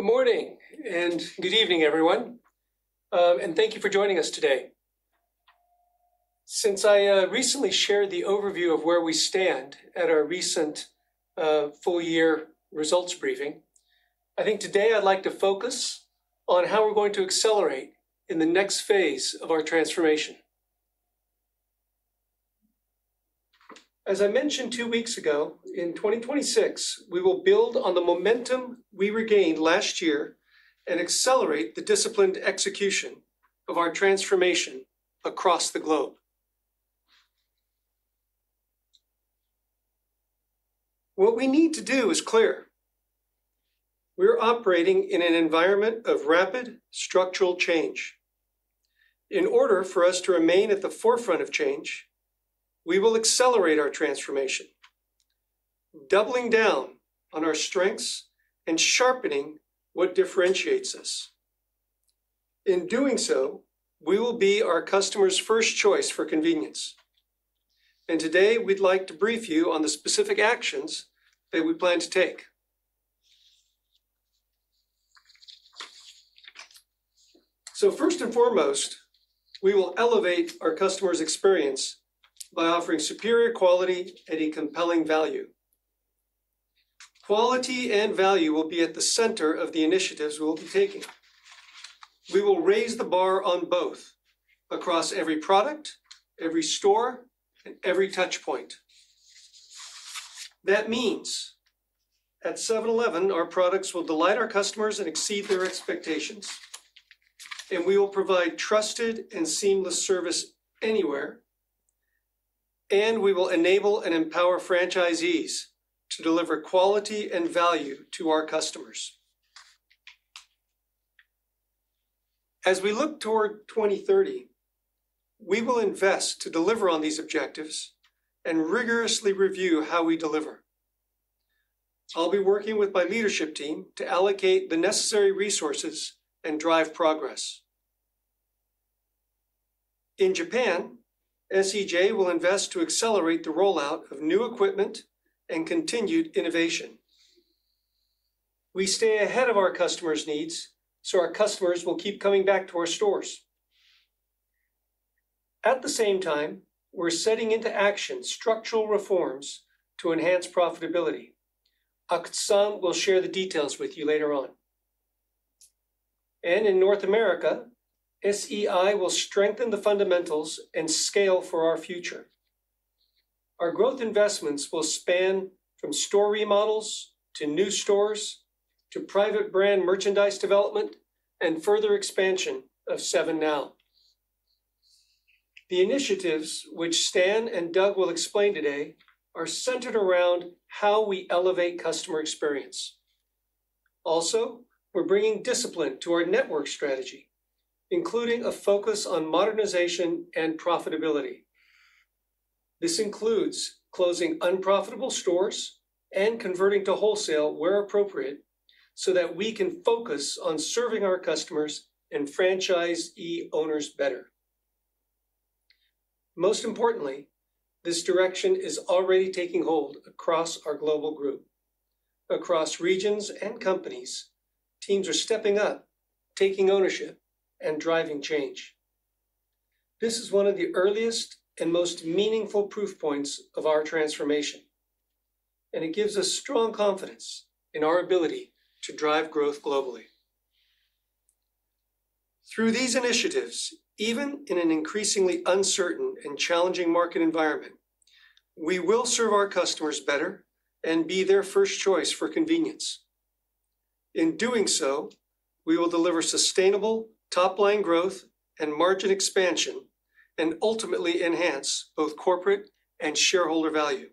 Good morning and good evening, everyone, and thank you for joining us today. Since I recently shared the overview of where we stand at our recent full-year results briefing, I think today I'd like to focus on how we're going to accelerate in the next phase of our transformation. As I mentioned two weeks ago, in 2026, we will build on the momentum we regained last year and accelerate the disciplined execution of our transformation across the globe. What we need to do is clear. We're operating in an environment of rapid structural change. In order for us to remain at the forefront of change, we will accelerate our transformation, doubling down on our strengths and sharpening what differentiates us. In doing so, we will be our customers' first choice for convenience, and today we'd like to brief you on the specific actions that we plan to take. First and foremost, we will elevate our customers' experience by offering superior quality at a compelling value. Quality and value will be at the center of the initiatives we'll be taking. We will raise the bar on both across every product, every store, and every touch point. That means at 7-Eleven, our products will delight our customers and exceed their expectations, and we will provide trusted and seamless service anywhere, and we will enable and empower franchisees to deliver quality and value to our customers. As we look toward 2030, we will invest to deliver on these objectives and rigorously review how we deliver. I'll be working with my leadership team to allocate the necessary resources and drive progress. In Japan, SEJ will invest to accelerate the rollout of new equipment and continued innovation. We stay ahead of our customers' needs so our customers will keep coming back to our stores. At the same time, we're setting into action structural reforms to enhance profitability. Akutsu will share the details with you later on. In North America, SEI will strengthen the fundamentals and scale for our future. Our growth investments will span from store remodels to new stores, to private brand merchandise development, and further expansion of 7NOW. The initiatives which Stan and Doug will explain today are centered around how we elevate customer experience. Also, we're bringing discipline to our network strategy, including a focus on modernization and profitability. This includes closing unprofitable stores and converting to wholesale where appropriate so that we can focus on serving our customers and franchisee owners better. Most importantly, this direction is already taking hold across our global group. Across regions and companies, teams are stepping up, taking ownership, and driving change. This is one of the earliest and most meaningful proof points of our transformation, and it gives us strong confidence in our ability to drive growth globally. Through these initiatives, even in an increasingly uncertain and challenging market environment, we will serve our customers better and be their first choice for convenience. In doing so, we will deliver sustainable top-line growth and margin expansion and ultimately enhance both corporate and shareholder value.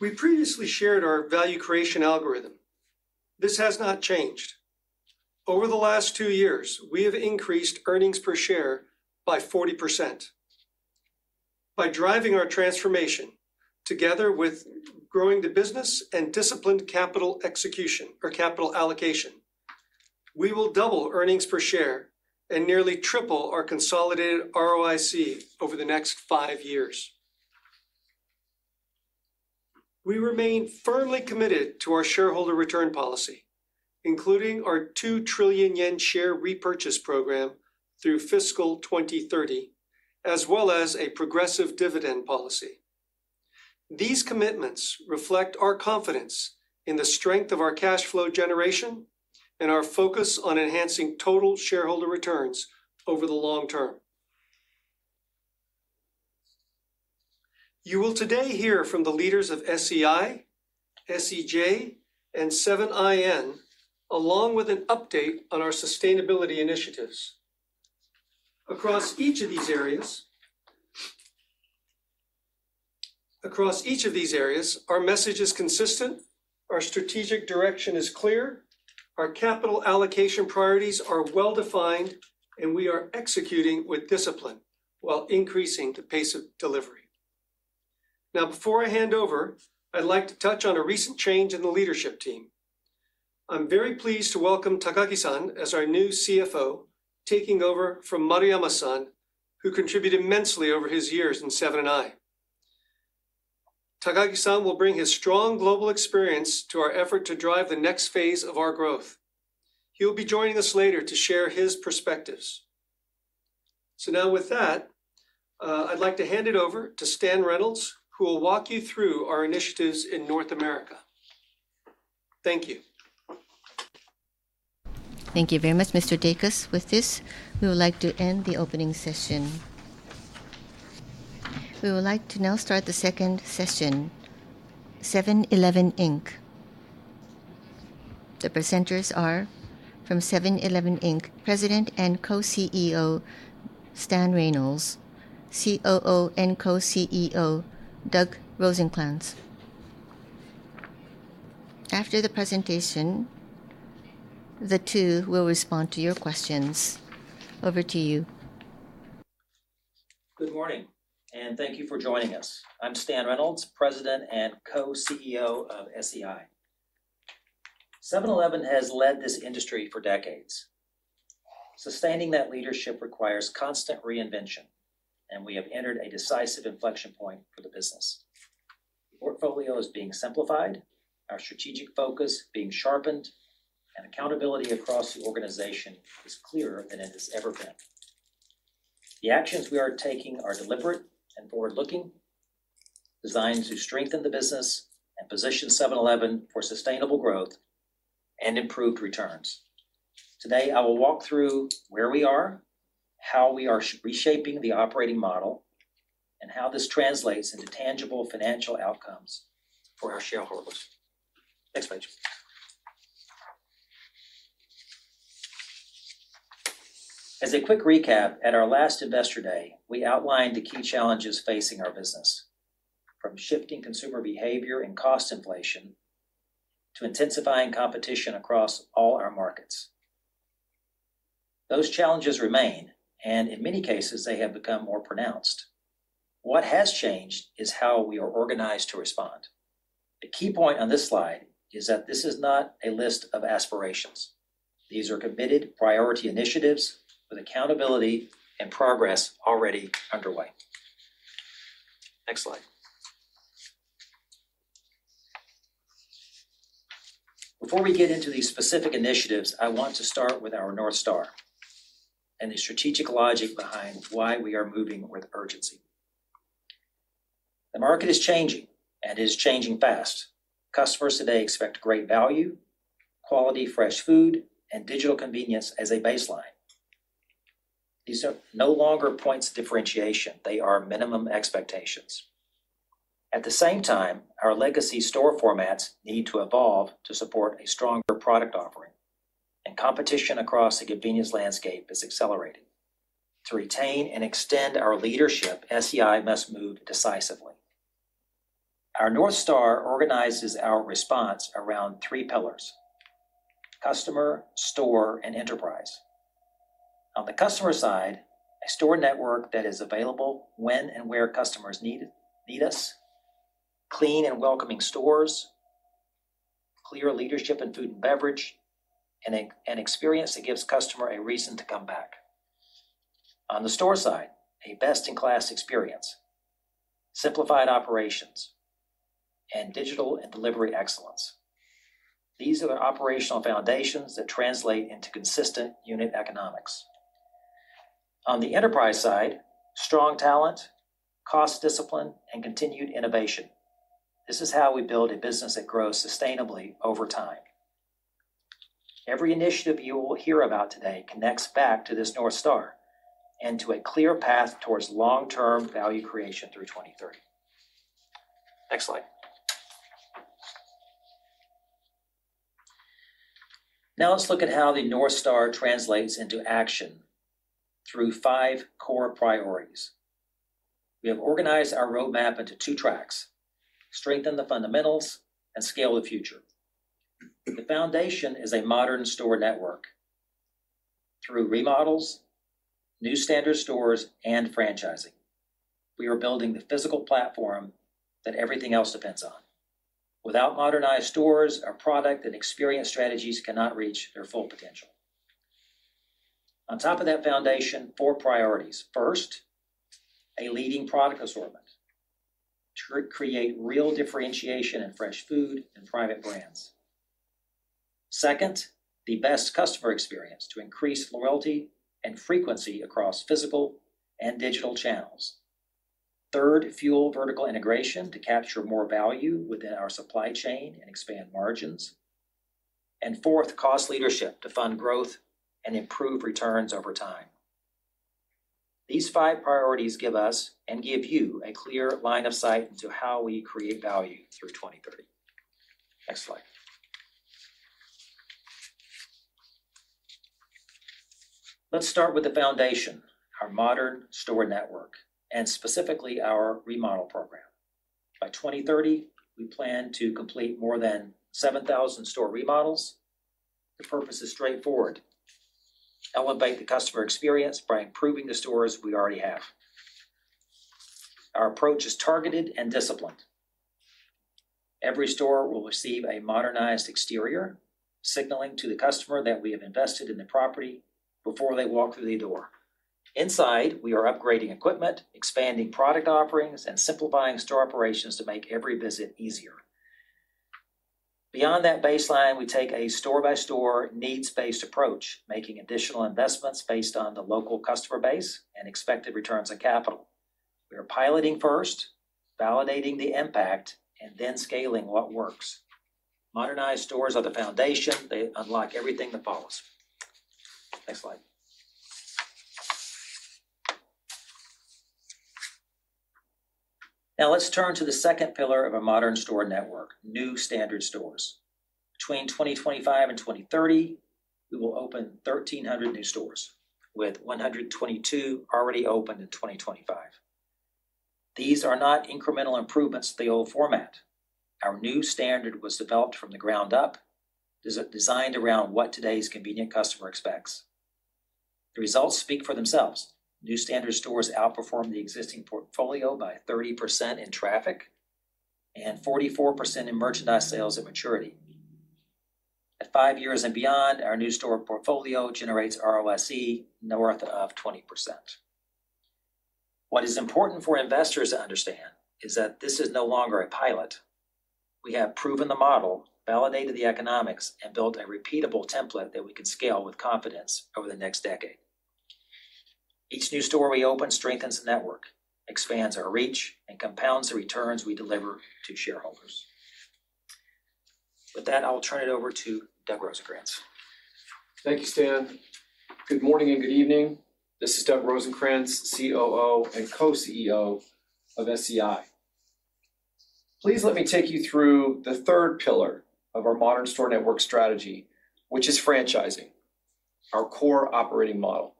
We previously shared our value creation algorithm. This has not changed. Over the last two years, we have increased earnings per share by 40%. By driving our transformation together with growing the business and disciplined capital execution or capital allocation, we will double earnings per share and nearly triple our consolidated ROIC over the next five years. We remain firmly committed to our shareholder return policy, including our 2 trillion yen share repurchase program through fiscal 2030, as well as a progressive dividend policy. These commitments reflect our confidence in the strength of our cash flow generation and our focus on enhancing total shareholder returns over the long term. You will today hear from the leaders of SEI, SEJ, and 7-IN, along with an update on our sustainability initiatives. Across each of these areas, our message is consistent, our strategic direction is clear, our capital allocation priorities are well-defined, and we are executing with discipline while increasing the pace of delivery. Now before I hand over, I'd like to touch on a recent change in the leadership team. I'm very pleased to welcome Takagi-san as our new CFO, taking over from Maruyama-san, who contributed immensely over his years in Seven & i. Takagi-san will bring his strong global experience to our effort to drive the next phase of our growth. He will be joining us later to share his perspectives. Now with that, I'd like to hand it over to Stan Reynolds, who will walk you through our initiatives in North America. Thank you. Thank you very much, Mr. Dacus. With this, we would like to end the opening session. We would like to now start the second session, 7-Eleven, Inc. The presenters are from 7-Eleven, Inc., President and Co-CEO Stan Reynolds, COO and Co-CEO Doug Rosencrans. After the presentation, the two will respond to your questions. Over to you. Good morning and thank you for joining us. I'm Stan Reynolds, President and Co-CEO of 7-Eleven. 7-Eleven has led this industry for decades. Sustaining that leadership requires constant reinvention, and we have entered a decisive inflection point for the business. The portfolio is being simplified, our strategic focus being sharpened, and accountability across the organization is clearer than it has ever been. The actions we are taking are deliberate and forward-looking, designed to strengthen the business and position 7-Eleven for sustainable growth and improved returns. Today, I will walk through where we are, how we are reshaping the operating model, and how this translates into tangible financial outcomes for our shareholders. Next page. As a quick recap, at our last Investor Day, we outlined the key challenges facing our business, from shifting consumer behavior and cost inflation to intensifying competition across all our markets. Those challenges remain, and in many cases, they have become more pronounced. What has changed is how we are organized to respond. The key point on this slide is that this is not a list of aspirations. These are committed priority initiatives with accountability and progress already underway. Next slide. Before we get into the specific initiatives, I want to start with our North Star and the strategic logic behind why we are moving with urgency. The market is changing and is changing fast. Customers today expect great value, quality fresh food, and digital convenience as a baseline. These are no longer points of differentiation. They are minimum expectations. At the same time, our legacy store formats need to evolve to support a stronger product offering, and competition across the convenience landscape is accelerating. To retain and extend our leadership, SEI must move decisively. Our North Star organizes our response around three pillars: customer, store, and enterprise. On the customer side, a store network that is available when and where customers need us, clean and welcoming stores, clear leadership in food and beverage, and an experience that gives customer a reason to come back. On the store side, a best-in-class experience, simplified operations, and digital and delivery excellence. These are the operational foundations that translate into consistent unit economics. On the enterprise side, strong talent, cost discipline, and continued innovation. This is how we build a business that grows sustainably over time. Every initiative you will hear about today connects back to this North Star and to a clear path towards long-term value creation through 2030. Next slide. Now let's look at how the North Star translates into action through five core priorities. We have organized our roadmap into two tracks, strengthen the fundamentals and scale the future. The foundation is a modern store network. Through remodels, new standard stores, and franchising, we are building the physical platform that everything else depends on. Without modernized stores, our product and experience strategies cannot reach their full potential. On top of that foundation, four priorities. First, a leading product assortment to create real differentiation in fresh food and private brands. Second, the best customer experience to increase loyalty and frequency across physical and digital channels. Third, fuel vertical integration to capture more value within our supply chain and expand margins. Fourth, cost leadership to fund growth and improve returns over time. These five priorities give us and give you a clear line of sight into how we create value through 2030. Next slide. Let's start with the foundation, our modern store network, and specifically our remodel program. By 2030, we plan to complete more than 7,000 store remodels. The purpose is straightforward. Elevate the customer experience by improving the stores we already have. Our approach is targeted and disciplined. Every store will receive a modernized exterior, signaling to the customer that we have invested in the property before they walk through the door. Inside, we are upgrading equipment, expanding product offerings, and simplifying store operations to make every visit easier. Beyond that baseline, we take a store-by-store, needs-based approach, making additional investments based on the local customer base and expected returns on capital. We are piloting first, validating the impact, and then scaling what works. Modernized stores are the foundation. They unlock everything that follows. Next slide. Now let's turn to the second pillar of a modern store network, new standard stores. Between 2025 and 2030, we will open 1,300 new stores, with 122 already open in 2025. These are not incremental improvements to the old format. Our new standard was developed from the ground up, designed around what today's convenient customer expects. The results speak for themselves. New standard stores outperform the existing portfolio by 30% in traffic and 44% in merchandise sales at maturity. At five years and beyond, our new store portfolio generates ROSE north of 20%. What is important for investors to understand is that this is no longer a pilot. We have proven the model, validated the economics, and built a repeatable template that we can scale with confidence over the next decade. Each new store we open strengthens the network, expands our reach, and compounds the returns we deliver to shareholders. With that, I will turn it over to Doug Rosencrans. Thank you, Stan. Good morning and good evening. This is Doug Rosencrans, COO and co-CEO of SEI. Please let me take you through the third pillar of our modern store network strategy, which is franchising, our core operating model.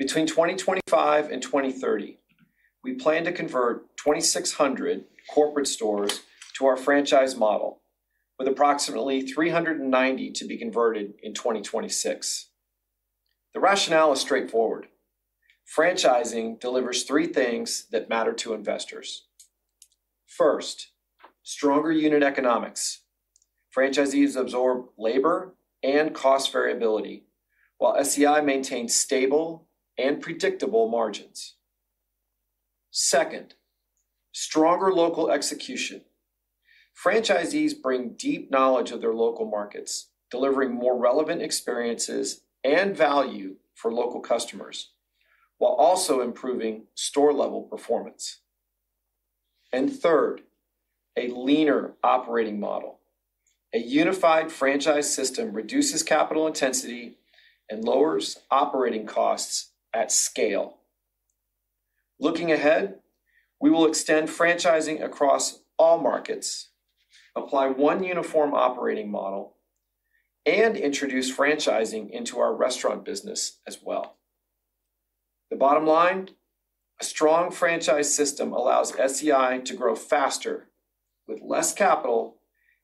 Between 2025 and 2030, we plan to convert 2,600 corporate stores to our franchise model, with approximately 390 to be converted in 2026. The rationale is straightforward. Franchising delivers three things that matter to investors. First, stronger unit economics. Franchisees absorb labor and cost variability, while SEI maintains stable and predictable margins. Second, stronger local execution. Franchisees bring deep knowledge of their local markets, delivering more relevant experiences and value for local customers, while also improving store-level performance. Third, a leaner operating model. A unified franchise system reduces capital intensity and lowers operating costs at scale. Looking ahead, we will extend franchising across all markets, apply one uniform operating model, and introduce franchising into our restaurant business as well. The bottom line, a strong franchise system allows SEI` to grow faster with less capital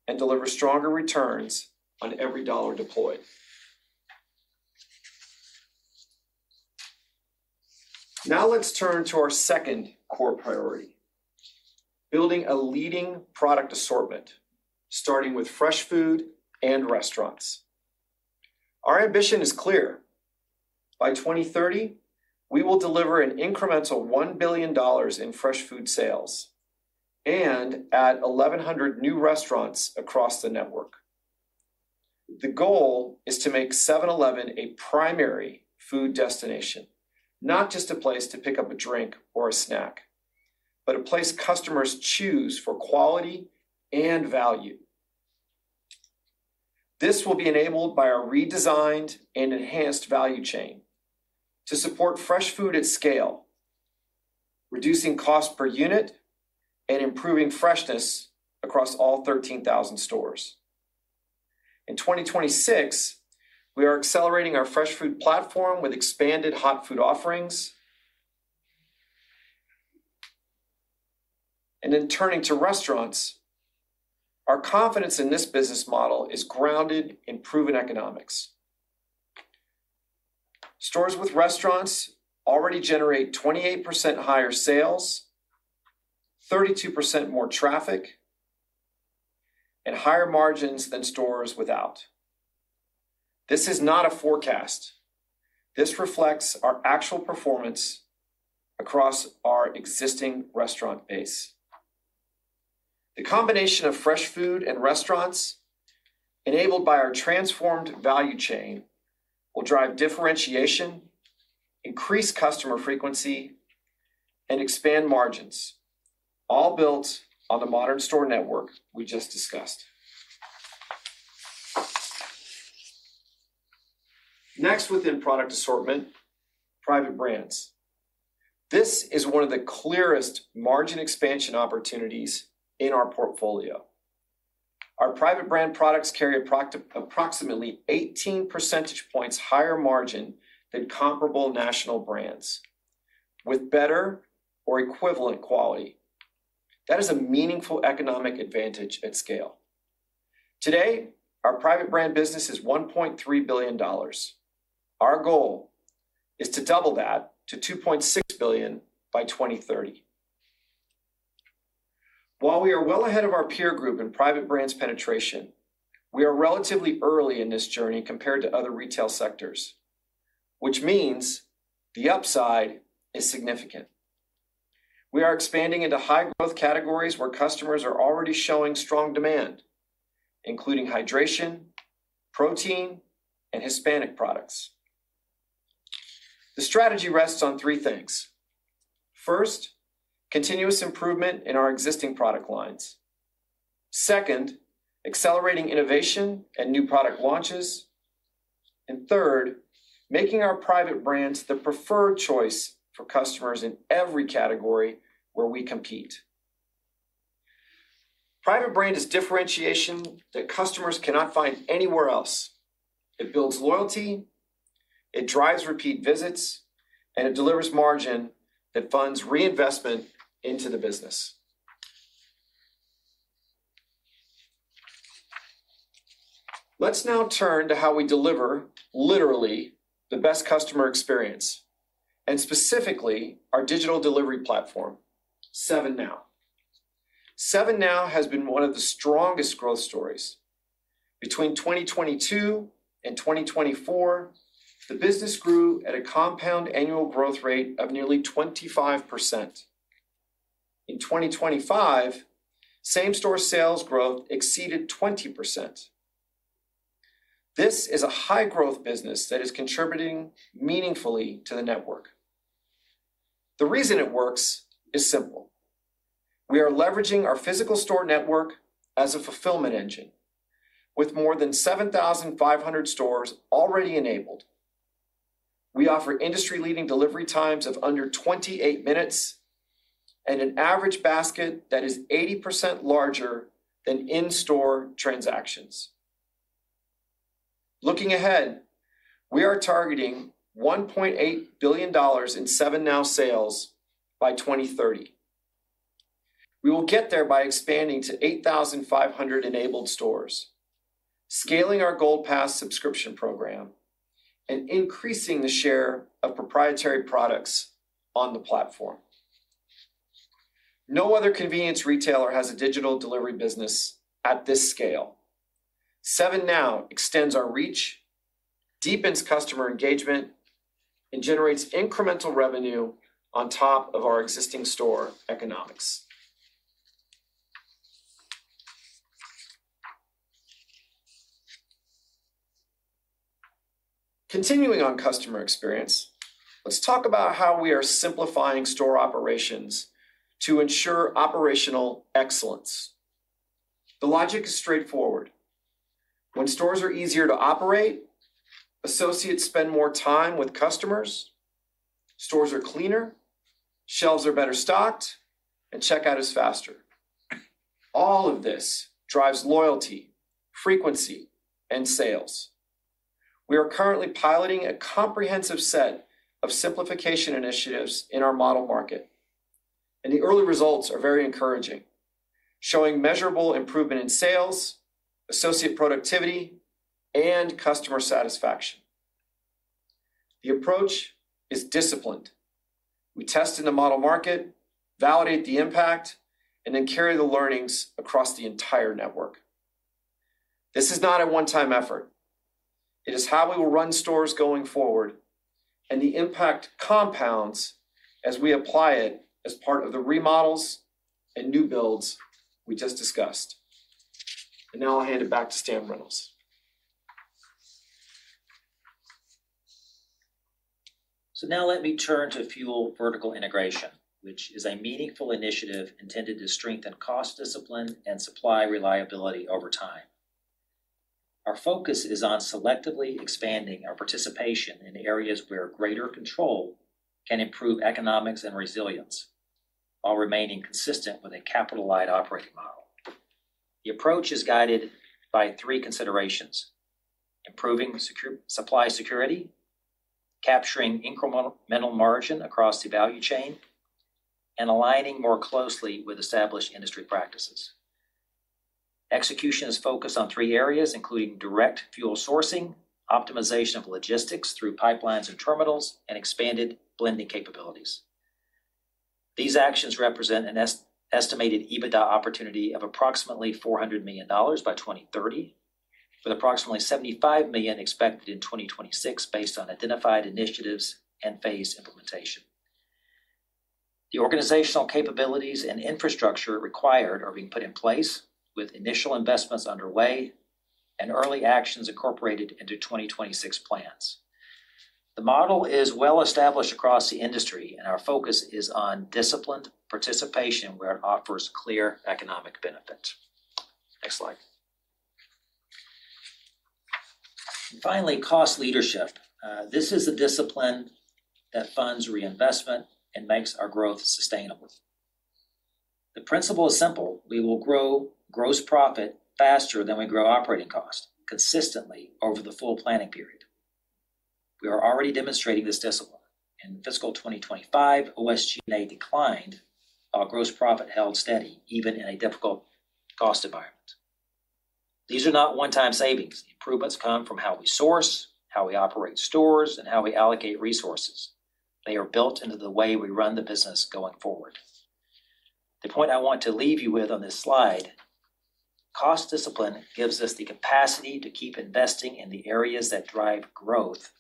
and deliver stronger returns on every dollar deployed. Now let's turn to our second core priority, building a leading product assortment, starting with fresh food and restaurants. Our ambition is clear. By 2030, we will deliver an incremental $1 billion in fresh food sales and add 1,100 new restaurants across the network. The goal is to make 7-Eleven a primary food destination, not just a place to pick up a drink or a snack, but a place customers choose for quality and value. This will be enabled by a redesigned and enhanced value chain to support fresh food at scale, reducing cost per unit, and improving freshness across all 13,000 stores. In 2026, we are accelerating our fresh food platform with expanded hot food offerings. In turning to restaurants, our confidence in this business model is grounded in proven economics. Stores with restaurants already generate 28% higher sales, 32% more traffic, and higher margins than stores without. This is not a forecast. This reflects our actual performance across our existing restaurant base. The combination of fresh food and restaurants, enabled by our transformed value chain, will drive differentiation, increase customer frequency, and expand margins, all built on the modern store network we just discussed. Next within product assortment, private brands. This is one of the clearest margin expansion opportunities in our portfolio. Our private brand products carry approximately 18 percentage points higher margin than comparable national brands with better or equivalent quality. That is a meaningful economic advantage at scale. Today, our private brand business is $1.3 billion. Our goal is to double that to $2.6 billion by 2030. While we are well ahead of our peer group in private brands penetration, we are relatively early in this journey compared to other retail sectors, which means the upside is significant. We are expanding into high-growth categories where customers are already showing strong demand, including hydration, protein, and Hispanic products. The strategy rests on three things. First, continuous improvement in our existing product lines. Second, accelerating innovation and new product launches, and third, making our private brands the preferred choice for customers in every category where we compete. Private brand is differentiation that customers cannot find anywhere else. It builds loyalty, it drives repeat visits, and it delivers margin that funds reinvestment into the business. Let's now turn to how we deliver, literally, the best customer experience, and specifically our digital delivery platform, 7NOW. 7NOW has been one of the strongest growth stories. Between 2022 and 2024, the business grew at a compound annual growth rate of nearly 25%. In 2025, same-store sales growth exceeded 20%. This is a high-growth business that is contributing meaningfully to the network. The reason it works is simple. We are leveraging our physical store network as a fulfillment engine, with more than 7,500 stores already enabled. We offer industry-leading delivery times of under 28 minutes and an average basket that is 80% larger than in-store transactions. Looking ahead, we are targeting $1.8 billion in 7NOW sales by 2030. We will get there by expanding to 8,500 enabled stores, scaling our Gold Pass subscription program, and increasing the share of proprietary products on the platform. No other convenience retailer has a digital delivery business at this scale. 7NOW extends our reach, deepens customer engagement, and generates incremental revenue on top of our existing store economics. Continuing on customer experience, let's talk about how we are simplifying store operations to ensure operational excellence. The logic is straightforward. When stores are easier to operate, associates spend more time with customers, stores are cleaner, shelves are better stocked, and checkout is faster. All of this drives loyalty, frequency, and sales. We are currently piloting a comprehensive set of simplification initiatives in our model market, and the early results are very encouraging, showing measurable improvement in sales, associate productivity, and customer satisfaction. The approach is disciplined. We test in the model market, validate the impact, and then carry the learnings across the entire network. This is not a one-time effort. It is how we will run stores going forward, and the impact compounds as we apply it as part of the remodels and new builds we just discussed. Now I'll hand it back to Stan Reynolds. Now let me turn to fuel vertical integration, which is a meaningful initiative intended to strengthen cost discipline and supply reliability over time. Our focus is on selectively expanding our participation in areas where greater control can improve economics and resilience while remaining consistent with a capital-light operating model. The approach is guided by three considerations, improving supply security, capturing incremental margin across the value chain, and aligning more closely with established industry practices. Execution is focused on three areas, including direct fuel sourcing, optimization of logistics through pipelines and terminals, and expanded blending capabilities. These actions represent an estimated EBITDA opportunity of approximately $400 million by 2030, with approximately $75 million expected in 2026 based on identified initiatives and phased implementation. The organizational capabilities and infrastructure required are being put in place with initial investments underway and early actions incorporated into 2026 plans. The model is well established across the industry, and our focus is on disciplined participation where it offers clear economic benefit. Next slide. Finally, cost leadership. This is the discipline that funds reinvestment and makes our growth sustainable. The principle is simple. We will grow gross profit faster than we grow operating cost consistently over the full planning period. We are already demonstrating this discipline. In fiscal 2025, SG&A declined while gross profit held steady even in a difficult cost environment. These are not one-time savings. The improvements come from how we source, how we operate stores, and how we allocate resources. They are built into the way we run the business going forward. The point I want to leave you with on this slide, cost discipline gives us the capacity to keep investing in the areas that drive growth,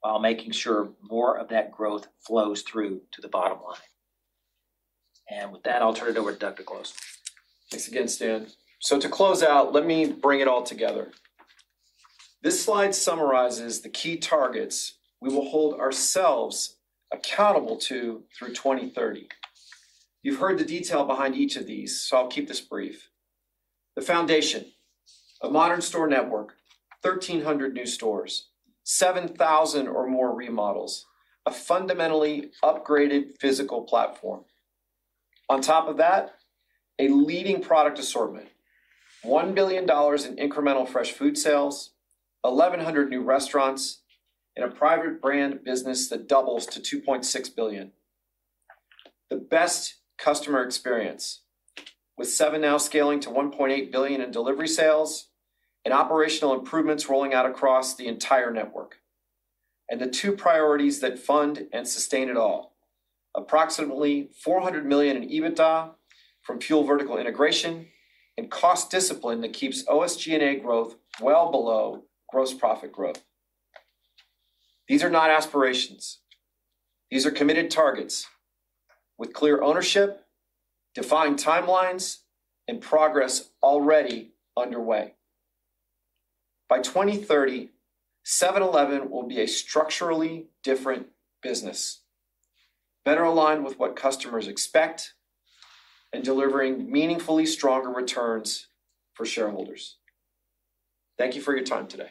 while making sure more of that growth flows through to the bottom line. With that, I'll turn it over to Doug to close. Thanks again, Stan. To close out, let me bring it all together. This slide summarizes the key targets we will hold ourselves accountable to through 2030. You've heard the detail behind each of these, so I'll keep this brief. The foundation, a modern store network, 1,300 new stores, 7,000 or more remodels, a fundamentally upgraded physical platform. On top of that, a leading product assortment, $1 billion in incremental fresh food sales, 1,100 new restaurants, and a private brand business that doubles to $2.6 billion. The best customer experience with 7NOW scaling to $1.8 billion in delivery sales, and operational improvements rolling out across the entire network. The two priorities that fund and sustain it all, approximately $400 million in EBITDA from fuel vertical integration and cost discipline that keeps SG&A growth well below gross profit growth. These are not aspirations. These are committed targets with clear ownership, defined timelines, and progress already underway. By 2030, 7-Eleven will be a structurally different business, better aligned with what customers expect, and delivering meaningfully stronger returns for shareholders. Thank you for your time today.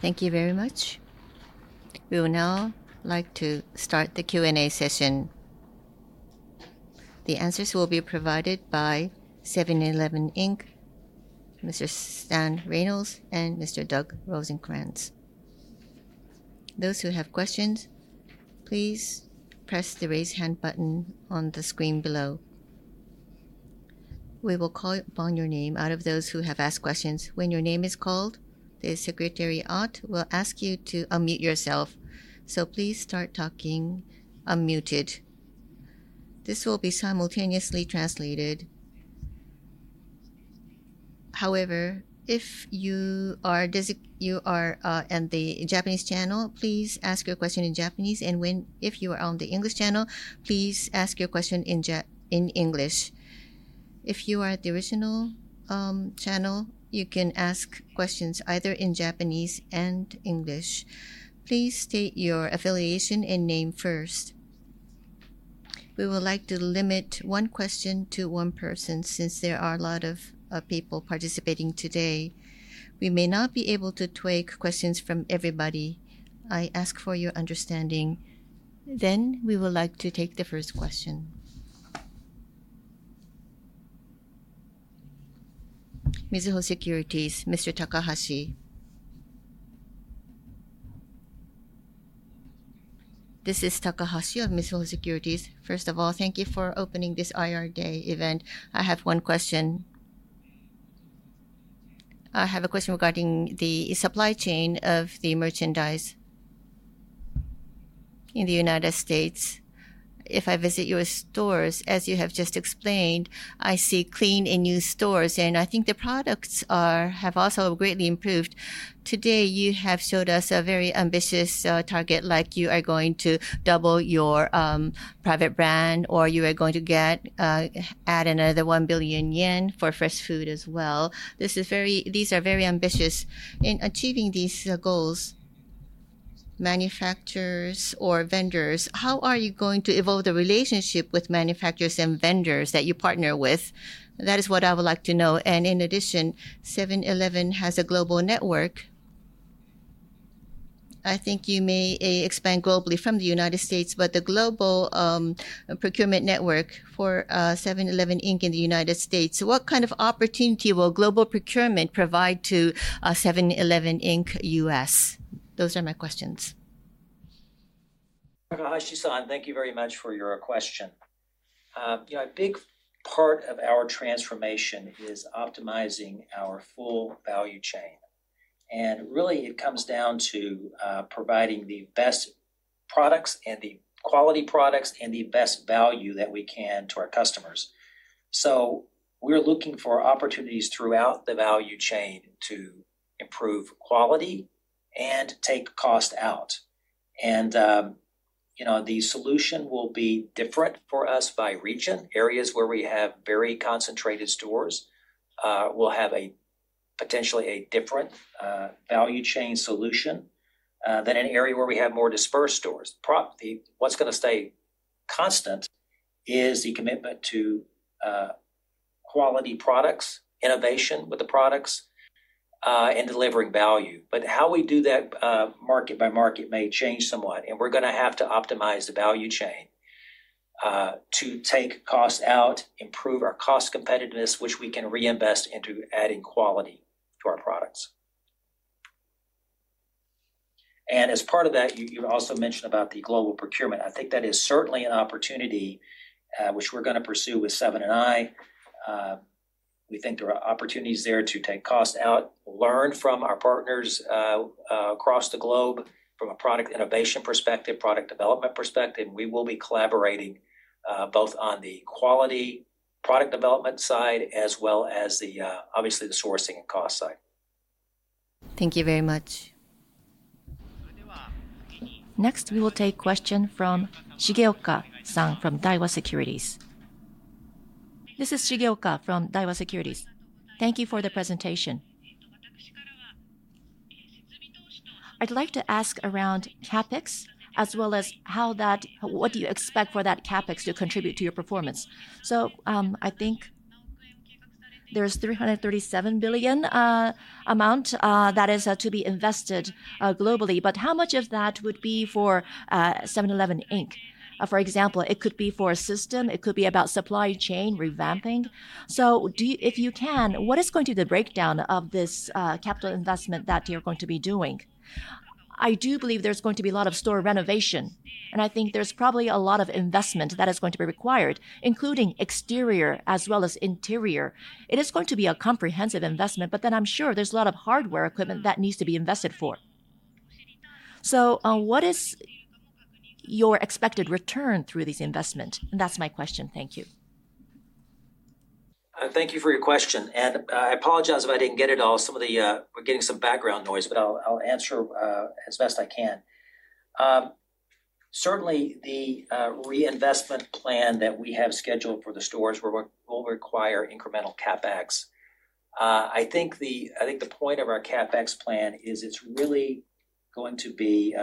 Thank you very much. We would now like to start the Q and A session. The answers will be provided by 7-Eleven, Inc., Mr. Stan Reynolds, and Mr. Doug Rosencrans. Those who have questions, please press the raise hand button on the screen below. We will call upon your name out of those who have asked questions. When your name is called, the secretary, Ott, will ask you to unmute yourself, so please start talking unmuted. This will be simultaneously translated. However, if you are on the Japanese channel, please ask your question in Japanese, and if you are on the English channel, please ask your question in English. If you are at the original channel, you can ask questions either in Japanese and English. Please state your affiliation and name first. We would like to limit one question to one person, since there are a lot of people participating today. We may not be able to take questions from everybody. I ask for your understanding. We would like to take the first question. Mizuho Securities, Mr. Takahashi. This is Takahashi of Mizuho Securities. First of all, thank you for opening this IR day event. I have one question. I have a question regarding the supply chain of the merchandise in the United States. If I visit your stores, as you have just explained, I see clean and new stores, and I think the products have also greatly improved. Today, you have showed us a very ambitious target, like you are going to double your private brand, or you are going to add another 1 billion yen for fresh food as well. These are very ambitious. In achieving these goals, manufacturers or vendors, how are you going to evolve the relationship with manufacturers and vendors that you partner with? That is what I would like to know. In addition, 7-Eleven has a global network. I think you may expand globally from the United States, but the global procurement network for 7-Eleven, Inc. in the United States, what kind of opportunity will global procurement provide to 7-Eleven, Inc. U.S.? Those are my questions. Takahashi-san, thank you very much for your question. A big part of our transformation is optimizing our full value chain. Really it comes down to providing the best products and the quality products and the best value that we can to our customers. We're looking for opportunities throughout the value chain to improve quality and take cost out. The solution will be different for us by region. Areas where we have very concentrated stores will have potentially a different value chain solution than an area where we have more dispersed stores. What's going to stay constant is the commitment to quality products, innovation with the products, and delivering value. How we do that market by market may change somewhat, and we're going to have to optimize the value chain. To take costs out, improve our cost competitiveness, which we can reinvest into adding quality to our products. As part of that, you also mentioned about the global procurement. I think that is certainly an opportunity which we're going to pursue with Seven & i. We think there are opportunities there to take costs out, learn from our partners across the globe from a product innovation perspective, product development perspective. We will be collaborating both on the quality product development side as well as, obviously, the sourcing and cost side. Thank you very much. Next, we will take question from Shigeoka-san from Daiwa Securities. This is Shigeoka from Daiwa Securities. Thank you for the presentation. I'd like to ask around CapEx, as well as what do you expect for that CapEx to contribute to your performance? I think there's 337 billion amount that is to be invested globally, but how much of that would be for 7-Eleven, Inc.? For example, it could be for a system, it could be about supply chain revamping. If you can, what is going to be the breakdown of this capital investment that you're going to be doing? I do believe there's going to be a lot of store renovation, and I think there's probably a lot of investment that is going to be required, including exterior as well as interior. It is going to be a comprehensive investment, but then I'm sure there's a lot of hardware equipment that needs to be invested for. What is your expected return through this investment? That's my question. Thank you. Thank you for your question. I apologize if I didn't get it all. We're getting some background noise, but I'll answer as best I can. Certainly the reinvestment plan that we have scheduled for the stores will require incremental CapEx. I think the point of our CapEx plan is it's really going to be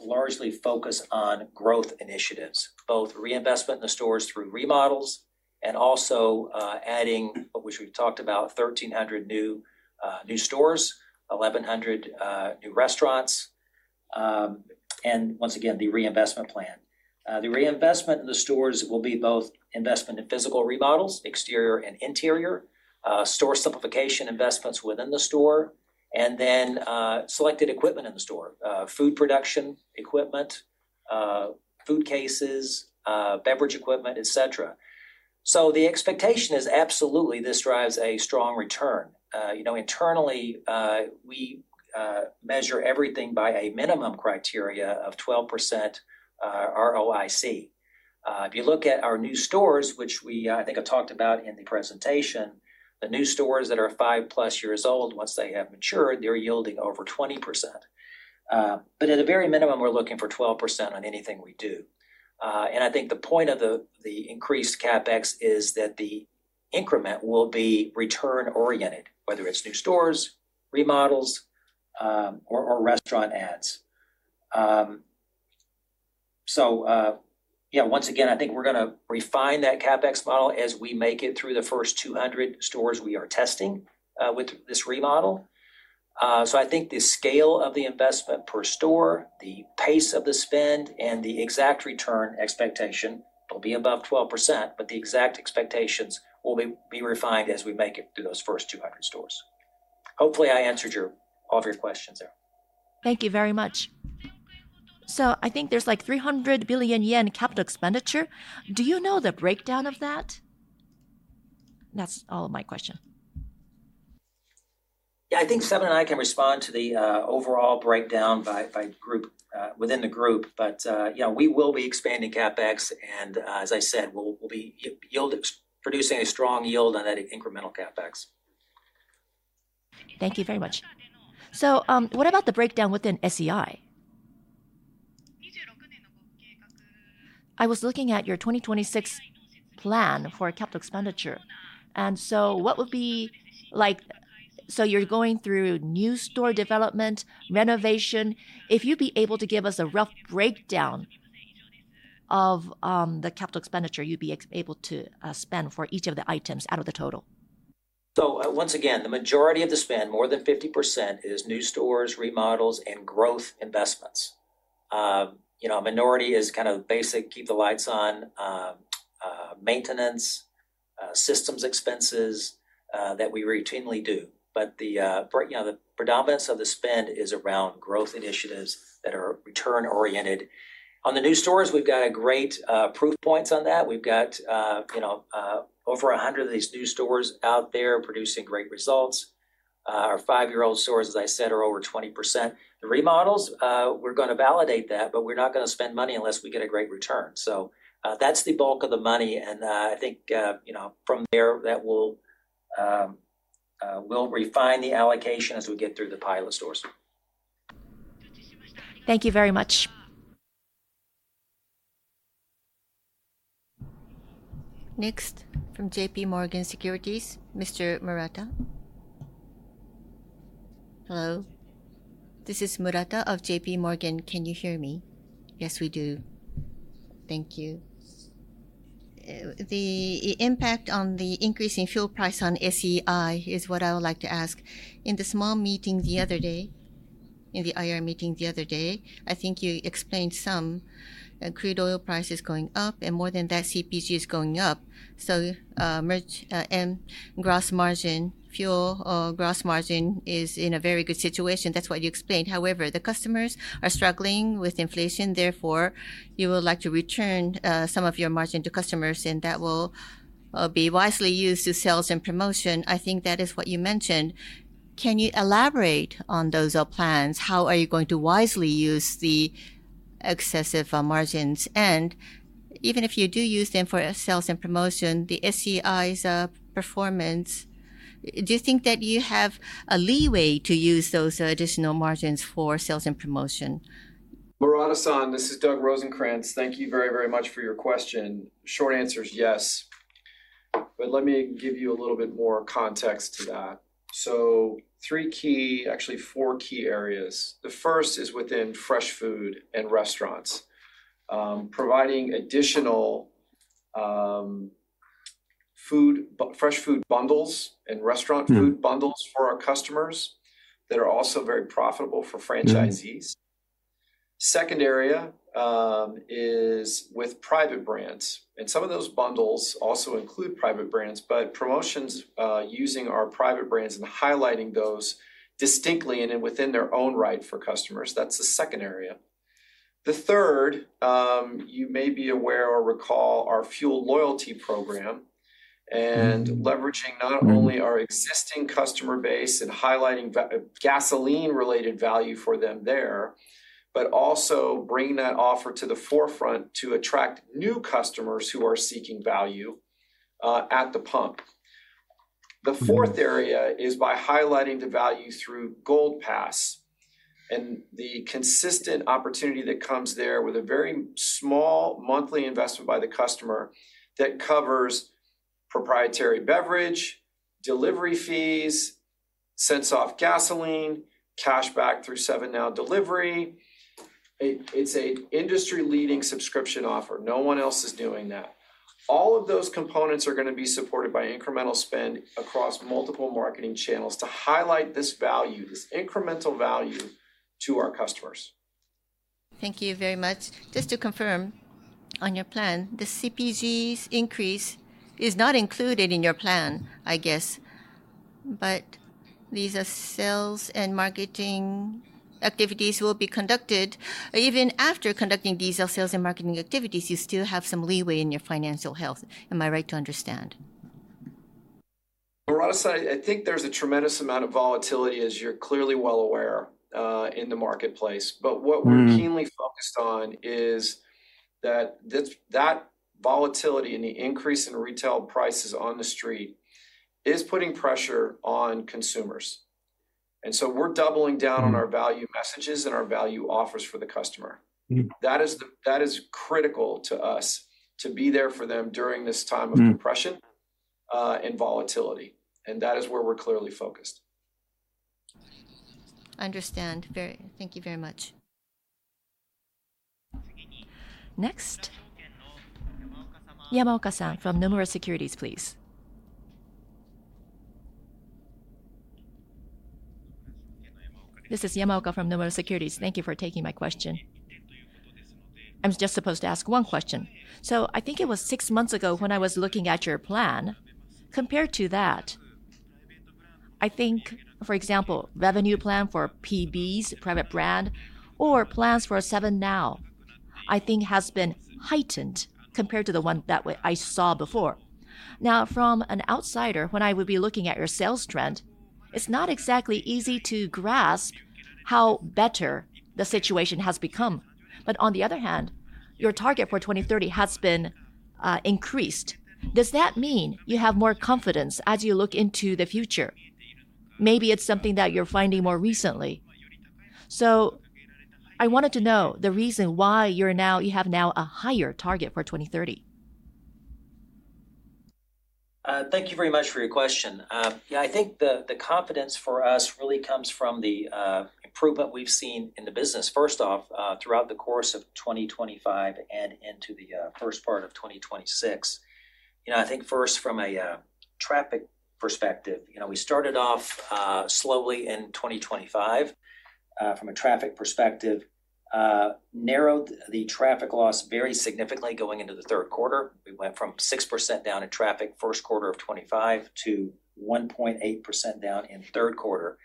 largely focused on growth initiatives, both reinvestment in the stores through remodels and also adding, which we've talked about, 1,300 new stores, 1,100 new restaurants. Once again, the reinvestment plan. The reinvestment in the stores will be both investment in physical remodels, exterior and interior, store simplification investments within the store, and then selected equipment in the store, food production equipment, food cases, beverage equipment, et cetera. The expectation is absolutely this drives a strong return. Internally, we measure everything by a minimum criteria of 12% ROIC. If you look at our new stores, which I think I talked about in the presentation, the new stores that are 5+ years old, once they have matured, they're yielding over 20%. At the very minimum, we're looking for 12% on anything we do. I think the point of the increased CapEx is that the increment will be return oriented, whether it's new stores, remodels, or restaurant adds. Yeah, once again, I think we're going to refine that CapEx model as we make it through the first 200 stores we are testing with this remodel. I think the scale of the investment per store, the pace of the spend, and the exact return expectation will be above 12%, but the exact expectations will be refined as we make it through those first 200 stores. Hopefully, I answered all of your questions there. Thank you very much. I think there's like 300 billion yen capital expenditure. Do you know the breakdown of that? That's all of my question. Yeah, I think Seven & i can respond to the overall breakdown within the group. We will be expanding CapEx and, as I said, we'll be producing a strong yield on that incremental CapEx. Thank you very much. What about the breakdown within SEI? I was looking at your 2026 plan for capital expenditure, and so you're going through new store development, renovation. If you'd be able to give us a rough breakdown of the capital expenditure you'd be able to spend for each of the items out of the total. Once again, the majority of the spend, more than 50%, is new stores, remodels, and growth investments. A minority is kind of basic, keep the lights on, maintenance, systems expenses that we routinely do. The predominance of the spend is around growth initiatives that are return oriented. On the new stores, we've got great proof points on that. We've got over 100 of these new stores out there producing great results. Our five-year-old stores, as I said, are over 20%. The remodels, we're going to validate that, but we're not going to spend money unless we get a great return. That's the bulk of the money, and I think from there, we'll refine the allocation as we get through the pilot stores. Thank you very much. Next, from JPMorgan Securities, Mr. Murata. Hello. This is Murata of JPMorgan. Can you hear me? Yes, we do. Thank you. The impact of the increasing fuel price on SEI is what I would like to ask. In the small meeting the other day, in the IR meeting the other day, I think you explained some crude oil prices going up, and more than that, CPG is going up. Gross margin, fuel gross margin is in a very good situation. That's what you explained. However, the customers are struggling with inflation, therefore, you would like to return some of your margin to customers, and that will be wisely used to sales and promotion. I think that is what you mentioned. Can you elaborate on those plans? How are you going to wisely use the excessive margins? And even if you do use them for sales and promotion, the SEI's performance, do you think that you have a leeway to use those additional margins for sales and promotion? Murata-san, this is Doug Rosencrans. Thank you very, very much for your question. Short answer is yes, but let me give you a little bit more context to that. Three key, actually four key areas. The first is within fresh food and restaurants. Providing additional fresh food bundles and restaurant food bundles for our customers that are also very profitable for franchisees. Second area is with private brands, and some of those bundles also include private brands, but promotions using our private brands and highlighting those distinctly and then within their own right for customers. That's the second area. The third, you may be aware or recall our fuel loyalty program and leveraging not only our existing customer base and highlighting gasoline-related value for them there, but also bringing that offer to the forefront to attract new customers who are seeking value at the pump. The fourth area is by highlighting the value through Gold Pass and the consistent opportunity that comes there with a very small monthly investment by the customer that covers proprietary beverage, delivery fees, cents off gasoline, cash back through 7NOW delivery. It's an industry-leading subscription offer. No one else is doing that. All of those components are going to be supported by incremental spend across multiple marketing channels to highlight this value, this incremental value to our customers. Thank you very much. Just to confirm on your plan, the CPG's increase is not included in your plan, I guess. These are sales and marketing activities will be conducted. Even after conducting these sales and marketing activities, you still have some leeway in your financial health. Am I right to understand? Murata-san, I think there's a tremendous amount of volatility, as you're clearly well aware, in the marketplace. What we're keenly focused on is that volatility and the increase in retail prices on the street is putting pressure on consumers. We're doubling down on our value messages and our value offers for the customer. Mm-hmm. That is critical to us to be there for them during this time of compression and volatility, and that is where we're clearly focused. I understand. Thank you very much. Next, Yamaoka-san from Nomura Securities, please. This is Yamaoka from Nomura Securities. Thank you for taking my question. I'm just supposed to ask one question. I think it was six months ago when I was looking at your plan. Compared to that, I think, for example, revenue plan for PB's private brand or plans for 7NOW, I think has been heightened compared to the one that I saw before. Now, from an outsider, when I would be looking at your sales trend, it's not exactly easy to grasp how better the situation has become. On the other hand, your target for 2030 has been increased. Does that mean you have more confidence as you look into the future? Maybe it's something that you're finding more recently. I wanted to know the reason why you have now a higher target for 2030. Thank you very much for your question. Yeah, I think the confidence for us really comes from the improvement we've seen in the business, first off, throughout the course of 2025 and into the first part of 2026. I think first from a traffic perspective, we started off slowly in 2025 from a traffic perspective, narrowed the traffic loss very significantly going into the third quarter. We went from 6% down in traffic first quarter of 2025 to 1.8% down in third quarter.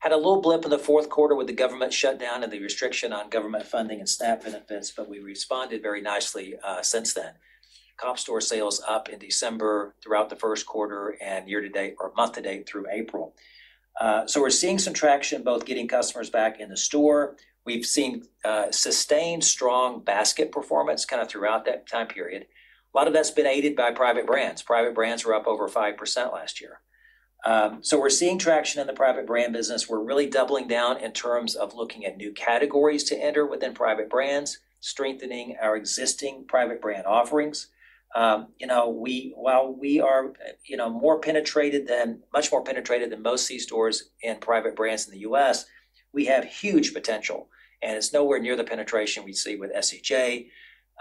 Had a little blip in the fourth quarter with the government shutdown and the restriction on government funding and staff benefits, but we responded very nicely since then. Comp store sales up in December throughout the first quarter and month to date through April. We're seeing some traction, both getting customers back in the store. We've seen sustained strong basket performance kind of throughout that time period. A lot of that's been aided by private brands. Private brands were up over 5% last year. We're seeing traction in the private brand business. We're really doubling down in terms of looking at new categories to enter within private brands, strengthening our existing private brand offerings. While we are much more penetrated in private brands than most c-stores in the U.S., we have huge potential, and it's nowhere near the penetration we see with SEJ.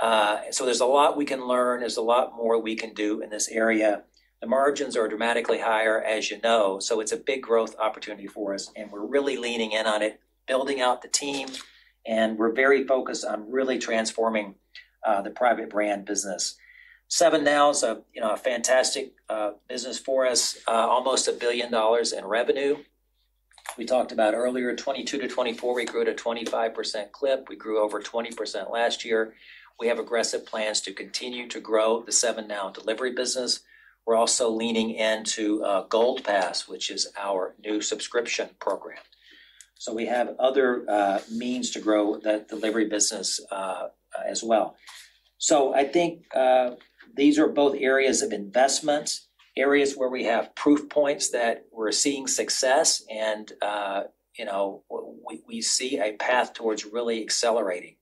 There's a lot we can learn. There's a lot more we can do in this area. The margins are dramatically higher as you know. It's a big growth opportunity for us, and we're really leaning in on it, building out the team, and we're very focused on really transforming the private brand business. 7NOW is a fantastic business for us, almost $1 billion in revenue. We talked about earlier, 2022 to 2024, we grew at a 25% clip. We grew over 20% last year. We have aggressive plans to continue to grow the 7NOW delivery business. We're also leaning into Gold Pass, which is our new subscription program. We have other means to grow that delivery business as well. I think these are both areas of investments, areas where we have proof points that we're seeing success and we see a path towards really accelerating.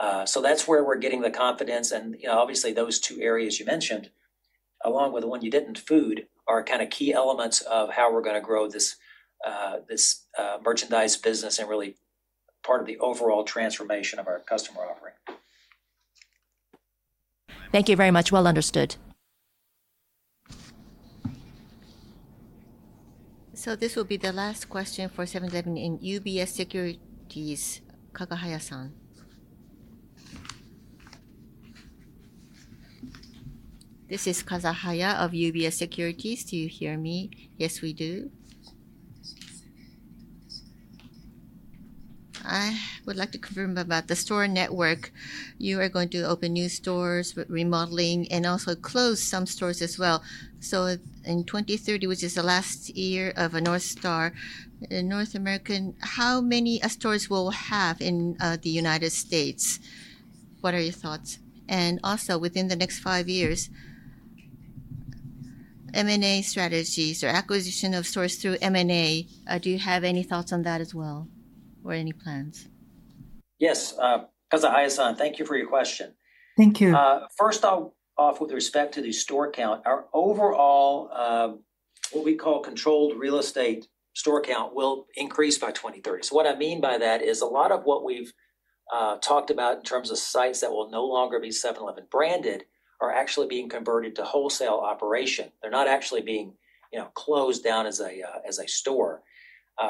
That's where we're getting the confidence and obviously those two areas you mentioned, along with the one you didn't, food, are kind of key elements of how we're going to grow this merchandise business and really part of the overall transformation of our customer offering. Thank you very much. Well understood. This will be the last question for 7-Eleven, Inc. UBS Securities, Kazahaya-san. This is Kazahaya of UBS Securities. Do you hear me? Yes, we do. I would like to confirm about the store network. You are going to open new stores with remodeling and also close some stores as well. In 2030, which is the last year of a North Star in North America, how many stores will have in the United States? What are your thoughts? Within the next five years, M&A strategies or acquisition of stores through M&A, do you have any thoughts on that as well? Or any plans? Yes. Kazahaya-san, thank you for your question. Thank you. First off, with respect to the store count, our overall, what we call controlled real estate store count, will increase by 2030. What I mean by that is a lot of what we've talked about in terms of sites that will no longer be 7-Eleven branded are actually being converted to wholesale operation. They're not actually being closed down as a store.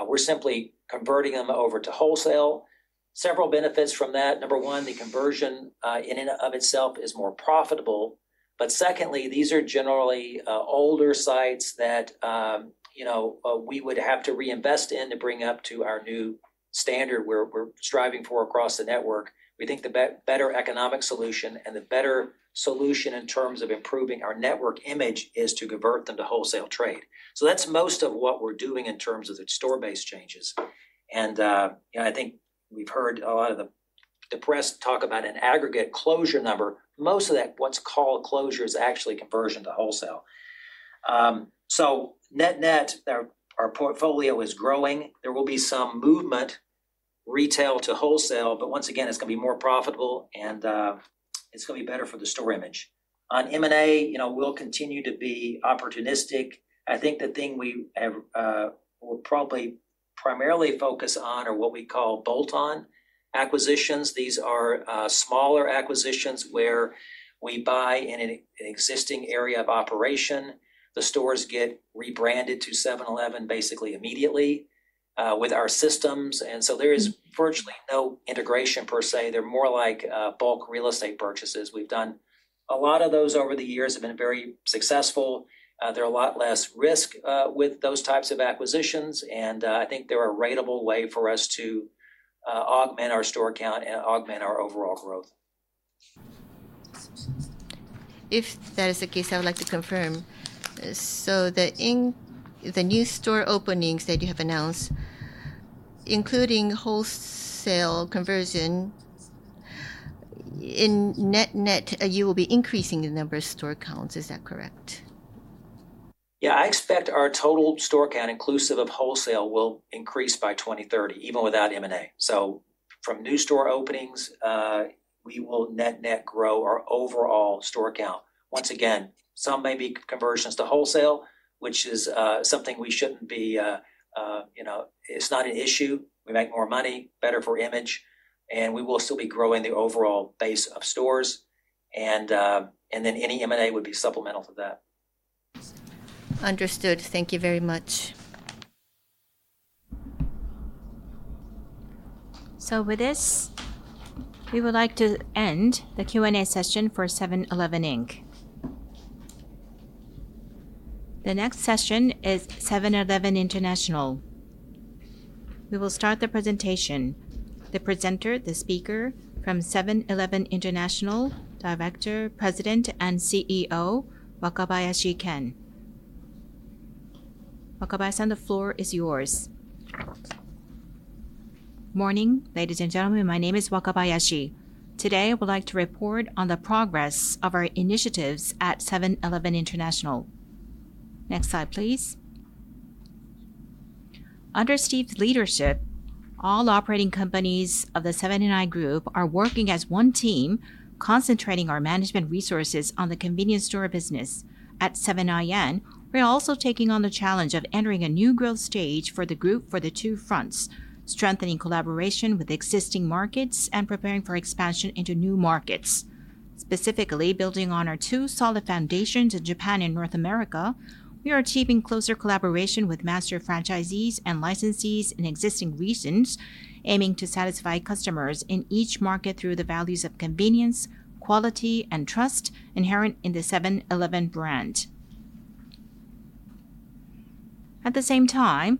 We're simply converting them over to wholesale. Several benefits from that. Number one, the conversion, in and of itself, is more profitable. Secondly, these are generally older sites that we would have to reinvest in to bring up to our new standard we're striving for across the network. We think the better economic solution and the better solution in terms of improving our network image is to convert them to wholesale trade. That's most of what we're doing in terms of the store base changes. I think we've heard a lot of the press talk about an aggregate closure number. Most of that, what's called closure, is actually conversion to wholesale. Net net, our portfolio is growing. There will be some movement, retail to wholesale, but once again, it's going to be more profitable and it's going to be better for the store image. On M&A, we'll continue to be opportunistic. I think the thing we'll probably primarily focus on are what we call bolt-on acquisitions. These are smaller acquisitions where we buy in an existing area of operation. The stores get rebranded to 7-Eleven basically immediately, with our systems, and so there is virtually no integration per se. They're more like bulk real estate purchases. We've done a lot of those over the years, have been very successful. They're a lot less risk, with those types of acquisitions. I think they're a ratable way for us to augment our store count and augment our overall growth. If that is the case, I would like to confirm. The new store openings that you have announced, including wholesale conversion, in net net, you will be increasing the number of store counts. Is that correct? Yeah, I expect our total store count inclusive of wholesale will increase by 2030, even without M&A. From new store openings, we will net net grow our overall store count. Once again, some may be conversions to wholesale, which is something we shouldn't be. It's not an issue. We make more money, better for image, and we will still be growing the overall base of stores. Then any M&A would be supplemental to that. Understood. Thank you very much. With this, we would like to end the Q and A session for 7-Eleven, Inc. The next session is 7-Eleven International. We will start the presentation. The presenter, the speaker from 7-Eleven International, Director, President, and CEO, Ken Wakabayashi. Wakabayashi, the floor is yours. Morning, ladies and gentlemen. My name is Wakabayashi. Today, I would like to report on the progress of our initiatives at 7-Eleven International. Next slide, please. Under Stephen's leadership, all operating companies of the 7-Eleven Group are working as one team, concentrating our management resources on the convenience store business at 7-Eleven. We are also taking on the challenge of entering a new growth stage for the group for the two fronts, strengthening collaboration with existing markets and preparing for expansion into new markets. Specifically, building on our two solid foundations in Japan and North America, we are achieving closer collaboration with master franchisees and licensees in existing regions, aiming to satisfy customers in each market through the values of convenience, quality, and trust inherent in the 7-Eleven brand. At the same time,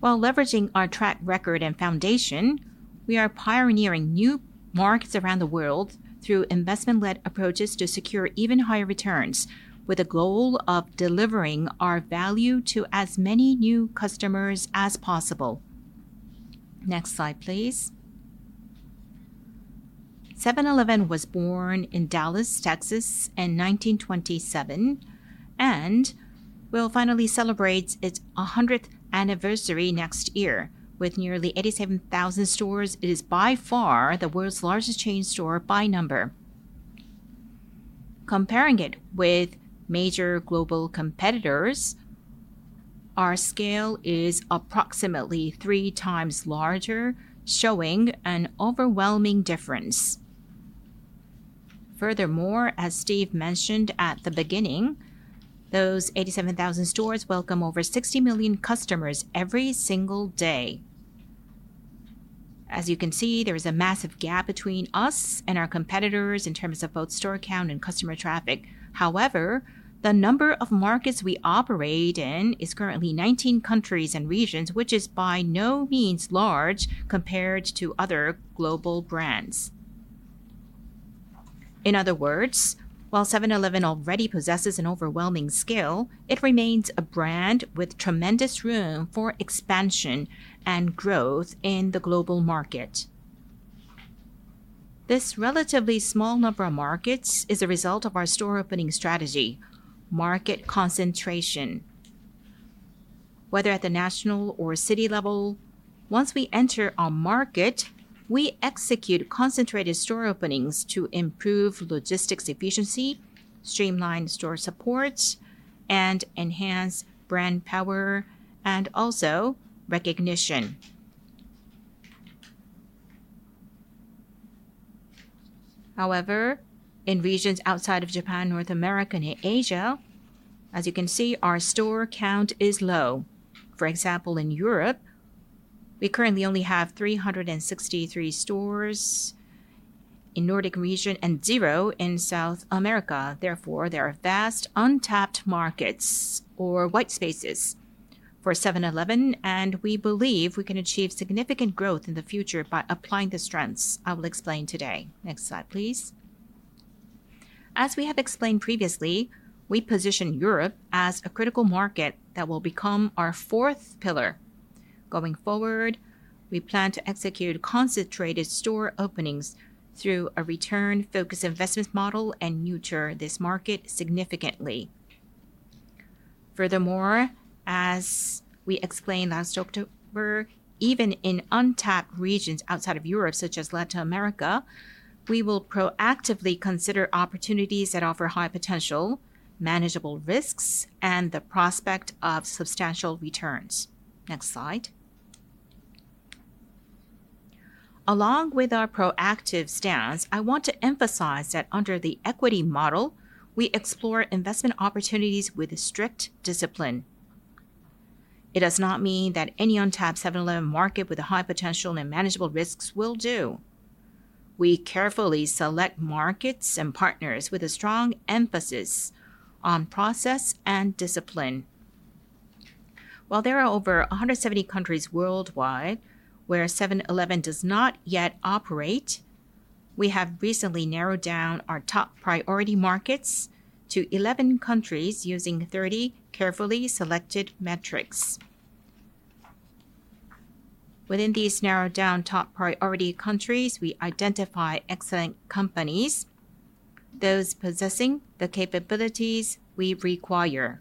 while leveraging our track record and foundation, we are pioneering new markets around the world through investment-led approaches to secure even higher returns, with the goal of delivering our value to as many new customers as possible. Next slide, please. 7-Eleven was born in Dallas, Texas, in 1927 and will finally celebrate its 100th anniversary next year. With nearly 87,000 stores, it is by far the world's largest chain store by number. Comparing it with major global competitors, our scale is approximately three times larger, showing an overwhelming difference. Furthermore, as Stephen mentioned at the beginning, those 87,000 stores welcome over 60 million customers every single day. As you can see, there is a massive gap between us and our competitors in terms of both store count and customer traffic. However, the number of markets we operate in is currently 19 countries and regions, which is by no means large compared to other global brands. In other words, while 7-Eleven already possesses an overwhelming scale, it remains a brand with tremendous room for expansion and growth in the global market. This relatively small number of markets is a result of our store opening strategy, market concentration. Whether at the national or city level, once we enter a market, we execute concentrated store openings to improve logistics efficiency, streamline store support, and enhance brand power and also recognition. However, in regions outside of Japan, North America, and Asia, as you can see, our store count is low. For example, in Europe, we currently only have 363 stores, in Nordic region and zero in South America. Therefore, there are vast untapped markets or white spaces for 7-Eleven, and we believe we can achieve significant growth in the future by applying the strengths I will explain today. Next slide, please. As we have explained previously, we position Europe as a critical market that will become our fourth pillar. Going forward, we plan to execute concentrated store openings through a return-focused investment model and nurture this market significantly. Furthermore, as we explained last October, even in untapped regions outside of Europe, such as Latin America, we will proactively consider opportunities that offer high potential, manageable risks, and the prospect of substantial returns. Next slide. Along with our proactive stance, I want to emphasize that under the equity model, we explore investment opportunities with strict discipline. It does not mean that any untapped 7-Eleven market with a high potential and manageable risks will do. We carefully select markets and partners with a strong emphasis on process and discipline. While there are over 170 countries worldwide where 7-Eleven does not yet operate, we have recently narrowed down our top priority markets to 11 countries using 30 carefully selected metrics. Within these narrowed down top priority countries, we identify excellent companies, those possessing the capabilities we require,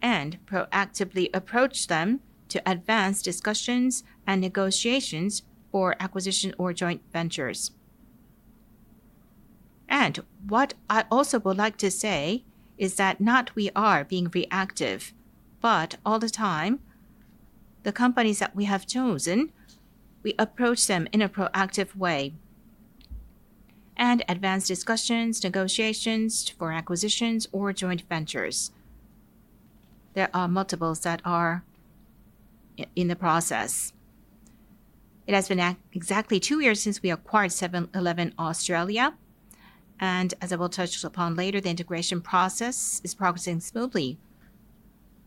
and proactively approach them to advance discussions and negotiations for acquisition or joint ventures. What I also would like to say is that we are not being reactive, but all the time, the companies that we have chosen, we approach them in a proactive way and advance discussions, negotiations for acquisitions or joint ventures. There are multiples that are in the process. It has been exactly two years since we acquired 7-Eleven Australia, and as I will touch upon later, the integration process is progressing smoothly.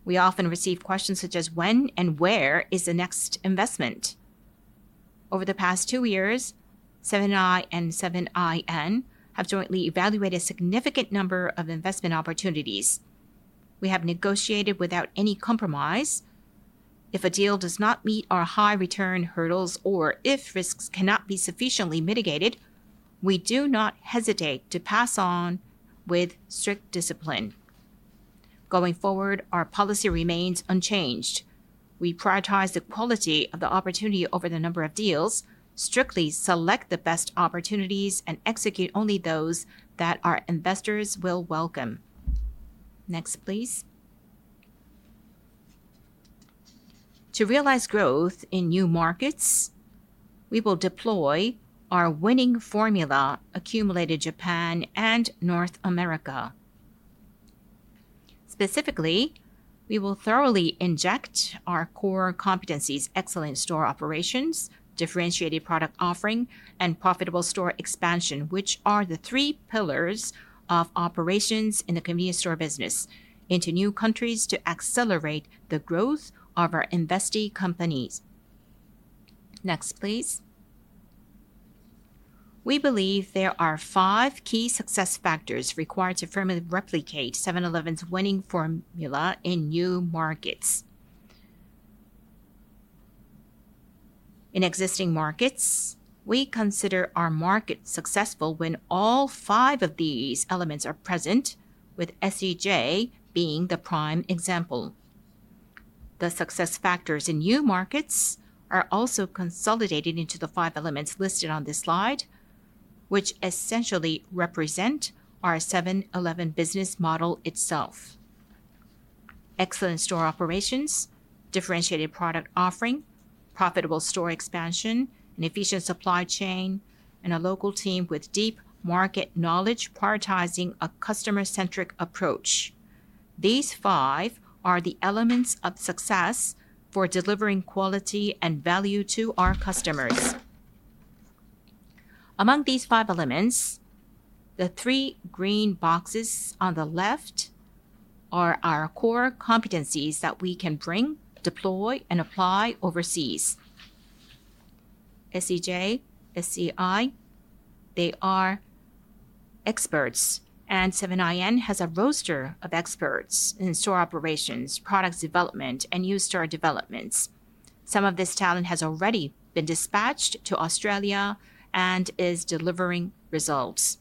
We often receive questions such as when and where is the next investment? Over the past two years, Seven & i and 7-Eleven International have jointly evaluated a significant number of investment opportunities. We have negotiated without any compromise. If a deal does not meet our high return hurdles or if risks cannot be sufficiently mitigated, we do not hesitate to pass on with strict discipline. Going forward, our policy remains unchanged. We prioritize the quality of the opportunity over the number of deals, strictly select the best opportunities, and execute only those that our investors will welcome. Next, please. To realize growth in new markets, we will deploy our winning formula accumulated in Japan and North America. Specifically, we will thoroughly inject our core competencies, excellent store operations, differentiated product offering, and profitable store expansion, which are the three pillars of operations in the convenience store business into new countries to accelerate the growth of our investee companies. Next, please. We believe there are five key success factors required to firmly replicate 7-Eleven's winning formula in new markets. In existing markets, we consider a market successful when all five of these elements are present, with SEJ being the prime example. The success factors in new markets are also consolidated into the five elements listed on this slide, which essentially represent our 7-Eleven business model itself. Excellent store operations, differentiated product offering, profitable store expansion, an efficient supply chain, and a local team with deep market knowledge prioritizing a customer-centric approach. These five are the elements of success for delivering quality and value to our customers. Among these five elements, the three green boxes on the left are our core competencies that we can bring, deploy, and apply overseas. SEJ, SEI, they are experts, and 7-Eleven has a roster of experts in store operations, product development, and new store development. Some of this talent has already been dispatched to Australia and is delivering results.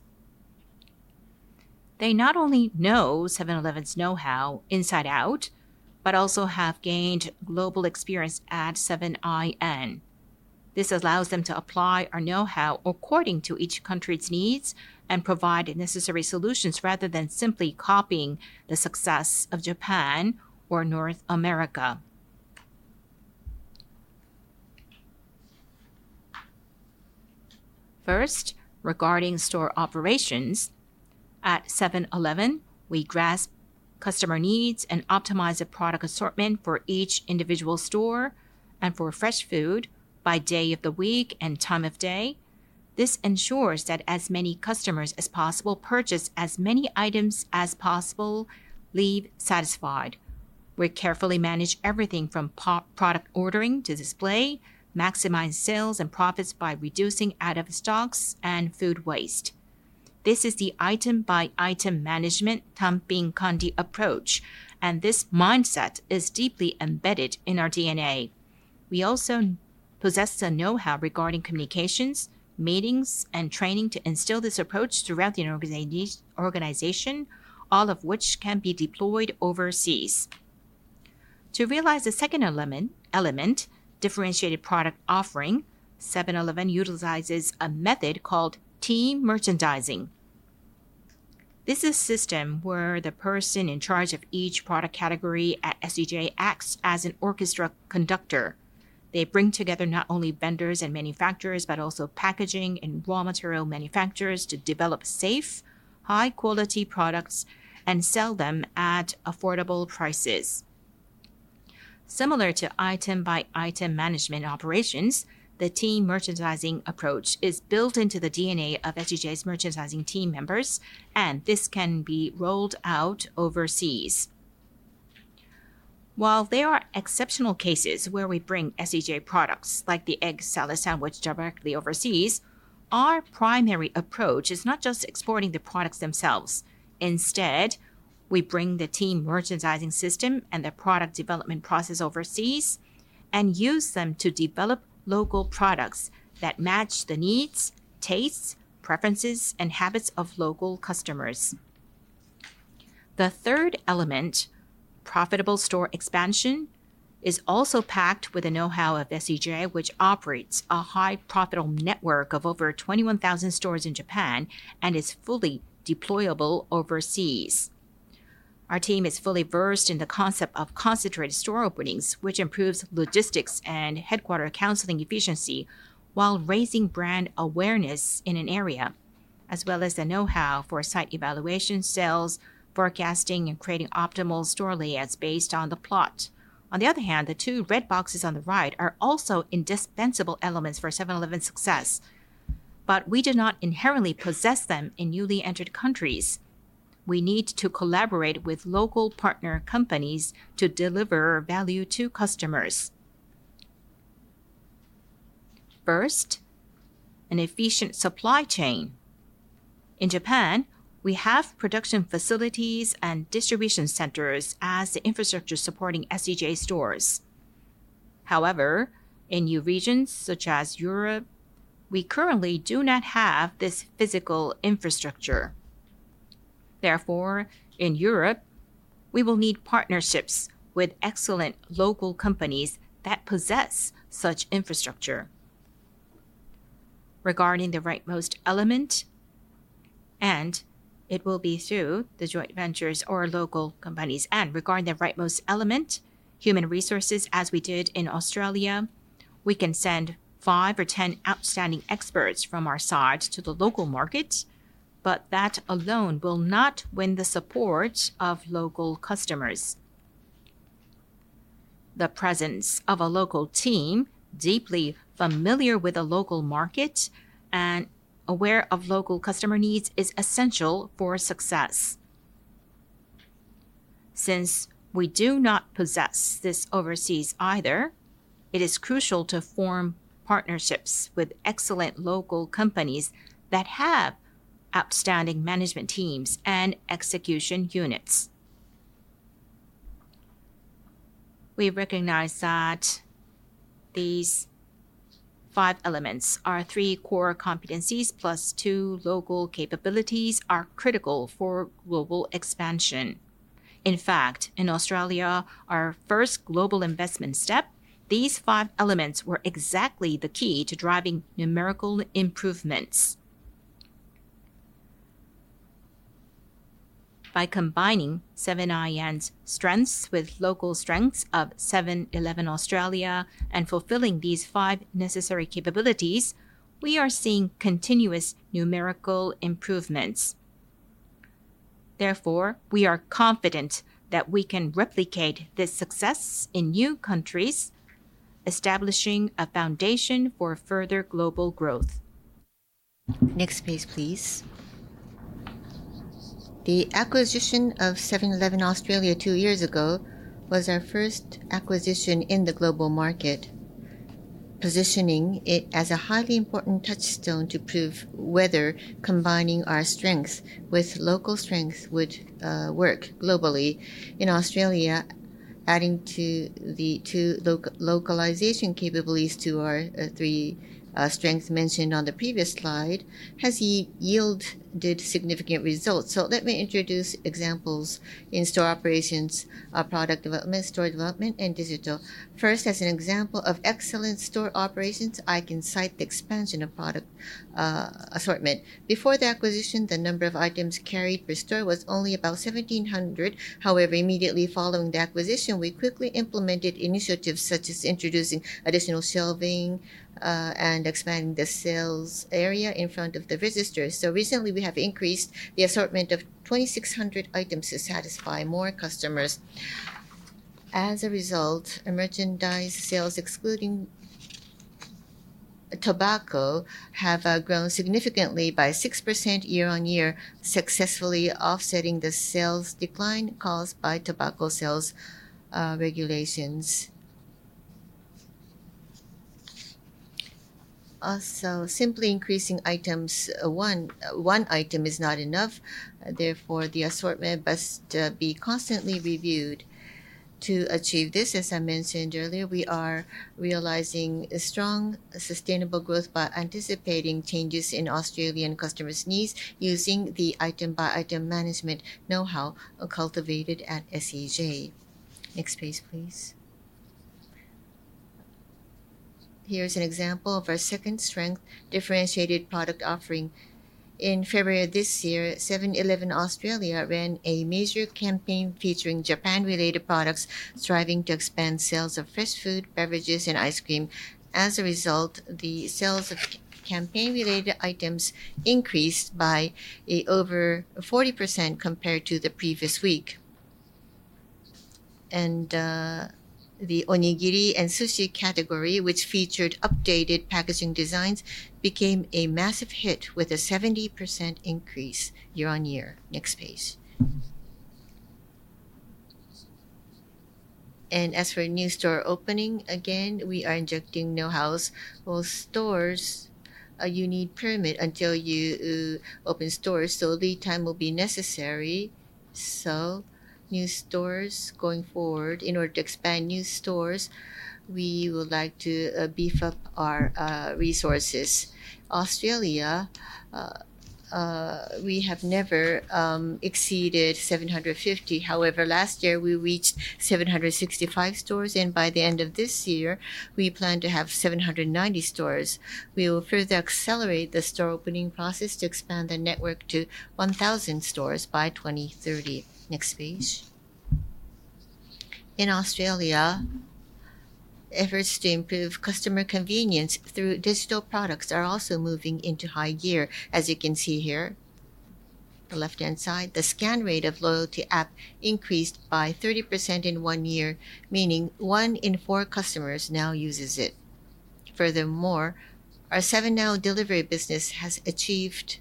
They not only know 7-Eleven's know-how inside out, but also have gained global experience at 7-Eleven International. This allows them to apply our know-how according to each country's needs and provide necessary solutions rather than simply copying the success of Japan or North America. First, regarding store operations, at 7-Eleven, we grasp customer needs and optimize the product assortment for each individual store and for fresh food by day of the week and time of day. This ensures that as many customers as possible purchase as many items as possible, leave satisfied. We carefully manage everything from product ordering to display to maximize sales and profits by reducing out-of-stocks and food waste. This is the item by item management Tanpin Kanri approach, and this mindset is deeply embedded in our DNA. We also possess the know-how regarding communications, meetings, and training to instill this approach throughout the organization, all of which can be deployed overseas. To realize the second element, differentiated product offering, 7-Eleven utilizes a method called team merchandising. This is a system where the person in charge of each product category at SEJ acts as an orchestra conductor. They bring together not only vendors and manufacturers, but also packaging and raw material manufacturers to develop safe, high quality products and sell them at affordable prices. Similar to item by item management operations, the team merchandising approach is built into the DNA of SEJ's merchandising team members, and this can be rolled out overseas. While there are exceptional cases where we bring SEJ products like the egg salad sandwich directly overseas, our primary approach is not just exporting the products themselves. Instead, we bring the team merchandising system and the product development process overseas and use them to develop local products that match the needs, tastes, preferences, and habits of local customers. The third element, profitable store expansion, is also packed with the know-how of SEJ, which operates a highly profitable network of over 21,000 stores in Japan and is fully deployable overseas. Our team is fully versed in the concept of concentrated store openings, which improves logistics and headquarters counseling efficiency while raising brand awareness in an area, as well as the know-how for site evaluation, sales forecasting, and creating optimal store layouts based on the plot. On the other hand, the two red boxes on the right are also indispensable elements for 7-Eleven's success, but we do not inherently possess them in newly entered countries. We need to collaborate with local partner companies to deliver value to customers. First, an efficient supply chain. In Japan, we have production facilities and distribution centers as the infrastructure supporting SEJ stores. However, in new regions such as Europe, we currently do not have this physical infrastructure. Therefore, in Europe, we will need partnerships with excellent local companies that possess such infrastructure. Regarding the rightmost element, human resources, as we did in Australia, we can send five or 10 outstanding experts from our side to the local market, but that alone will not win the support of local customers. The presence of a local team, deeply familiar with the local market and aware of local customer needs, is essential for success. Since we do not possess this overseas either, it is crucial to form partnerships with excellent local companies that have outstanding management teams and execution units. We recognize that these five elements, our three core competencies plus two local capabilities, are critical for global expansion. In fact, in Australia, our first global investment step, these five elements were exactly the key to driving numerical improvements. By combining 7-Eleven International strengths with local strengths of 7-Eleven Australia, and fulfilling these five necessary capabilities, we are seeing continuous numerical improvements. Therefore, we are confident that we can replicate this success in new countries, establishing a foundation for further global growth. Next please. The acquisition of 7-Eleven Australia two years ago was our first acquisition in the global market, positioning it as a highly important touchstone to prove whether combining our strengths with local strengths would work globally. In Australia, adding the two localization capabilities to our three strengths mentioned on the previous slide has yielded significant results. Let me introduce examples in store operations, product development, store development, and digital. First, as an example of excellent store operations, I can cite the expansion of product assortment. Before the acquisition, the number of items carried per store was only about 1,700. However, immediately following the acquisition, we quickly implemented initiatives such as introducing additional shelving, and expanding the sales area in front of the registers. Recently we have increased the assortment of 2,600 items to satisfy more customers. As a result, merchandise sales, excluding tobacco, have grown significantly by 6% year-over-year, successfully offsetting the sales decline caused by tobacco sales regulations. Also, simply increasing one item is not enough. Therefore, the assortment must be constantly reviewed to achieve this. As I mentioned earlier, we are realizing strong, sustainable growth by anticipating changes in Australian customers' needs, using the item-by-item management know-how cultivated at SEJ. Next please. Here's an example of our second strength, differentiated product offering. In February this year, 7-Eleven Australia ran a major campaign featuring Japan-related products, striving to expand sales of fresh food, beverages, and ice cream. As a result, the sales of campaign-related items increased by over 40% compared to the previous week. The onigiri and sushi category, which featured updated packaging designs, became a massive hit with a 70% increase year-over-year. Next please. As for a new store opening, again, we are injecting know-hows. Well, stores, you need permit until you open stores, so lead time will be necessary. New stores going forward, in order to expand new stores, we would like to beef up our resources. Australia, we have never exceeded 750. However, last year we reached 765 stores, and by the end of this year, we plan to have 790 stores. We will further accelerate the store opening process to expand the network to 1,000 stores by 2030. Next please. In Australia, efforts to improve customer convenience through digital products are also moving into high gear. As you can see here, the left-hand side, the scan rate of loyalty app increased by 30% in one year, meaning one in four customers now uses it. Furthermore, our 7NOW delivery business has achieved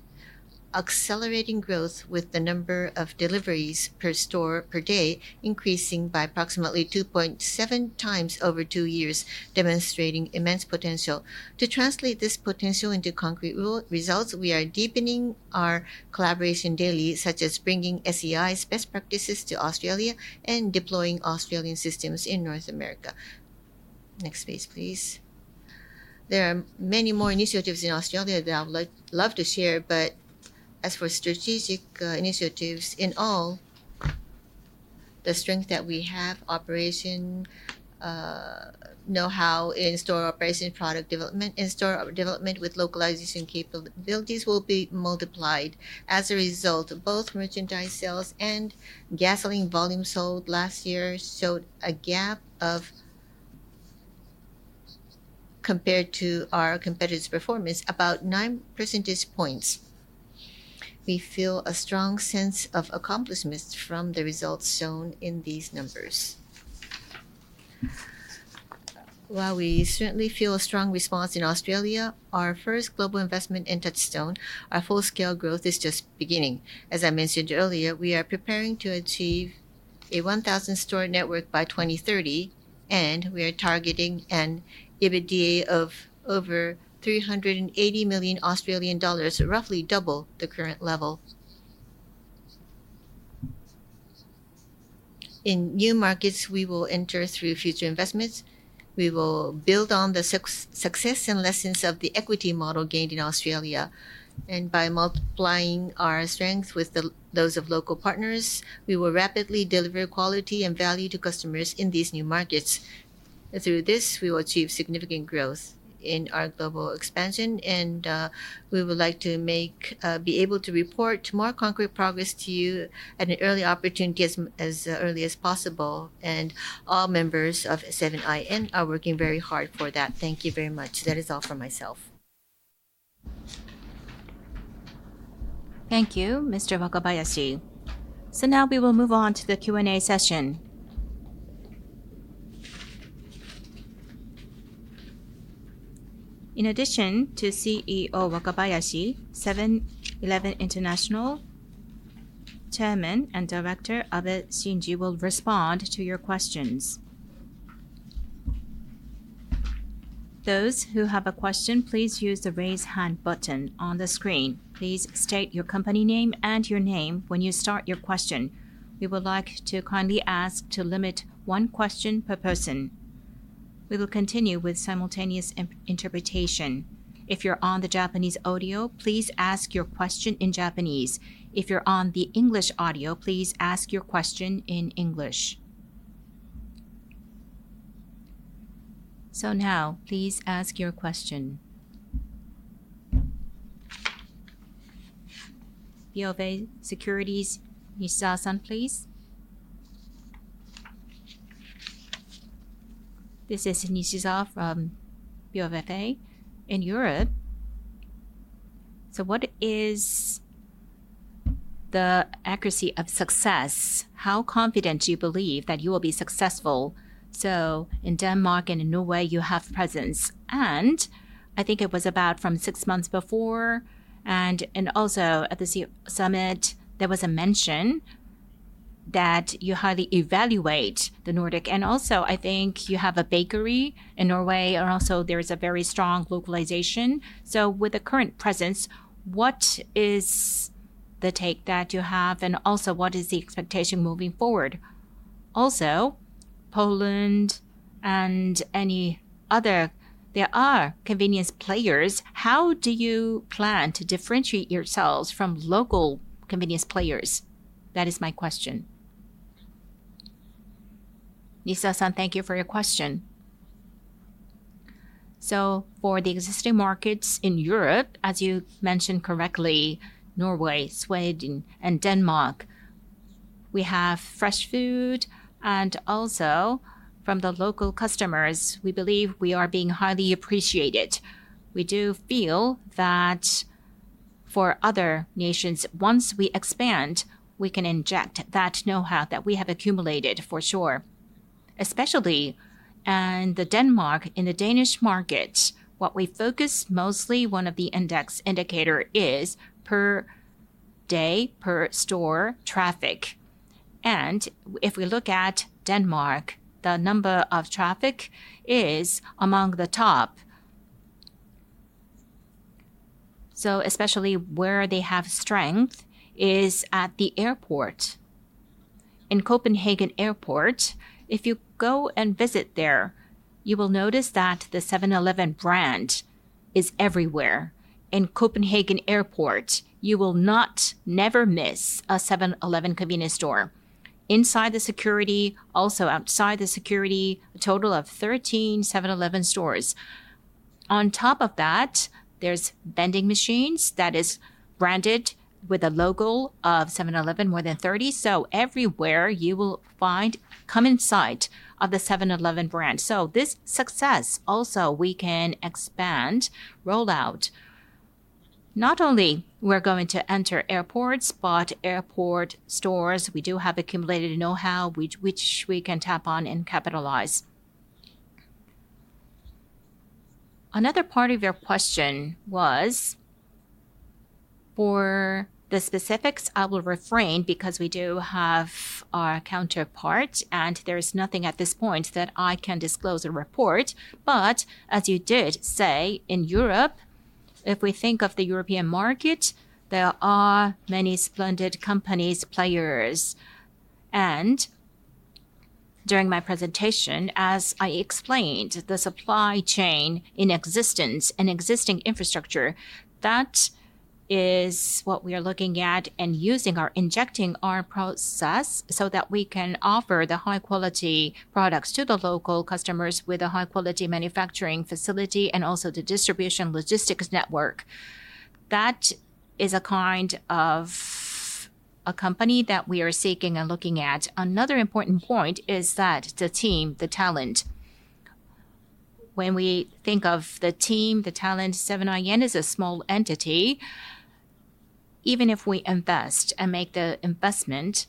accelerating growth with the number of deliveries per store per day increasing by approximately 2.7 times over two years, demonstrating immense potential. To translate this potential into concrete results, we are deepening our collaboration daily, such as bringing SEJ's best practices to Australia and deploying Australian systems in North America. Next please. There are many more initiatives in Australia that I would love to share, but as for strategic initiatives, in all, the strength that we have, operation know-how in store operation, product development, in-store development with localization capabilities will be multiplied as a result. Both merchandise sales and gasoline volume sold last year showed a gap of compared to our competitors' performance about 9 percentage points. We feel a strong sense of accomplishments from the results shown in these numbers. While we certainly feel a strong response in Australia, our first global investment in Touchstone. Our full scale growth is just beginning. As I mentioned earlier, we are preparing to achieve a 1,000-store network by 2030, and we are targeting an EBITDA of over 380 million Australian dollars, roughly double the current level. In new markets we will enter through future investments, we will build on the success and lessons of the equity model gained in Australia. By multiplying our strength with those of local partners, we will rapidly deliver quality and value to customers in these new markets. Through this, we will achieve significant growth in our global expansion and we would like to be able to report more concrete progress to you at an early opportunity as early as possible, and all members of Seven & i are working very hard for that. Thank you very much. That is all for myself. Thank you, Mr. Wakabayashi. Now we will move on to the Q and A session. In addition to CEO Wakabayashi, 7-Eleven International Chairman and Director Shinji Abe will respond to your questions. Those who have a question, please use the Raise Hand button on the screen. Please state your company name and your name when you start your question. We would like to kindly ask to limit one question per person. We will continue with simultaneous interpretation. If you're on the Japanese audio, please ask your question in Japanese. If you're on the English audio, please ask your question in English. Now, please ask your question. BofA Securities, Nishizawa-san, please. This is Nishizawa from BofA. In Europe, what is the probability of success? How confident do you believe that you will be successful? In Denmark and in Norway you have presence and I think it was about from six months before, and also at the CEO Summit, there was a mention that you highly evaluate the Nordic and also I think you have a bakery in Norway, and also there is a very strong localization. With the current presence, what is the take that you have? What is the expectation moving forward? Also, Poland and any other, there are convenience players. How do you plan to differentiate yourselves from local convenience players? That is my question. Nishizawa-san, thank you for your question. For the existing markets in Europe, as you mentioned correctly, Norway, Sweden and Denmark, we have fresh food, and also from the local customers, we believe we are being highly appreciated. We do feel that for other nations, once we expand, we can inject that knowhow that we have accumulated, for sure. Especially in Denmark, in the Danish market, what we focus on mostly, one of the indicators is per day, per store traffic. If we look at Denmark, the number of traffic is among the top. Especially where they have strength is at the airport. In Copenhagen Airport, if you go and visit there, you will notice that the 7-Eleven brand is everywhere. In Copenhagen Airport, you will not never miss a 7-Eleven convenience store. Inside the security, also outside the security, a total of 13 7-Eleven stores. On top of that, there's vending machines that is branded with a logo of 7-Eleven, more than 30. Everywhere you will find common sight of the 7-Eleven brand. This success also we can expand, roll out. Not only we're going to enter airports, but airport stores, we do have accumulated know-how which we can tap on and capitalize. Another part of your question was for the specifics, I will refrain because we do have our counterpart, and there is nothing at this point that I can disclose or report. As you did say, in Europe. If we think of the European market, there are many splendid companies players. During my presentation, as I explained, the supply chain in existence, an existing infrastructure, that is what we are looking at and injecting our process so that we can offer the high-quality products to the local customers with a high-quality manufacturing facility and also the distribution logistics network. That is a kind of a company that we are seeking and looking at. Another important point is that the team, the talent. When we think of the team, the talent, Seven & i is a small entity. Even if we invest and make the investment,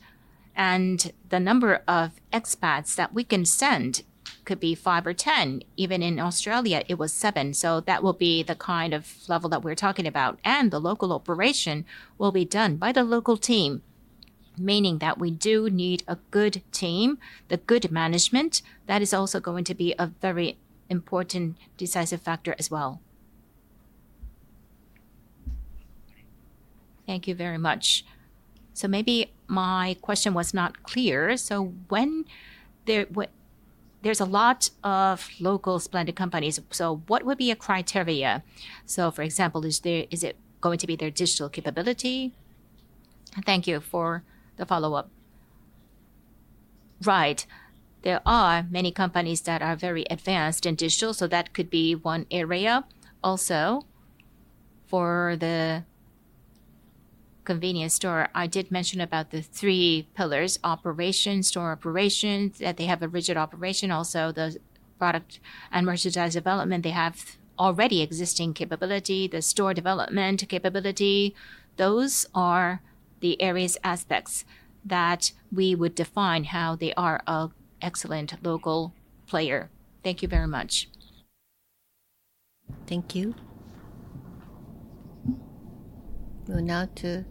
and the number of expats that we can send could be five or 10. Even in Australia it was seven, so that will be the kind of level that we're talking about. The local operation will be done by the local team, meaning that we do need a good team, the good management. That is also going to be a very important decisive factor as well. Thank you very much. Maybe my question was not clear. There's a lot of local splendid companies, so what would be a criteria? For example, is it going to be their digital capability? Thank you for the follow-up. Right. There are many companies that are very advanced in digital, so that could be one area. Also, for the convenience store, I did mention about the three pillars, operation, store operations, that they have a rigid operation. Also, the product and merchandise development. They have already existing capability, the store development capability. Those are the areas, aspects that we would define how they are a excellent local player. Thank you very much. Thank you. We will now take a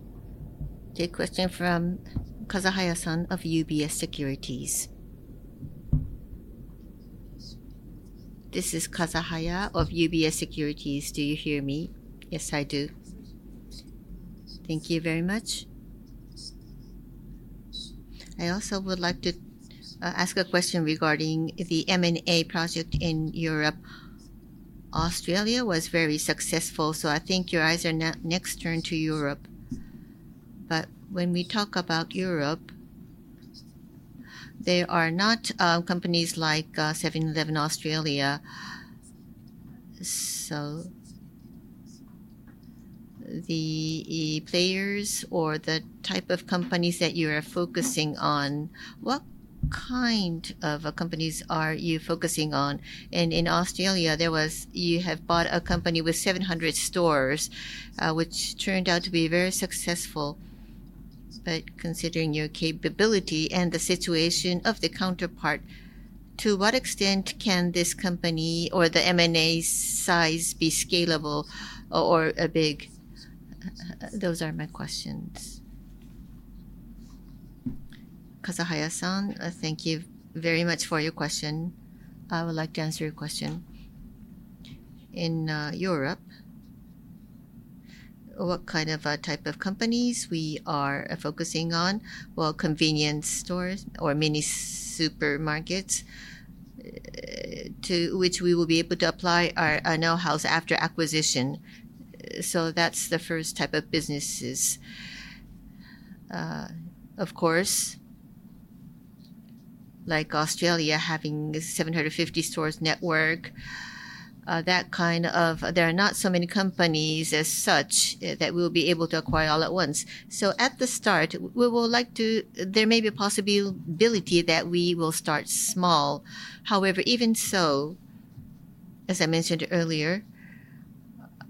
question from Kazahaya-san of UBS Securities. This is Kazahaya of UBS Securities. Do you hear me? Yes, I do. Thank you very much. I also would like to ask a question regarding the M&A project in Europe. Australia was very successful, so I think your eyes are next turned to Europe. But when we talk about Europe, there are not companies like 7-Eleven Australia. So the players or the type of companies that you are focusing on, what kind of companies are you focusing on? And in Australia, you have bought a company with 700 stores, which turned out to be very successful. But considering your capability and the situation of the counterpart, to what extent can this company or the M&A size be scalable or big? Those are my questions. Kazahaya-san, thank you very much for your question. I would like to answer your question. In Europe, what type of companies we are focusing on? Well, convenience stores or mini supermarkets, to which we will be able to apply our know-how after acquisition. That's the first type of businesses. Of course, like Australia having 750 stores network, there are not so many companies as such that we'll be able to acquire all at once. At the start there may be a possibility that we will start small. However, even so, as I mentioned earlier,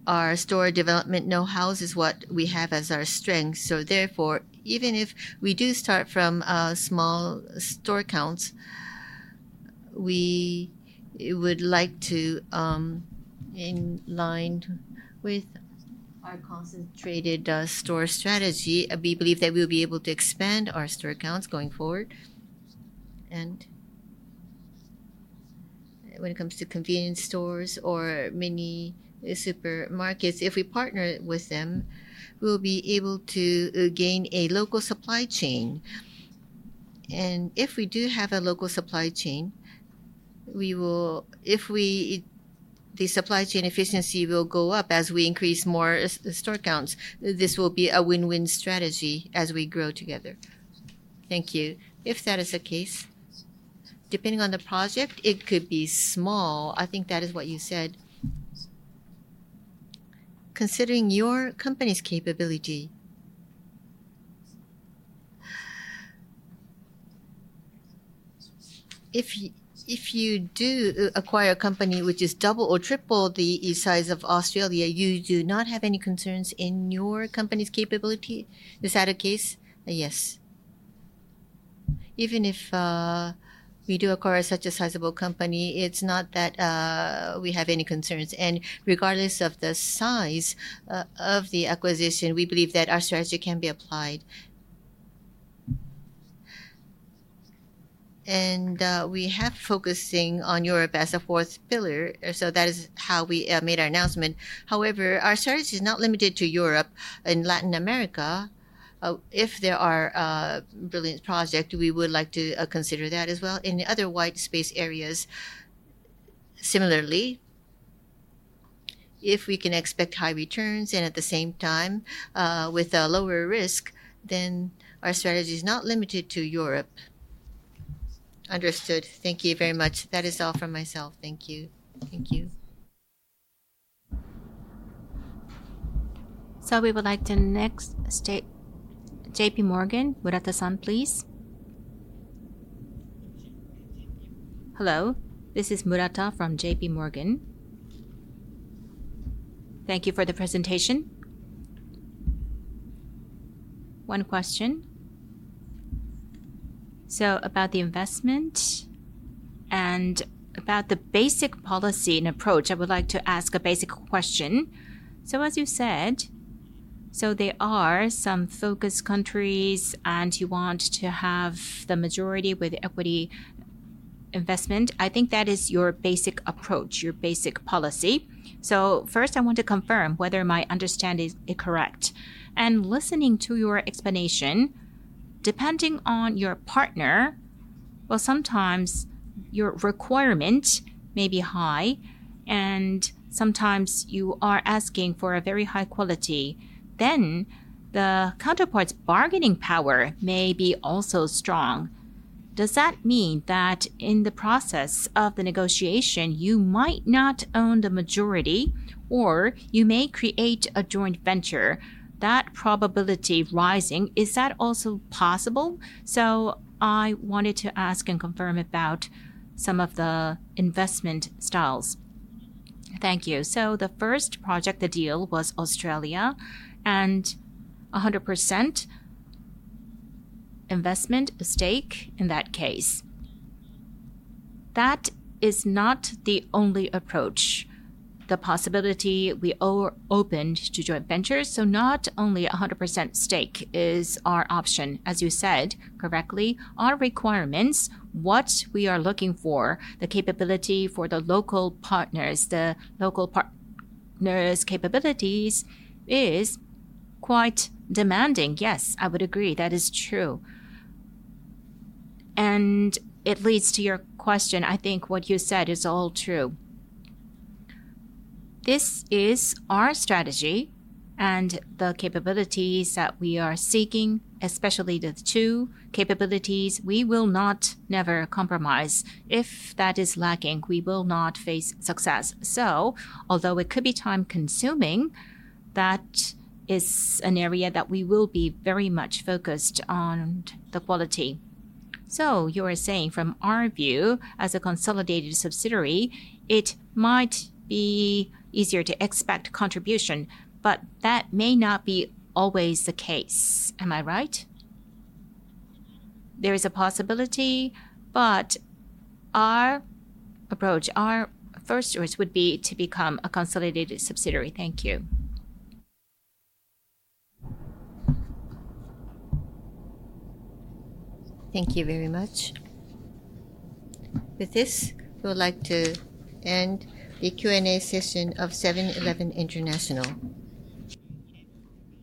our store development know-how is what we have as our strength. Therefore, even if we do start from small store counts, we would like to, in line with our concentrated store strategy, we believe that we'll be able to expand our store counts going forward. When it comes to convenience stores or mini supermarkets, if we partner with them, we'll be able to gain a local supply chain. If we do have a local supply chain, the supply chain efficiency will go up as we increase more store counts. This will be a win-win strategy as we grow together. Thank you. If that is the case, depending on the project, it could be small. I think that is what you said. Considering your company's capability, if you do acquire a company which is double or triple the size of Australia, you do not have any concerns in your company's capability. Is that a case? Yes. Even if we do acquire such a sizable company, it's not that we have any concerns. Regardless of the size of the acquisition, we believe that our strategy can be applied. We are focusing on Europe as a fourth pillar. That is how we made our announcement. However, our service is not limited to Europe and Latin America. If there is a brilliant project, we would like to consider that as well. In other white space areas, similarly, if we can expect high returns and at the same time with a lower risk, then our strategy is not limited to Europe. Understood. Thank you very much. That is all from myself. Thank you. Thank you. We would like to next, JPMorgan. Murata-san, please. Hello, this is Murata from JPMorgan. Thank you for the presentation. One question. About the investment and about the basic policy and approach, I would like to ask a basic question. As you said, so there are some focus countries, and you want to have the majority with equity investment. I think that is your basic approach, your basic policy. First, I want to confirm whether my understanding is correct. Listening to your explanation, depending on your partner, well, sometimes your requirement may be high, and sometimes you are asking for a very high quality. The counterpart's bargaining power may be also strong. Does that mean that in the process of the negotiation, you might not own the majority, or you may create a joint venture? That probability rising, is that also possible? I wanted to ask and confirm about some of the investment styles. Thank you. The first project, the deal was Australia and 100% investment stake in that case. That is not the only approach. The possibility we opened to joint ventures, so not only 100% stake is our option, as you said correctly, our requirements, what we are looking for, the capability for the local partners, the local partner's capabilities is quite demanding. Yes, I would agree. That is true. It leads to your question. I think what you said is all true. This is our strategy and the capabilities that we are seeking, especially the two capabilities, we will not never compromise. If that is lacking, we will not face success. Although it could be time-consuming, that is an area that we will be very much focused on the quality. You are saying from our view, as a consolidated subsidiary, it might be easier to expect contribution, but that may not be always the case. Am I right? There is a possibility, but our approach, our first choice would be to become a consolidated subsidiary. Thank you. Thank you very much. With this, we would like to end the Q and A session of 7-Eleven International.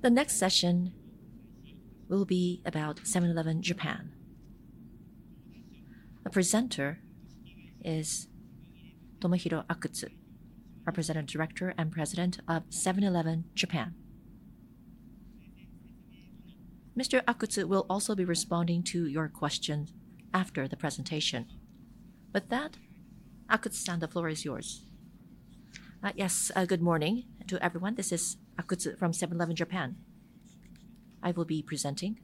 The next session will be about 7-Eleven Japan. The presenter is Tomohiro Akutsu, Representative Director and President of 7-Eleven Japan. Mr. Akutsu will also be responding to your questions after the presentation. With that, Akutsu-san, the floor is yours. Yes. Good morning to everyone. This is Akutsu from 7-Eleven Japan. I will be presenting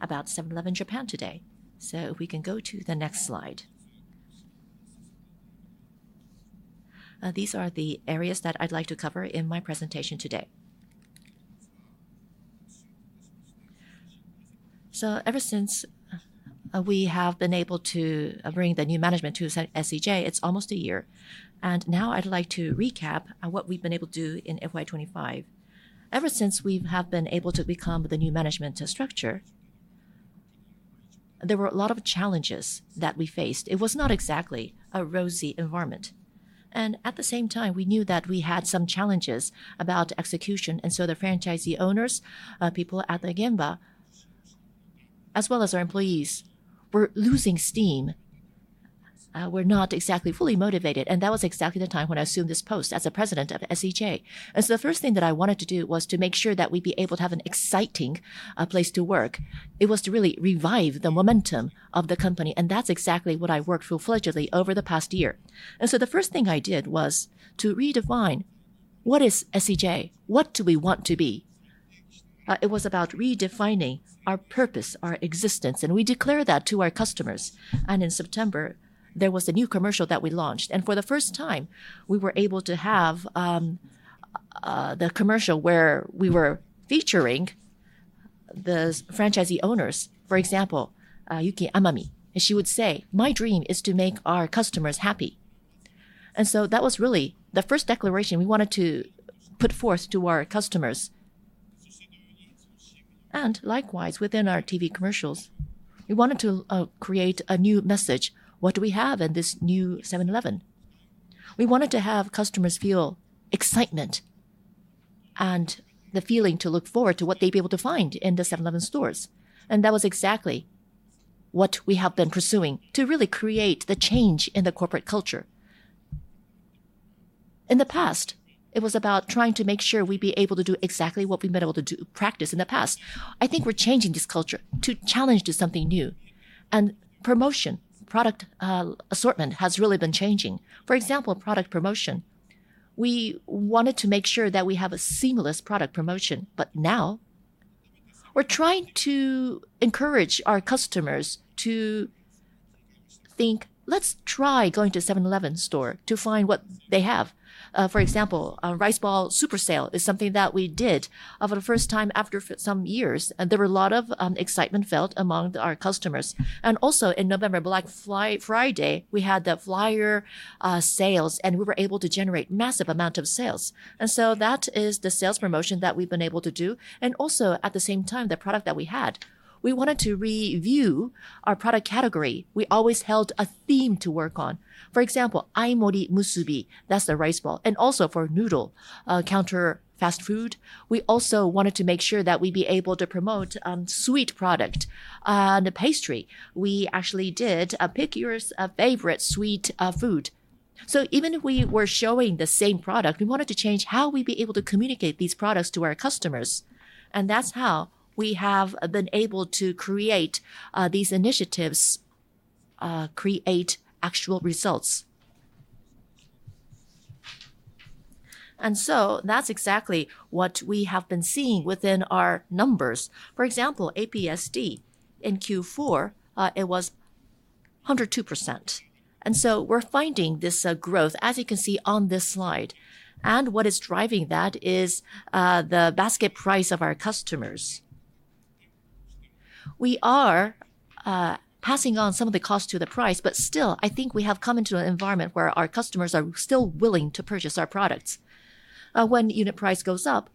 about 7-Eleven Japan today. If we can go to the next slide. These are the areas that I'd like to cover in my presentation today. Ever since we have been able to bring the new management to SEJ, it's almost a year. Now I'd like to recap on what we've been able to do in FY 2025. Ever since we have been able to become the new management structure, there were a lot of challenges that we faced. It was not exactly a rosy environment. At the same time, we knew that we had some challenges about execution, and so the franchisee owners, people at the Gemba, as well as our employees, were losing steam, were not exactly fully motivated. That was exactly the time when I assumed this post as the President of SEJ. The first thing that I wanted to do was to make sure that we'd be able to have an exciting place to work. It was to really revive the momentum of the company, and that's exactly what I worked full-fledgedly over the past year. The first thing I did was to redefine what is SEJ? What do we want to be? It was about redefining our purpose, our existence, and we declared that to our customers. In September, there was a new commercial that we launched. For the first time, we were able to have the commercial where we were featuring the franchisee owners, for example, Yuki Amami, and she would say, "My dream is to make our customers happy." And so that was really the first declaration we wanted to put forth to our customers. Likewise, within our TV commercials, we wanted to create a new message. What do we have in this new 7-Eleven? We wanted to have customers feel excitement and the feeling to look forward to what they'd be able to find in the 7-Eleven stores. That was exactly what we have been pursuing to really create the change in the corporate culture. In the past, it was about trying to make sure we'd be able to do exactly what we've been able to practice in the past. I think we're changing this culture to challenge to something new. Promotion. Product assortment has really been changing. For example, product promotion. We wanted to make sure that we have a seamless product promotion, but now we're trying to encourage our customers to think, "Let's try going to 7-Eleven store to find what they have." For example, Rice Ball Super Sale is something that we did for the first time after some years, and there were a lot of excitement felt among our customers. In November Black Friday, we had the flyer sales, and we were able to generate massive amount of sales. That is the sales promotion that we've been able to do. At the same time, the product that we had, we wanted to review our product category. We always held a theme to work on. For example, En Musubi that's the rice ball. Also for noodle counter fast food, we also wanted to make sure that we'd be able to promote sweet product. The pastry, we actually did a pick your favorite sweet food. Even if we were showing the same product, we wanted to change how we'd be able to communicate these products to our customers. That's how we have been able to create these initiatives, create actual results. That's exactly what we have been seeing within our numbers. For example, APSD in Q4, it was 102%. We're finding this growth, as you can see on this slide. What is driving that is the basket price of our customers. We are passing on some of the cost to the price, but still, I think we have come into an environment where our customers are still willing to purchase our products. When unit price goes up,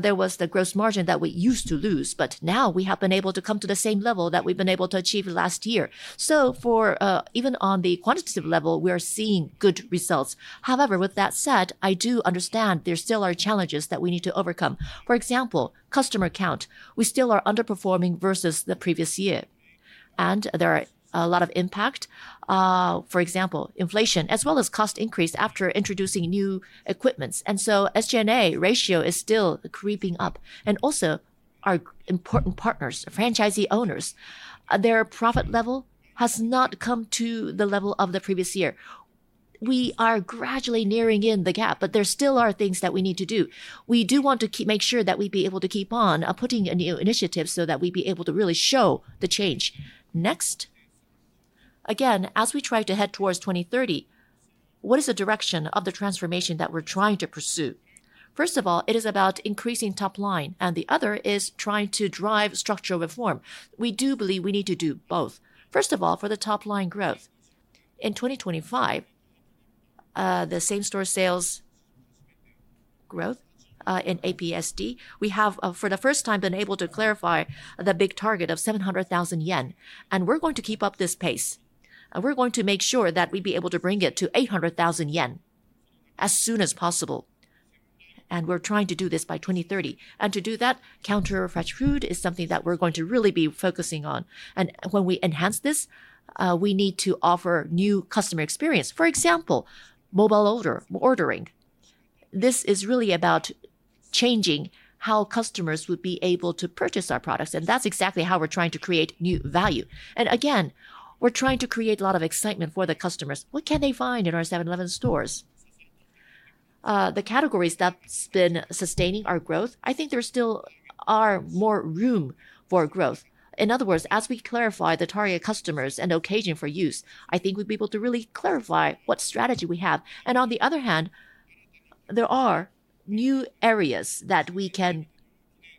there was the gross margin that we used to lose, but now we have been able to come to the same level that we've been able to achieve last year. For even on the quantitative level, we are seeing good results. However, with that said, I do understand there still are challenges that we need to overcome. For example, customer count we still are underperforming versus the previous year. There are a lot of impact. For example, inflation as well as cost increase after introducing new equipment. SG&A ratio is still creeping up. Our important partners, franchisee owners, their profit level has not come to the level of the previous year. We are gradually narrowing the gap, but there still are things that we need to do. We do want to make sure that we'd be able to keep on putting a new initiative so that we'd be able to really show the change. Next. Again, as we try to head towards 2030, what is the direction of the transformation that we're trying to pursue? First of all, it is about increasing top line, and the other is trying to drive structural reform. We do believe we need to do both. First of all, for the top line growth, in 2025, the same store sales growth in APSD, we have, for the first time, been able to clarify the big target of 700,000 yen, and we're going to keep up this pace. We're going to make sure that we'd be able to bring it to 800,000 yen as soon as possible. We're trying to do this by 2030. To do that, counter fresh food is something that we're going to really be focusing on. When we enhance this, we need to offer new customer experience. For example, mobile ordering. This is really about changing how customers would be able to purchase our products, and that's exactly how we're trying to create new value. Again, we're trying to create a lot of excitement for the customers. What can they find in our 7-Eleven stores? The categories that's been sustaining our growth, I think there still are more room for growth. In other words, as we clarify the target customers and occasion for use, I think we'd be able to really clarify what strategy we have. On the other hand, there are new areas that we can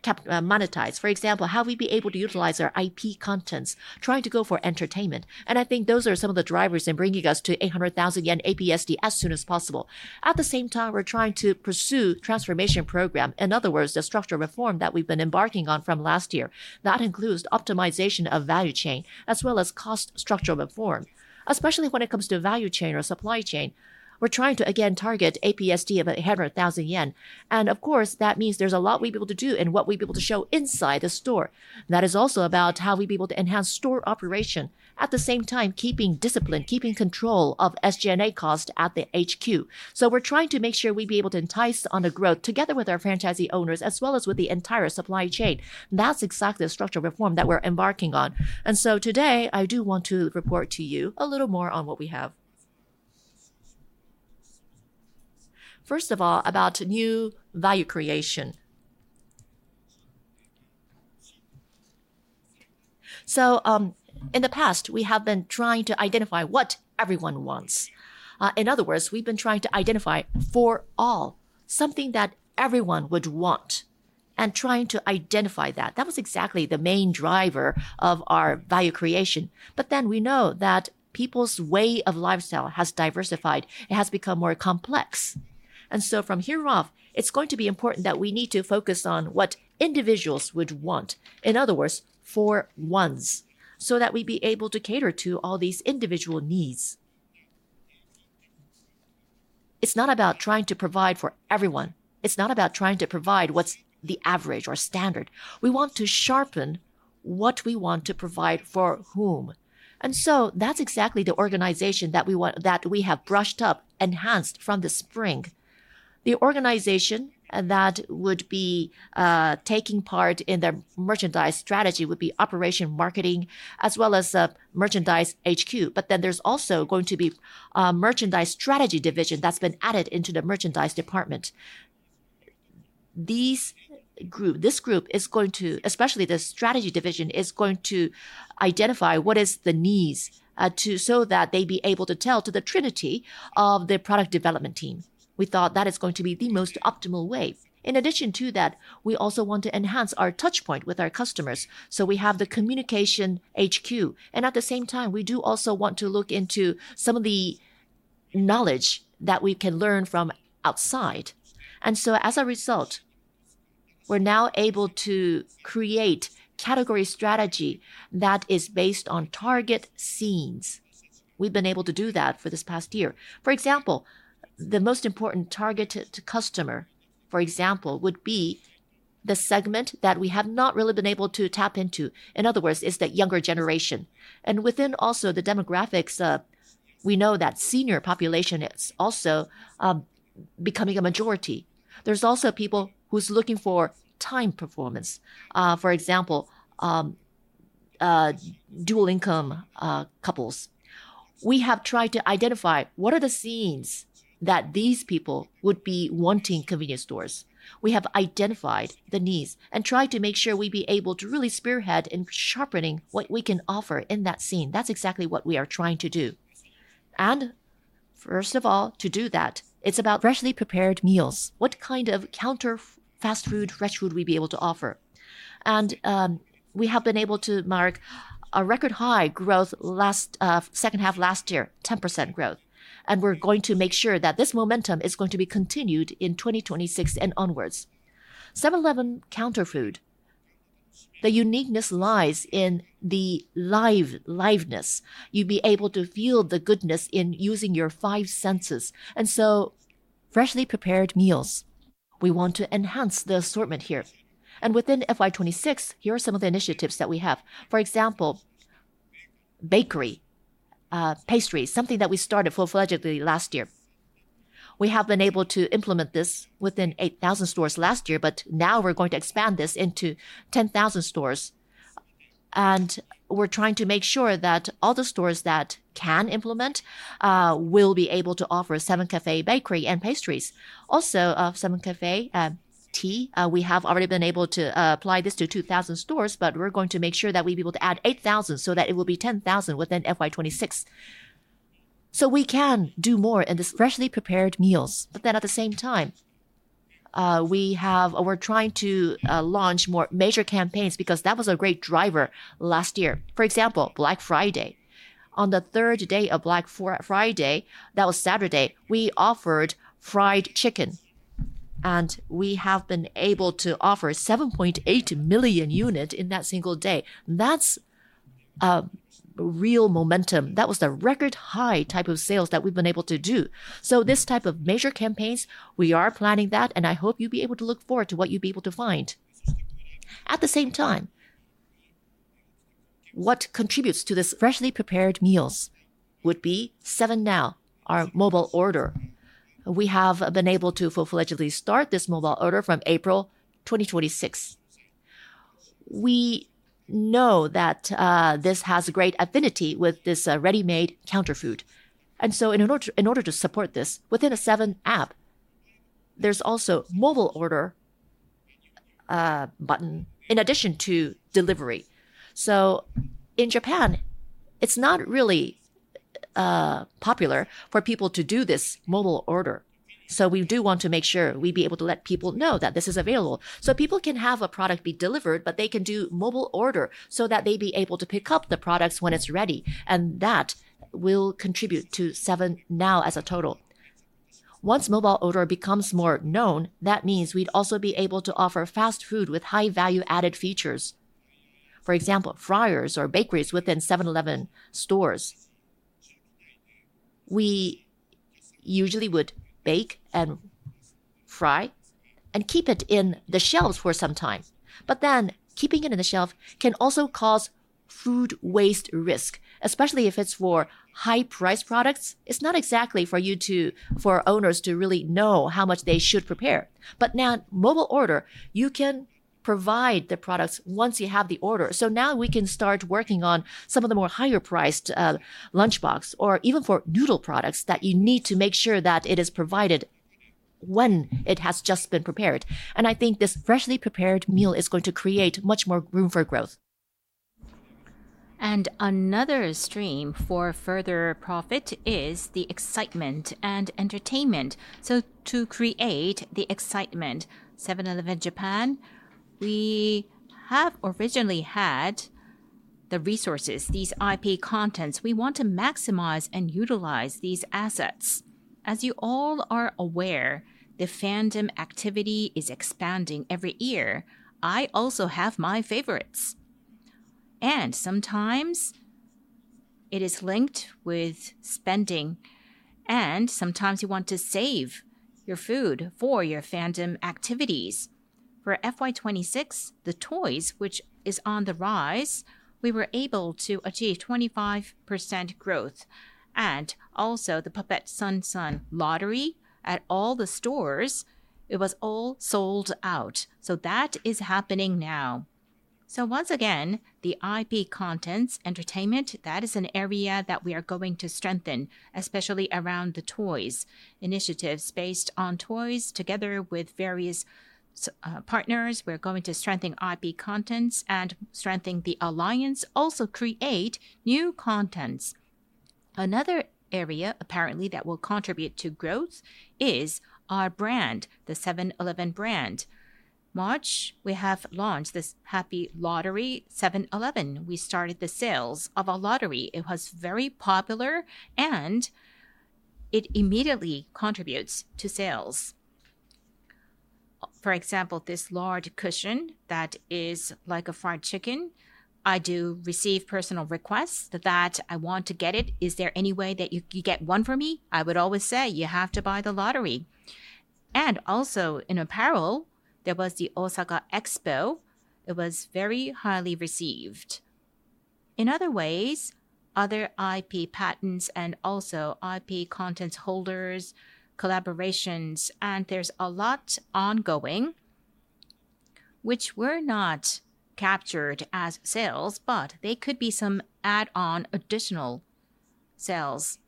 monetize. For example, how we'd be able to utilize our IP contents, trying to go for entertainment. I think those are some of the drivers in bringing us to 800,000 yen APSD as soon as possible. At the same time, we're trying to pursue transformation program. In other words, the structural reform that we've been embarking on from last year. That includes optimization of value chain as well as cost structural reform. Especially when it comes to value chain or supply chain, we're trying to again target APSD of 800,000 yen. Of course, that means there's a lot we'd be able to do and what we'd be able to show inside the store. That is also about how we'd be able to enhance store operation, at the same time keeping discipline, keeping control of SG&A cost at the HQ. We're trying to make sure we'd be able to entice on the growth together with our franchisee owners as well as with the entire supply chain. That's exactly the structural reform that we're embarking on. Today, I do want to report to you a little more on what we have. First of all, about new value creation. In the past, we have been trying to identify what everyone wants. In other words, we've been trying to identify for all something that everyone would want and trying to identify that. That was exactly the main driver of our value creation. We know that people's way of lifestyle has diversified. It has become more complex. From here off, it's going to be important that we need to focus on what individuals would want. In other words, for ones, so that we'd be able to cater to all these individual needs. It's not about trying to provide for everyone. It's not about trying to provide what's the average or standard. We want to sharpen what we want to provide for whom. That's exactly the organization that we have brushed up, enhanced from the spring. The organization that would be taking part in the merchandise strategy would be operations, marketing, as well as the merchandise HQ. There's also going to be a merchandise strategy division that's been added into the merchandise department. This group, especially the strategy division, is going to identify what is the needs, so that they'd be able to tell to the trinity of the product development team. We thought that is going to be the most optimal way. In addition to that, we also want to enhance our touch point with our customers, so we have the communication HQ. At the same time, we do also want to look into some of the knowledge that we can learn from outside. As a result, we're now able to create category strategy that is based on target scenes. We've been able to do that for this past year. For example, the most important target customer, for example, would be the segment that we have not really been able to tap into. In other words, it's the younger generation. Within also the demographics, we know that senior population is also becoming a majority. There's also people who's looking for time performance. For example, dual income couples. We have tried to identify what are the scenes that these people would be wanting convenience stores. We have identified the needs and tried to make sure we'd be able to really spearhead in sharpening what we can offer in that scene. That's exactly what we are trying to do. First of all, to do that, it's about freshly prepared meals. What kind of counter fast food fresh would we be able to offer? We have been able to mark a record high growth second half last year, 10% growth. We're going to make sure that this momentum is going to be continued in 2026 and onwards. 7-Eleven counter food, the uniqueness lies in the liveness. You'd be able to feel the goodness in using your five senses. Freshly prepared meals, we want to enhance the assortment here. Within FY 2026, here are some of the initiatives that we have. For example, bakery, pastries, something that we started full-fledged last year. We have been able to implement this within 8,000 stores last year, but now we're going to expand this into 10,000 stores. We're trying to make sure that all the stores that can implement will be able to offer SEVEN CAFÉ Bakery and pastries. Also, SEVEN CAFÉ Tea, we have already been able to apply this to 2,000 stores, but we're going to make sure that we'd be able to add 8,000, so that it will be 10,000 within FY 2026. We can do more in this freshly prepared meals. At the same time, we're trying to launch more major campaigns because that was a great driver last year. For example, Black Friday. On the third day of Black Friday, that was Saturday, we offered fried chicken, and we have been able to offer 7.8 million unit in that single day. That's a real momentum. That was the record high type of sales that we've been able to do. This type of major campaigns, we are planning that, and I hope you'll be able to look forward to what you'll be able to find. At the same time, what contributes to this freshly prepared meals would be 7NOW, our mobile order. We have been able to full-fledged start this mobile order from April 2026. We know that this has a great affinity with this ready-made counter food. In order to support this, within the 7-Eleven app, there's also mobile order button in addition to delivery. In Japan, it's not really popular for people to do this mobile order. We do want to make sure we'd be able to let people know that this is available. People can have a product be delivered, but they can do mobile order so that they'd be able to pick up the products when it's ready. That will contribute to 7NOW as a total. Once mobile order becomes more known, that means we'd also be able to offer fast food with high value added features. For example, fryers or bakeries within 7-Eleven stores. We usually would bake and fry and keep it in the shelves for some time. Keeping it in the shelf can also cause food waste risk, especially if it's for high price products. It's not exactly for owners to really know how much they should prepare. Now mobile order, you can provide the products once you have the order. Now we can start working on some of the more higher priced lunchbox or even for noodle products that you need to make sure that it is provided when it has just been prepared. I think this freshly prepared meal is going to create much more room for growth. Another stream for further profit is the excitement and entertainment. To create the excitement, 7-Eleven Japan, we have originally had the resources, these IP contents, we want to maximize and utilize these assets. As you all are aware, the fandom activity is expanding every year. I also have my favorites, and sometimes it is linked with spending, and sometimes you want to save your food for your fandom activities. For FY 2026, the toys, which is on the rise, we were able to achieve 25% growth. Also the Puppet Sunsun Happy Kuji at all the stores, it was all sold out. That is happening now. Once again, the IP contents entertainment, that is an area that we are going to strengthen, especially around the toys. Initiatives based on toys, together with various partners, we're going to strengthen IP contents and strengthen the alliance, also create new contents. Another area, apparently, that will contribute to growth is our brand, the 7-Eleven brand. In March, we have launched this Happy Lottery 7-Eleven. We started the sales of a lottery. It was very popular, and it immediately contributes to sales. For example, this large cushion that is like a fried chicken, I do receive personal requests that, "I want to get it. Is there any way that you could get one for me?" I would always say, "You have to buy the lottery." Also in apparel, there was the Osaka Expo. It was very highly received. In other ways, other IP patents and also IP contents holders, collaborations, and there's a lot ongoing, which were not captured as sales, but they could be some add-on additional sales.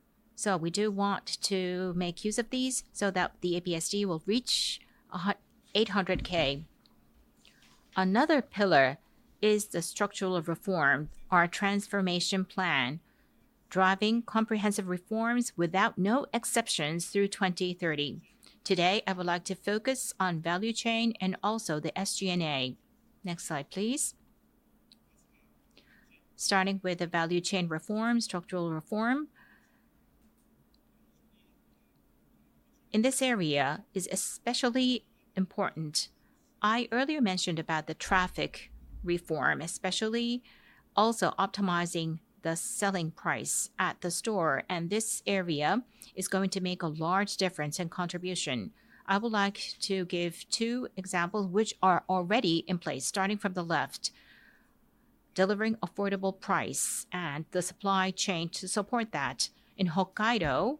We do want to make use of these so that the ESG will reach 800,000. Another pillar is the structural reform, our transformation plan, driving comprehensive reforms without exceptions through 2030. Today, I would like to focus on value chain and also the SG&A. Next slide, please. Starting with the value chain reform, structural reform. In this area is especially important. I earlier mentioned about the traffic reform, especially also optimizing the selling price at the store, and this area is going to make a large difference in contribution. I would like to give two examples which are already in place, starting from the left. Delivering affordable price and the supply chain to support that. In Hokkaido,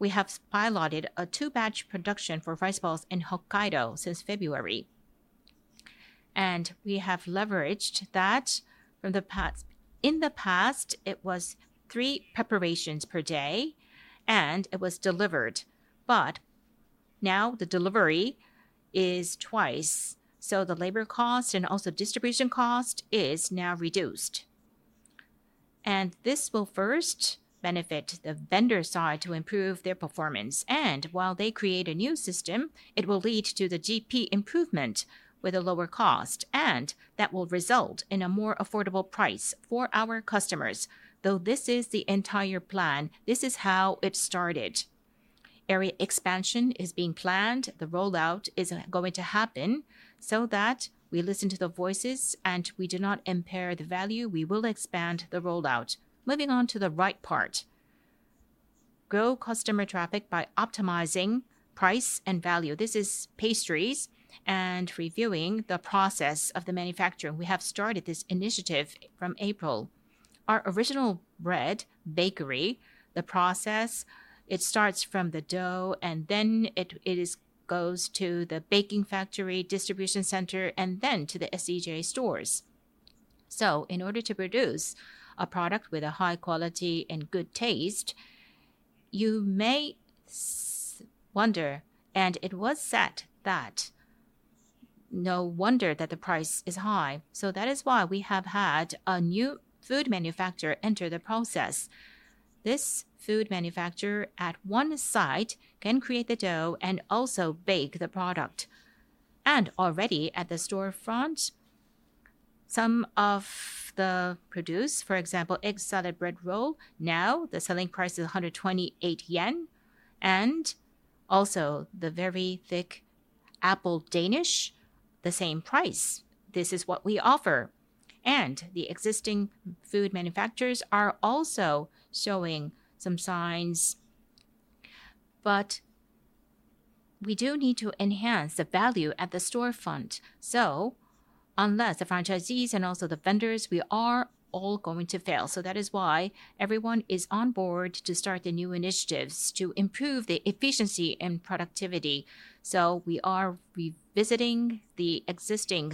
we have piloted a two batch production for rice balls in Hokkaido since February. We have leveraged that from the past. In the past, it was three preparations per day, and it was delivered. Now the delivery is twice, so the labor cost and also distribution cost is now reduced. This will first benefit the vendor side to improve their performance. While they create a new system, it will lead to the GP improvement with a lower cost, and that will result in a more affordable price for our customers. Though this is the entire plan, this is how it started. Area expansion is being planned. The rollout is going to happen so that we listen to the voices, and we do not impair the value. We will expand the rollout. Moving on to the right part. Grow customer traffic by optimizing price and value. This is pastries and reviewing the process of the manufacturing. We have started this initiative from April. Our original bread bakery, the process, it starts from the dough, and then it goes to the baking factory distribution center and then to the SEJ stores. In order to produce a product with a high quality and good taste, you may wonder, and it was said that no wonder that the price is high. That is why we have had a new food manufacturer enter the process. This food manufacturer at one site can create the dough and also bake the product. Already at the storefront, some of the produce, for example, egg salad bread roll, now the selling price is 128 yen. Also the very thick apple danish, the same price. This is what we offer. The existing food manufacturers are also showing some signs, but we do need to enhance the value at the storefront. Unless the franchisees and also the vendors, we are all going to fail. That is why everyone is on board to start the new initiatives to improve the efficiency and productivity. We are revisiting the existing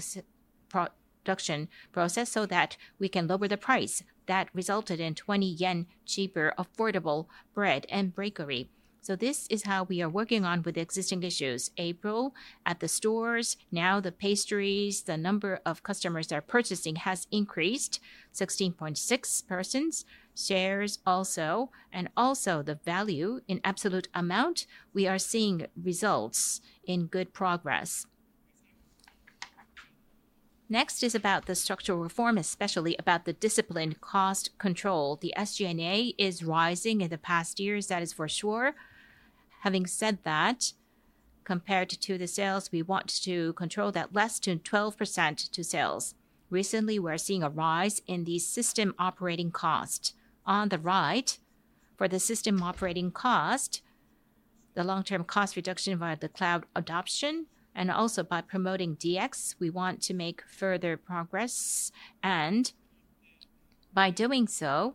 production process so that we can lower the price. That resulted in 20 yen cheaper, affordable bread and bakery. This is how we are working on with the existing issues, available at the stores. Now the pastries, the number of customers that are purchasing has increased 16.6%. Sales also, and also the value in absolute amount, we are seeing results in good progress. Next is about the structural reform, especially about the disciplined cost control. The SG&A is rising in the past years, that is for sure. Having said that, compared to the sales, we want to control that less than 12% of sales. Recently, we're seeing a rise in the system operating cost. On the right, for the system operating cost, the long-term cost reduction via the cloud adoption, and also by promoting DX, we want to make further progress. By doing so,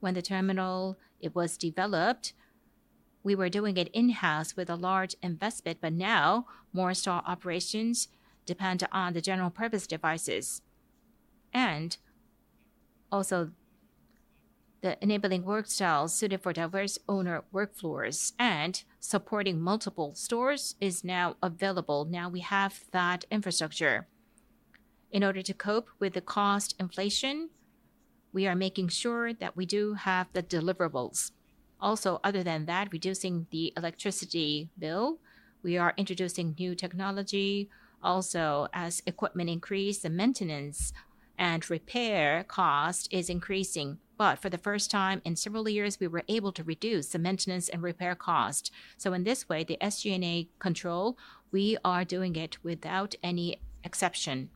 when the terminal was developed, we were doing it in-house with a large investment, but now more store operations depend on the general-purpose devices. Also the enabling work style suited for diverse owner workforces and supporting multiple stores is now available. Now we have that infrastructure. In order to cope with the cost inflation, we are making sure that we do have the deliverables. Also, other than that, reducing the electricity bill, we are introducing new technology. Also, as equipment increase, the maintenance and repair cost is increasing. For the first time in several years, we were able to reduce the maintenance and repair cost. In this way, the SG&A control, we are doing it without any exception.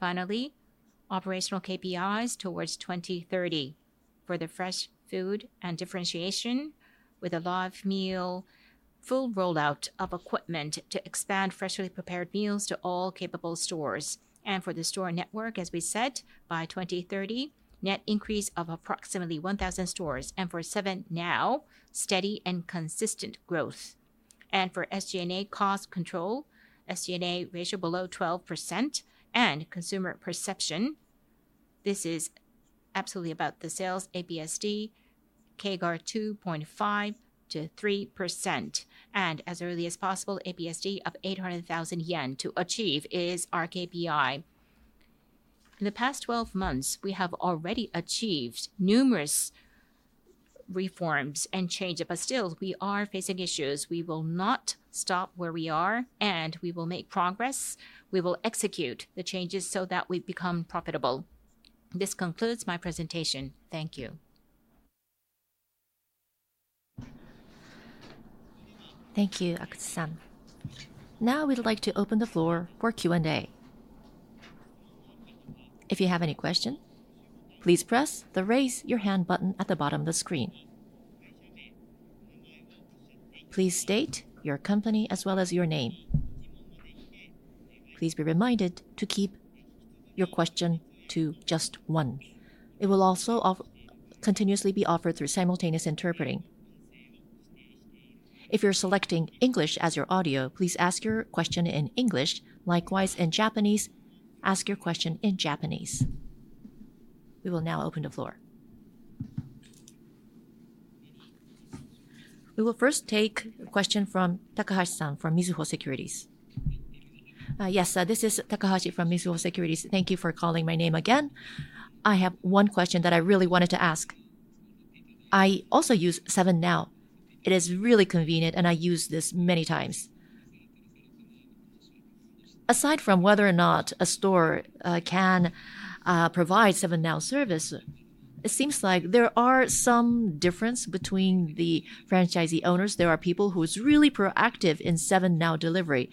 Finally, operational KPIs towards 2030. For the fresh food and differentiation with a live meal, full rollout of equipment to expand freshly prepared meals to all capable stores. For the store network, as we said, by 2030, net increase of approximately 1,000 stores. For 7NOW, steady and consistent growth. For SG&A cost control, SG&A ratio below 12%. Consumer perception, this is absolutely about the sales APSD, CAGR 2.5%-3%, and as early as possible, APSD of 800,000 yen to achieve is our KPI. In the past 12 months, we have already achieved numerous reforms and change-up, but still, we are facing issues. We will not stop where we are, and we will make progress. We will execute the changes so that we become profitable. This concludes my presentation. Thank you. Thank you, Akutsu-san. Now we'd like to open the floor for Q and A. If you have any question, please press the raise your hand button at the bottom of the screen. Please state your company as well as your name. Please be reminded to keep your question to just one. It will also continuously be offered through simultaneous interpreting. If you're selecting English as your audio, please ask your question in English. Likewise, in Japanese, ask your question in Japanese. We will now open the floor. We will first take a question from Takahashi-san, from Mizuho Securities. Yes. This is Takahashi from Mizuho Securities. Thank you for calling my name again. I have one question that I really wanted to ask. I also use 7NOW. It is really convenient, and I use this many times. Aside from whether or not a store can provide 7NOW service, it seems like there are some differences between the franchisee owners. There are people who's really proactive in 7NOW delivery.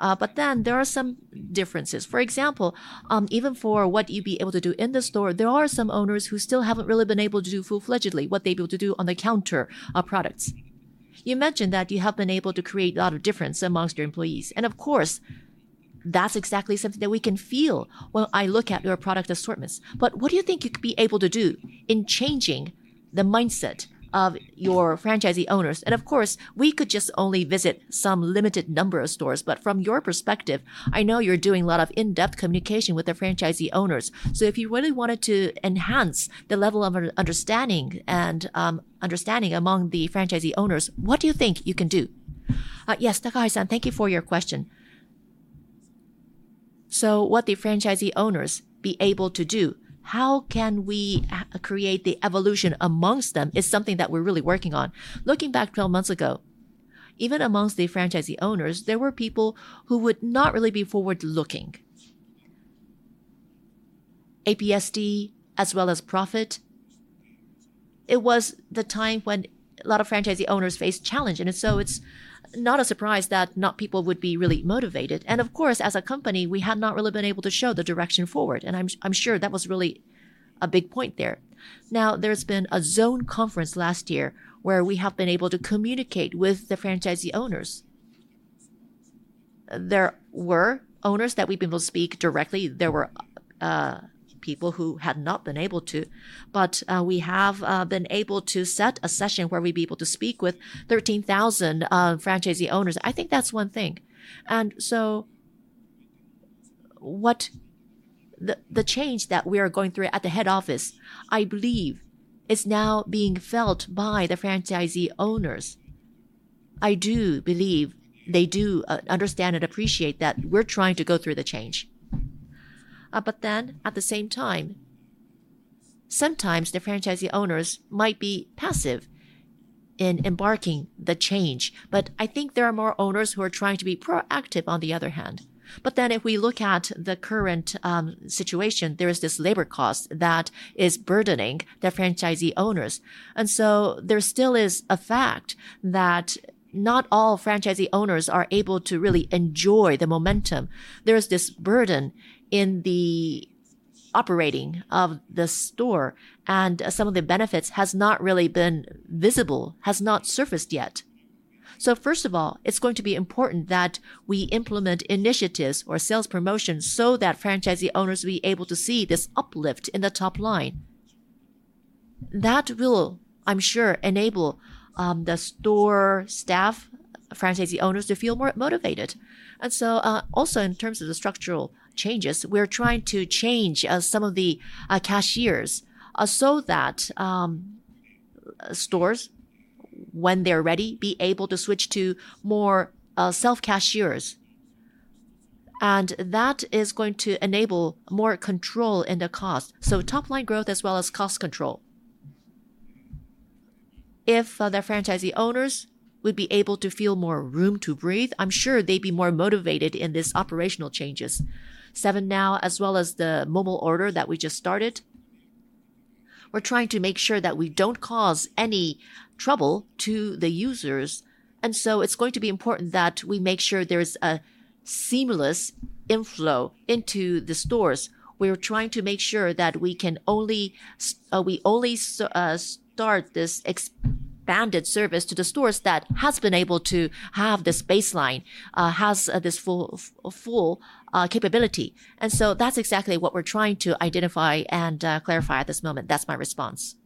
There are some differences. For example, even for what you'd be able to do in the store, there are some owners who still haven't really been able to do full-fledged what they're able to do on the counter products. You mentioned that you have been able to create a lot of difference amongst your employees, and of course, that's exactly something that we can feel when I look at your product assortments. What do you think you could be able to do in changing the mindset of your franchisee owners? Of course, we could just only visit some limited number of stores, but from your perspective, I know you're doing a lot of in-depth communication with the franchisee owners. If you really wanted to enhance the level of understanding among the franchisee owners, what do you think you can do? Yes, Takahashi-san, thank you for your question. What the franchisee owners be able to do, how can we create the evolution amongst them is something that we're really working on. Looking back 12 months ago, even amongst the franchisee owners, there were people who would not really be forward-looking. APSD as well as profit. It was the time when a lot of franchisee owners faced challenges, and it's not a surprise that people would not be really motivated. Of course, as a company, we had not really been able to show the direction forward, and I'm sure that was really a big point there. Now, there's been a zone conference last year where we have been able to communicate with the franchisee owners. There were owners that we've been able to speak directly. There were people who had not been able to, but we have been able to set a session where we'd be able to speak with 13,000 franchisee owners. I think that's one thing. The change that we are going through at the head office, I believe is now being felt by the franchisee owners. I do believe they do understand and appreciate that we're trying to go through the change at the same time. Sometimes the franchisee owners might be passive in embarking the change, but I think there are more owners who are trying to be proactive on the other hand. If we look at the current situation, there is this labor cost that is burdening the franchisee owners. There still is a fact that not all franchisee owners are able to really enjoy the momentum. There is this burden in the operating of the store, and some of the benefits has not really been visible, has not surfaced yet. First of all, it's going to be important that we implement initiatives or sales promotions so that franchisee owners will be able to see this uplift in the top line. That will, I'm sure, enable the store staff, franchisee owners to feel more motivated. Also in terms of the structural changes, we're trying to change some of the cashiers so that stores, when they're ready, be able to switch to more self-cashiers. That is going to enable more control in the cost. Top-line growth as well as cost control. If the franchisee owners would be able to feel more room to breathe, I'm sure they'd be more motivated in this operational changes. 7NOW, as well as the mobile order that we just started, we're trying to make sure that we don't cause any trouble to the users. It's going to be important that we make sure there's a seamless inflow into the stores. We are trying to make sure that we only start this expanded service to the stores that has been able to have this baseline, has this full capability. That's exactly what we're trying to identify and clarify at this moment. That's my response.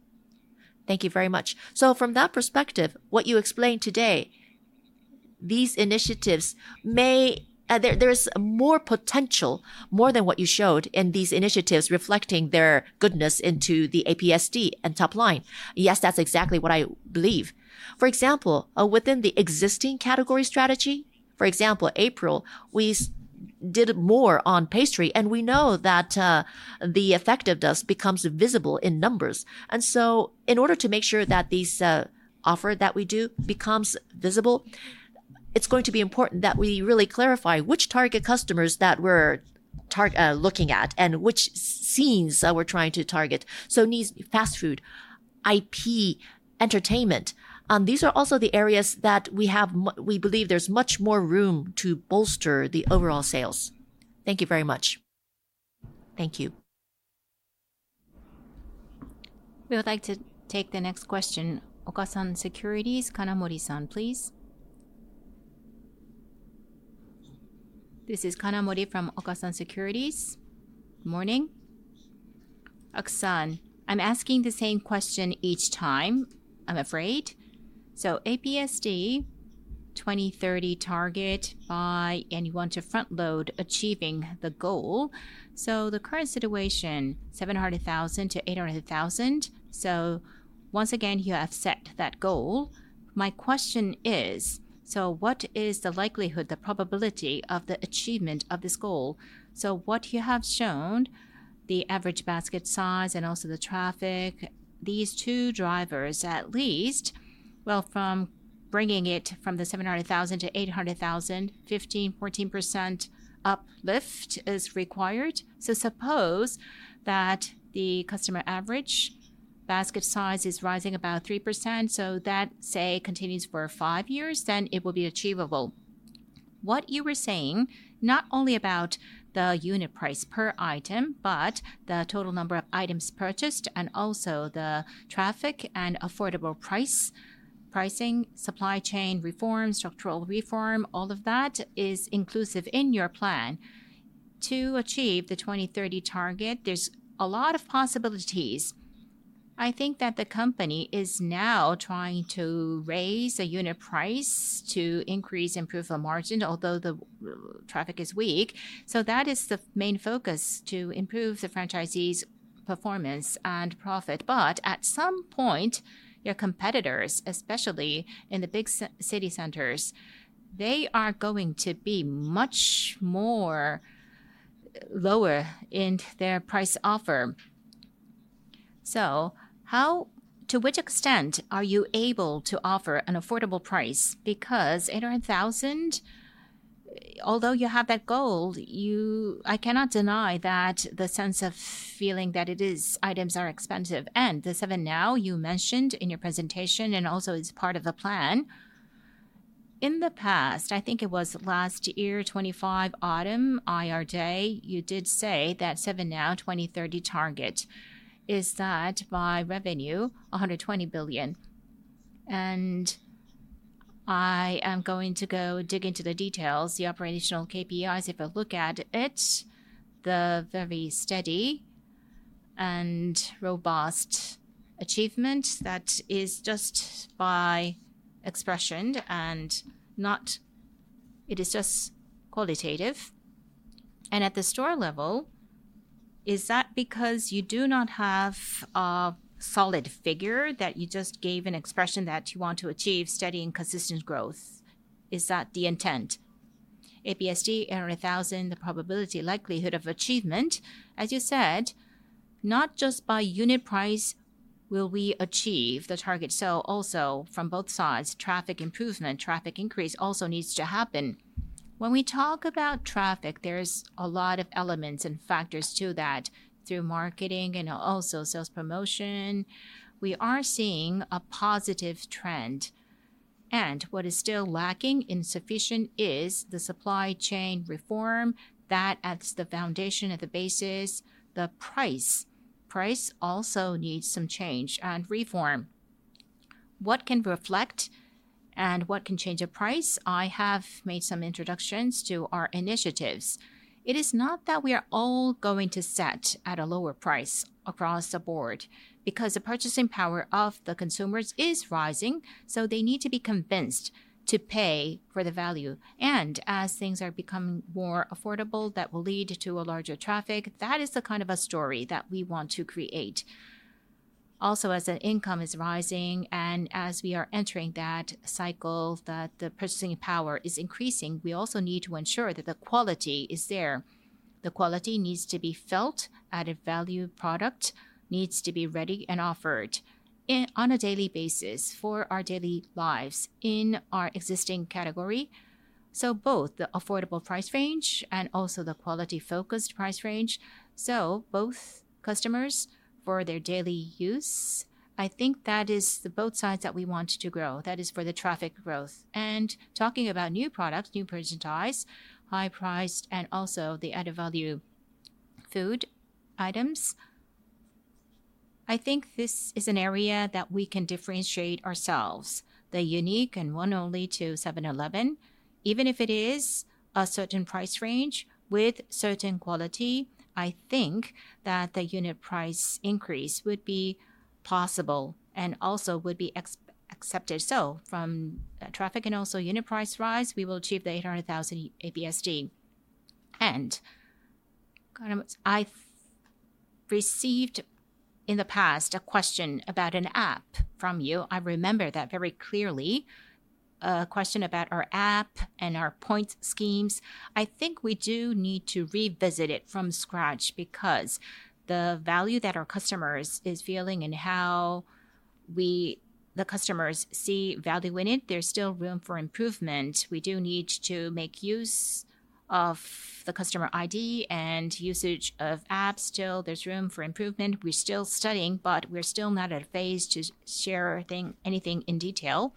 Thank you very much. From that perspective, what you explained today, there's more potential, more than what you showed in these initiatives reflecting their goodness into the APSD and top line. Yes, that's exactly what I believe. For example, within the existing category strategy, for example, April, we did more on pastry, and we know that the effectiveness becomes visible in numbers. In order to make sure that this offer that we do becomes visible, it's going to be important that we really clarify which target customers that we're looking at and which scenes that we're trying to target. Needs fast food, IP, entertainment. These are also the areas that we believe there's much more room to bolster the overall sales. Thank you very much. Thank you. We would like to take the next question. Okasan Securities, Kanamori-san, please. This is Kanamori from Okasan Securities. Morning. Akutsu-san, I'm asking the same question each time, I'm afraid. APSD 2030 target by, and you want to front load achieving the goal. The current situation, 700,000-800,000. Once again, you have set that goal. My question is, what is the likelihood, the probability of the achievement of this goal? What you have shown, the average basket size and also the traffic, these two drivers, at least, well, from bringing it from the 700,000-800,000, 14%-15% uplift is required. Suppose that the customer average basket size is rising about 3%, so that, say, continues for five years, then it will be achievable. What you were saying, not only about the unit price per item, but the total number of items purchased and also the traffic and affordable pricing, supply chain reform, structural reform, all of that is inclusive in your plan. To achieve the 2030 target, there's a lot of possibilities. I think that the company is now trying to raise the unit price to increase, improve the margin, although the traffic is weak. That is the main focus, to improve the franchisees' performance and profit. At some point, your competitors, especially in the big city centers, they are going to be much more lower in their price offer. To which extent are you able to offer an affordable price? Because 800,000, although you have that goal, I cannot deny that the sense of feeling that items are expensive. The 7NOW, you mentioned in your presentation, and also is part of the plan. In the past, I think it was last year, 2025 autumn IR Day, you did say that 7NOW 2030 target is that by revenue 120 billion. I am going to go dig into the details, the operational KPIs. If I look at it, the very steady and robust achievement that is just by expression and it is just qualitative. At the store level, is that because you do not have a solid figure that you just gave an expression that you want to achieve steady and consistent growth? Is that the intent? APSD 800,000, the probability likelihood of achievement. As you said, not just by unit price will we achieve the target. Also from both sides, traffic improvement, traffic increase also needs to happen. When we talk about traffic, there's a lot of elements and factors to that through marketing and also sales promotion. We are seeing a positive trend, and what is still lacking, insufficient is the supply chain reform that adds the foundation at the basis, the price. Price also needs some change and reform. What can reflect and what can change a price? I have made some introductions to our initiatives. It is not that we are all going to set at a lower price across the board because the purchasing power of the consumers is rising, so they need to be convinced to pay for the value. As things are become more affordable, that will lead to a larger traffic. That is the kind of a story that we want to create. As an income is rising and as we are entering that cycle, that the purchasing power is increasing, we also need to ensure that the quality is there. The quality needs to be felt at a value product, needs to be ready and offered on a daily basis for our daily lives in our existing category. Both the affordable price range and also the quality-focused price range. Both customers for their daily use, I think that is the both sides that we want to grow. That is for the traffic growth. Talking about new products, new merchandise, high priced and also the added value food items. I think this is an area that we can differentiate ourselves. The unique and one only to 7-Eleven. Even if it is a certain price range with certain quality, I think that the unit price increase would be possible and also would be accepted. From traffic and also unit price rise, we will achieve the 800,000 APSD. I received in the past a question about an app from you. I remember that very clearly. A question about our app and our points schemes. I think we do need to revisit it from scratch because the value that our customers is feeling and how the customers see value in it, there's still room for improvement. We do need to make use of the customer ID and usage of apps. Still there's room for improvement. We're still studying, but we're still not at a phase to share anything in detail.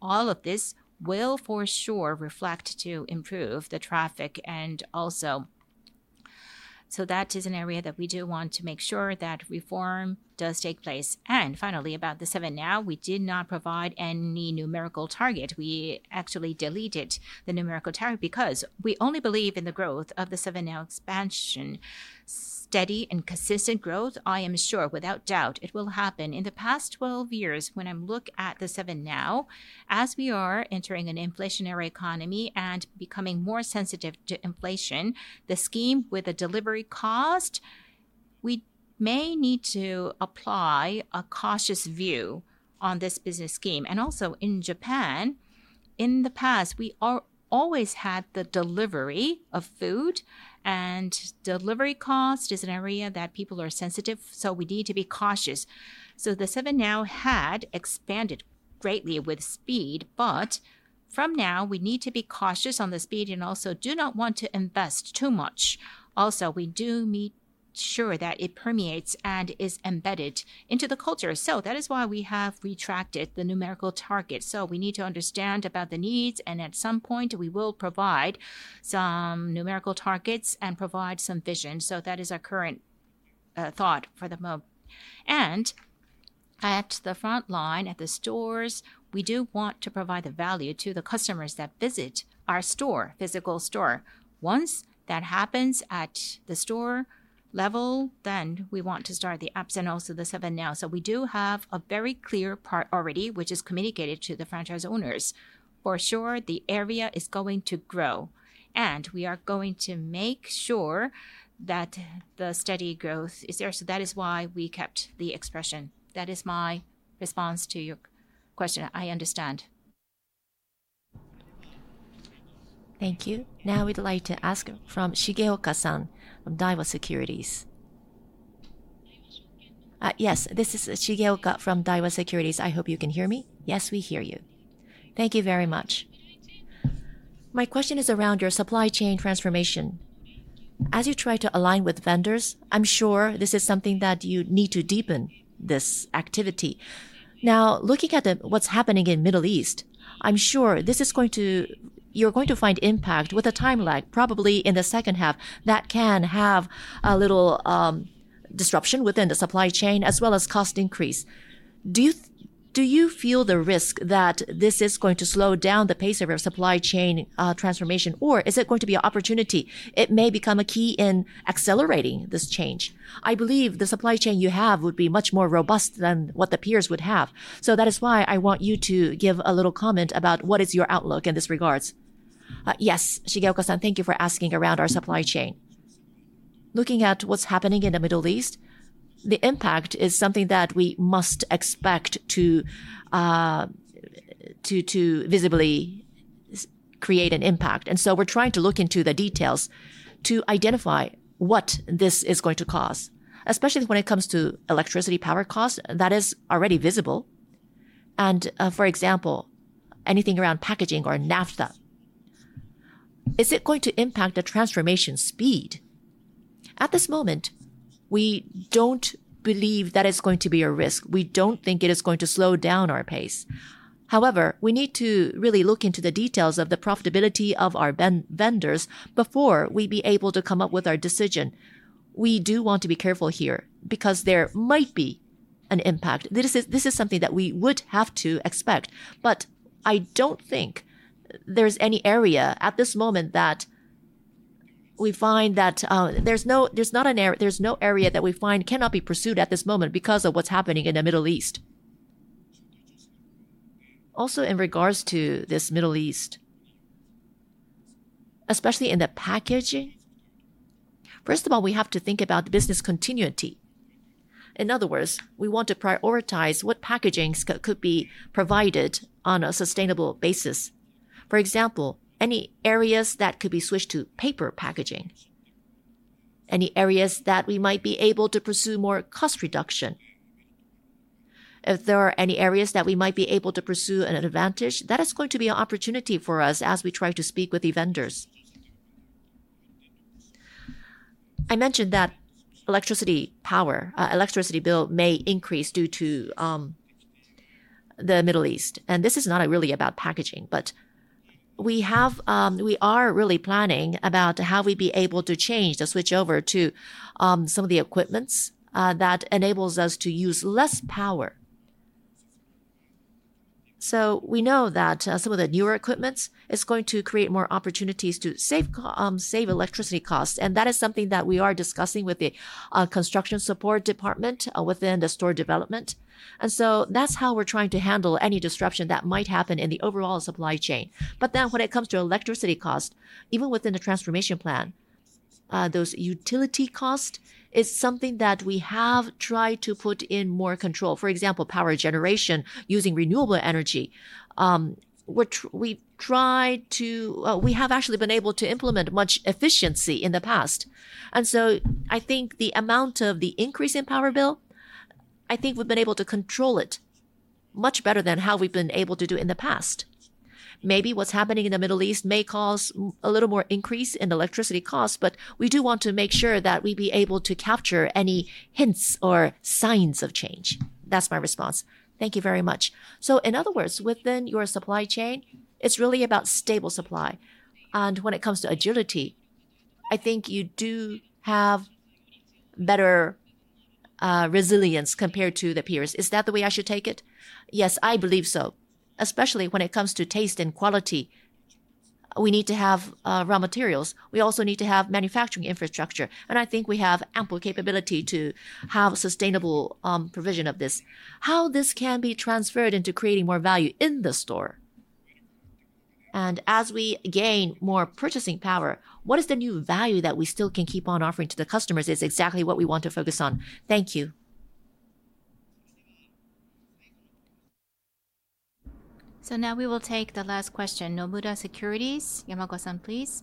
All of this will for sure reflect to improve the traffic and also. That is an area that we do want to make sure that reform does take place. Finally, about the 7NOW, we did not provide any numerical target. We actually deleted the numerical target because we only believe in the growth of the 7NOW expansion. Steady and consistent growth, I am sure without doubt it will happen. In the past 12 years when I look at the 7NOW, as we are entering an inflationary economy and becoming more sensitive to inflation, the scheme with the delivery cost, we may need to apply a cautious view on this business scheme. Also in Japan, in the past, we always had the delivery of food and delivery cost is an area that people are sensitive, so we need to be cautious. The 7NOW had expanded greatly with speed, but from now we need to be cautious on the speed and also do not want to invest too much. Also, we do make sure that it permeates and is embedded into the culture. That is why we have retracted the numerical target. We need to understand about the needs and at some point we will provide some numerical targets and provide some vision. That is our current thought for the moment. At the front line at the stores, we do want to provide the value to the customers that visit our store, physical store. Once that happens at the store level, then we want to start the apps and also the 7NOW. We do have a very clear part already, which is communicated to the franchise owners. For sure the area is going to grow, and we are going to make sure that the steady growth is there. That is why we kept the expression. That is my response to your question. I understand. Thank you. Now we'd like to ask from Shigeoka-san of Daiwa Securities. Yes, this is Shigeoka from Daiwa Securities. I hope you can hear me. Yes, we hear you. Thank you very much. My question is around your supply chain transformation. As you try to align with vendors, I'm sure this is something that you need to deepen this activity. Now looking at what's happening in the Middle East, I'm sure you're going to find impact with a timeline probably in the second half that can have a little disruption within the supply chain as well as cost increase. Do you feel the risk that this is going to slow down the pace of your supply chain transformation or is it going to be an opportunity? It may become a key in accelerating this change. I believe the supply chain you have would be much more robust than what the peers would have. That is why I want you to give a little comment about what is your outlook in this regard. Yes. Shigeoka-san, thank you for asking around our supply chain. Looking at what's happening in the Middle East, the impact is something that we must expect to visibly create an impact. We're trying to look into the details to identify what this is going to cause, especially when it comes to electricity power costs, that is already visible. For example, anything around packaging or naphtha, is it going to impact the transformation speed? At this moment, we don't believe that it's going to be a risk. We don't think it is going to slow down our pace. However, we need to really look into the details of the profitability of our vendors before we'll be able to come up with our decision. We do want to be careful here because there might be an impact. This is something that we would have to expect, but I don't think there's any area at this moment that we find cannot be pursued at this moment because of what's happening in the Middle East. Also in regards to this Middle East, especially in the packaging, first of all, we have to think about business continuity. In other words, we want to prioritize what packaging could be provided on a sustainable basis. For example, any areas that could be switched to paper packaging, any areas that we might be able to pursue more cost reduction. If there are any areas that we might be able to pursue an advantage, that is going to be an opportunity for us as we try to speak with the vendors. I mentioned that electricity bill may increase due to the Middle East, and this is not really about packaging, but we are really planning about how we'd be able to change, to switch over to some of the equipments that enables us to use less power. We know that some of the newer equipments is going to create more opportunities to save electricity costs, and that is something that we are discussing with the construction support department within the store development. That's how we're trying to handle any disruption that might happen in the overall supply chain. When it comes to electricity cost, even within the transformation plan, those utility cost is something that we have tried to put in more control. For example, power generation using renewable energy, we have actually been able to implement much efficiency in the past. I think the amount of the increase in power bill, I think we've been able to control it much better than how we've been able to do in the past. Maybe what's happening in the Middle East may cause a little more increase in electricity costs, but we do want to make sure that we'll be able to capture any hints or signs of change. That's my response. Thank you very much. In other words, within your supply chain, it's really about stable supply. When it comes to agility, I think you do have better resilience compared to the peers. Is that the way I should take it? Yes, I believe so. Especially when it comes to taste and quality, we need to have raw materials. We also need to have manufacturing infrastructure, and I think we have ample capability to have sustainable provision of this. How this can be transferred into creating more value in the store. As we gain more purchasing power, what is the new value that we still can keep on offering to the customers is exactly what we want to focus on. Thank you. Now we will take the last question. Nomura Securities, Yamaoka-san, please.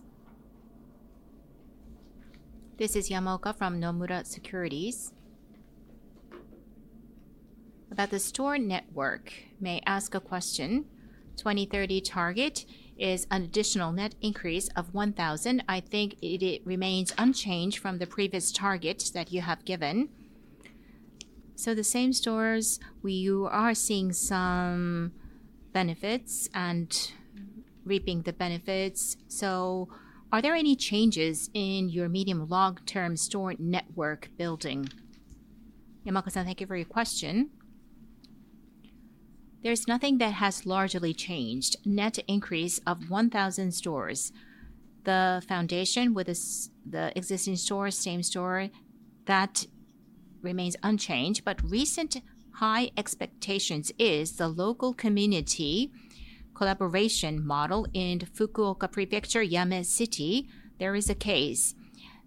This is Yamaoka from Nomura Securities. About the store network, may I ask a question? 2030 target is an additional net increase of 1,000. I think it remains unchanged from the previous target that you have given. The same stores where you are seeing some benefits and reaping the benefits. Are there any changes in your medium long-term store network building? Yamaoka-san, thank you for your question. There's nothing that has largely changed. Net increase of 1,000 stores. The foundation with the existing stores, same store, that remains unchanged. Recent high expectations is the local community collaboration model in Fukuoka Prefecture, Yame City. There is a case.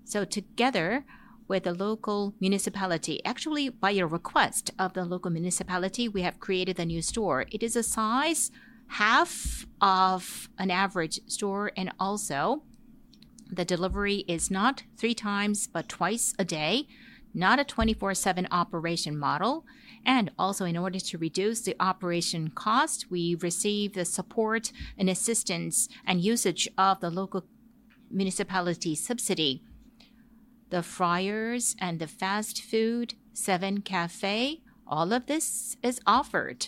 Together with the local municipality, actually by a request of the local municipality, we have created a new store. It is a size half of an average store, and also the delivery is not three times but twice a day, not a 24/7 operation model. In order to reduce the operation cost, we receive the support and assistance and usage of the local municipality subsidy. The fryers and the fast food, SEVEN CAFÉ, all of this is offered.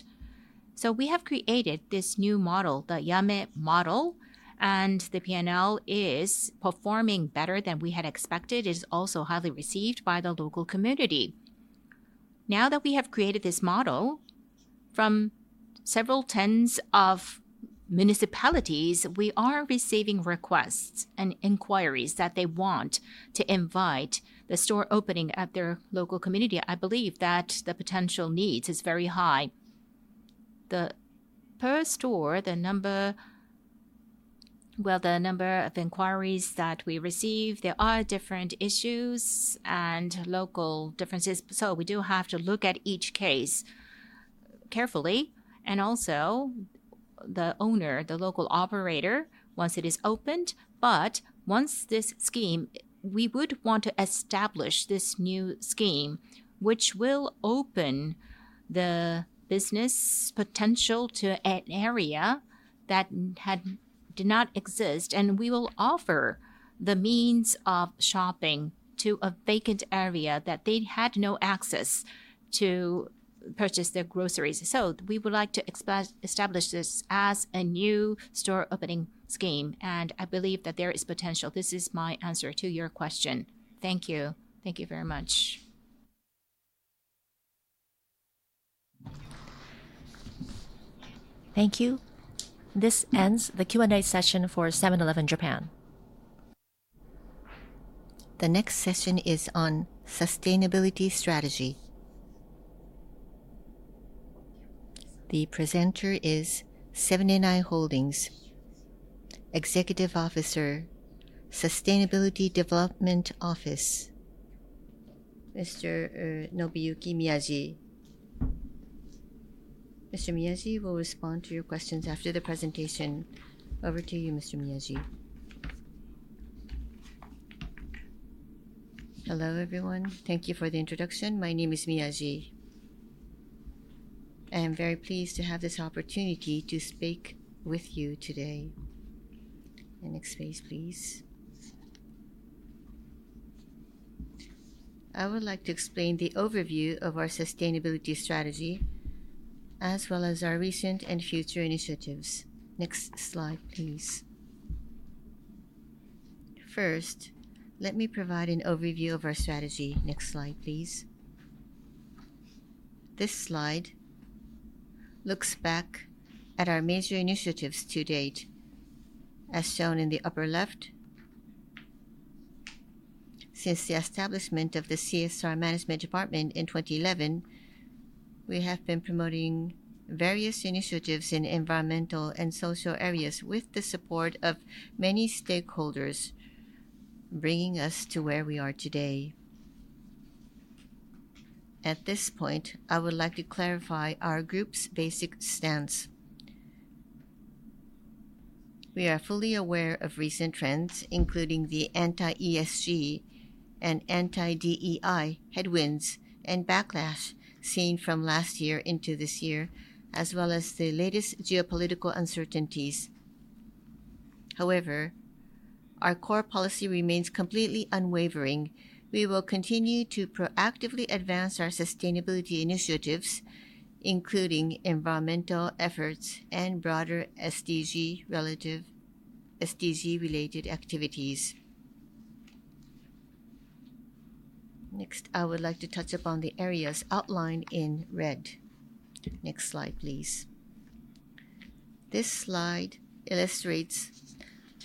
We have created this new model, the Yame model, and the P&L is performing better than we had expected. It's also highly received by the local community. Now that we have created this model, from several tens of municipalities, we are receiving requests and inquiries that they want to invite the store opening at their local community. I believe that the potential needs is very high. Per store, the number of inquiries that we receive, there are different issues and local differences. We do have to look at each case carefully, and also the owner, the local operator, once it is opened. Once this scheme, we would want to establish this new scheme, which will open the business potential to an area that did not exist, and we will offer the means of shopping to a vacant area that they had no access to purchase their groceries. We would like to establish this as a new store opening scheme, and I believe that there is potential. This is my answer to your question. Thank you. Thank you very much. Thank you. This ends the Q and A session for 7-Eleven Japan. The next session is on sustainability strategy. The presenter is Seven & i Holdings, Executive Officer, ESG Development Division, Mr. Nobuyuki Miyaji. Mr. Miyaji will respond to your questions after the presentation. Over to you, Mr. Miyaji. Hello, everyone. Thank you for the introduction. My name is Miyaji. I am very pleased to have this opportunity to speak with you today. Next please. I would like to explain the overview of our sustainability strategy as well as our recent and future initiatives. Next slide, please. First, let me provide an overview of our strategy. Next slide, please. This slide looks back at our major initiatives to date. As shown in the upper left, since the establishment of the CSR Management Department in 2011, we have been promoting various initiatives in environmental and social areas with the support of many stakeholders, bringing us to where we are today. At this point, I would like to clarify our group's basic stance. We are fully aware of recent trends, including the anti-ESG and anti-DEI headwinds and backlash seen from last year into this year, as well as the latest geopolitical uncertainties. However, our core policy remains completely unwavering. We will continue to proactively advance our sustainability initiatives, including environmental efforts and broader SDG-related activities. Next, I would like to touch upon the areas outlined in red. Next slide, please. This slide illustrates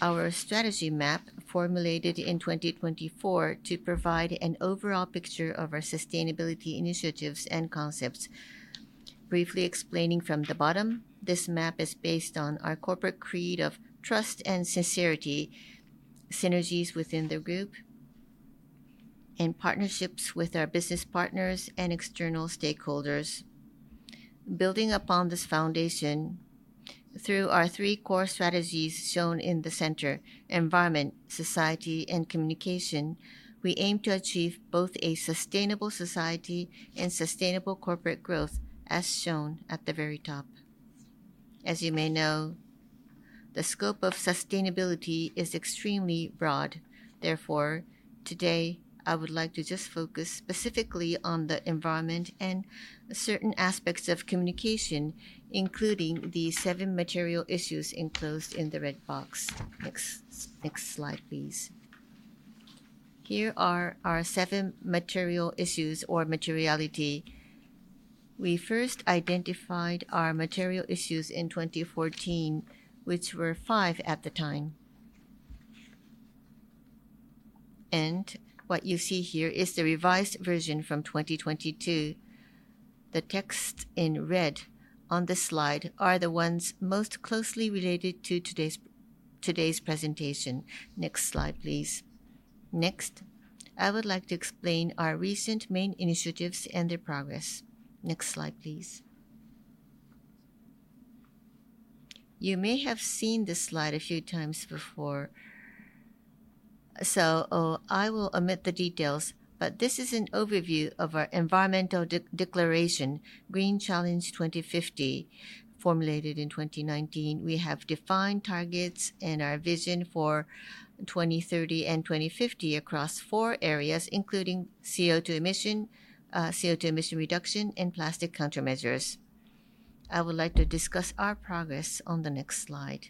our strategy map formulated in 2024 to provide an overall picture of our sustainability initiatives and concepts. Briefly explaining from the bottom, this map is based on our corporate creed of trust and sincerity, synergies within the group, and partnerships with our business partners and external stakeholders. Building upon this foundation, through our three core strategies shown in the center, environment, society, and communication, we aim to achieve both a sustainable society and sustainable corporate growth, as shown at the very top. As you may know, the scope of sustainability is extremely broad. Therefore, today, I would like to just focus specifically on the environment and certain aspects of communication, including the seven material issues enclosed in the red box. Next slide, please. Here are our seven material issues or materiality. We first identified our material issues in 2014, which were five at the time. What you see here is the revised version from 2022. The texts in red on this slide are the ones most closely related to today's presentation. Next slide, please. Next, I would like to explain our recent main initiatives and their progress. Next slide, please. You may have seen this slide a few times before, so I will omit the details, but this is an overview of our environmental declaration, Green Challenge 2050, formulated in 2019. We have defined targets in our vision for 2030 and 2050 across four areas, including CO2 emission reduction and plastic countermeasures. I would like to discuss our progress on the next slide.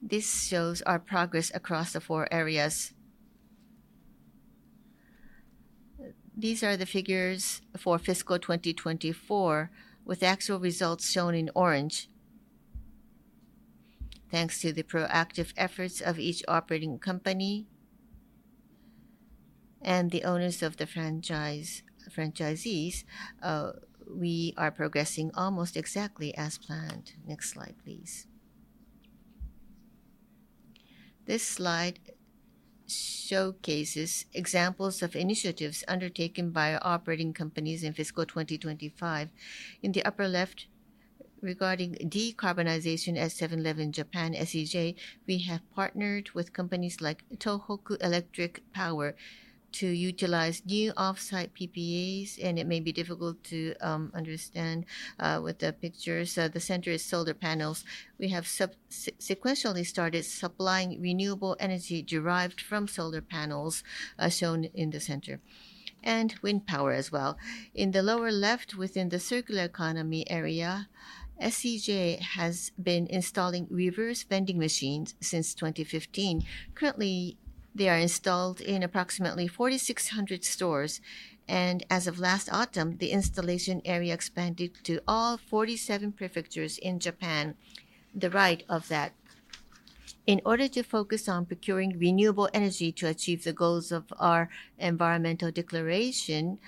This shows our progress across the four areas. These are the figures for fiscal 2024, with actual results shown in orange. Thanks to the proactive efforts of each operating company and the owners of the franchisees, we are progressing almost exactly as planned. Next slide, please. This slide showcases examples of initiatives undertaken by operating companies in fiscal 2025. In the upper left, regarding decarbonization at 7-Eleven Japan, SEJ, we have partnered with companies like Tohoku Electric Power to utilize new off-site PPAs, and it may be difficult to understand with the pictures. The center is solar panels. We have sequentially started supplying renewable energy derived from solar panels, as shown in the center, and wind power as well. In the lower left, within the circular economy area, SEJ has been installing reverse vending machines since 2015. Currently, they are installed in approximately 4,600 stores, and as of last autumn, the installation area expanded to all 47 prefectures in Japan. To the right of that. In order to focus on procuring renewable energy to achieve the goals of our environmental declaration,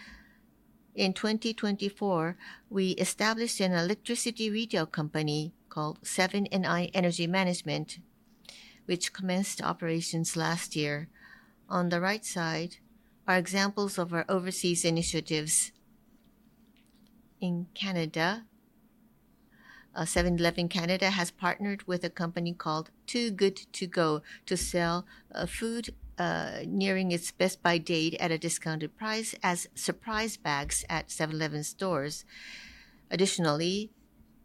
in 2024, we established an electricity retail company called Seven & i Energy Management, which commenced operations last year. On the right side are examples of our overseas initiatives. In Canada, 7-Eleven Canada has partnered with a company called Too Good To Go to sell food nearing its best by date at a discounted price as surprise bags at 7-Eleven stores. Additionally,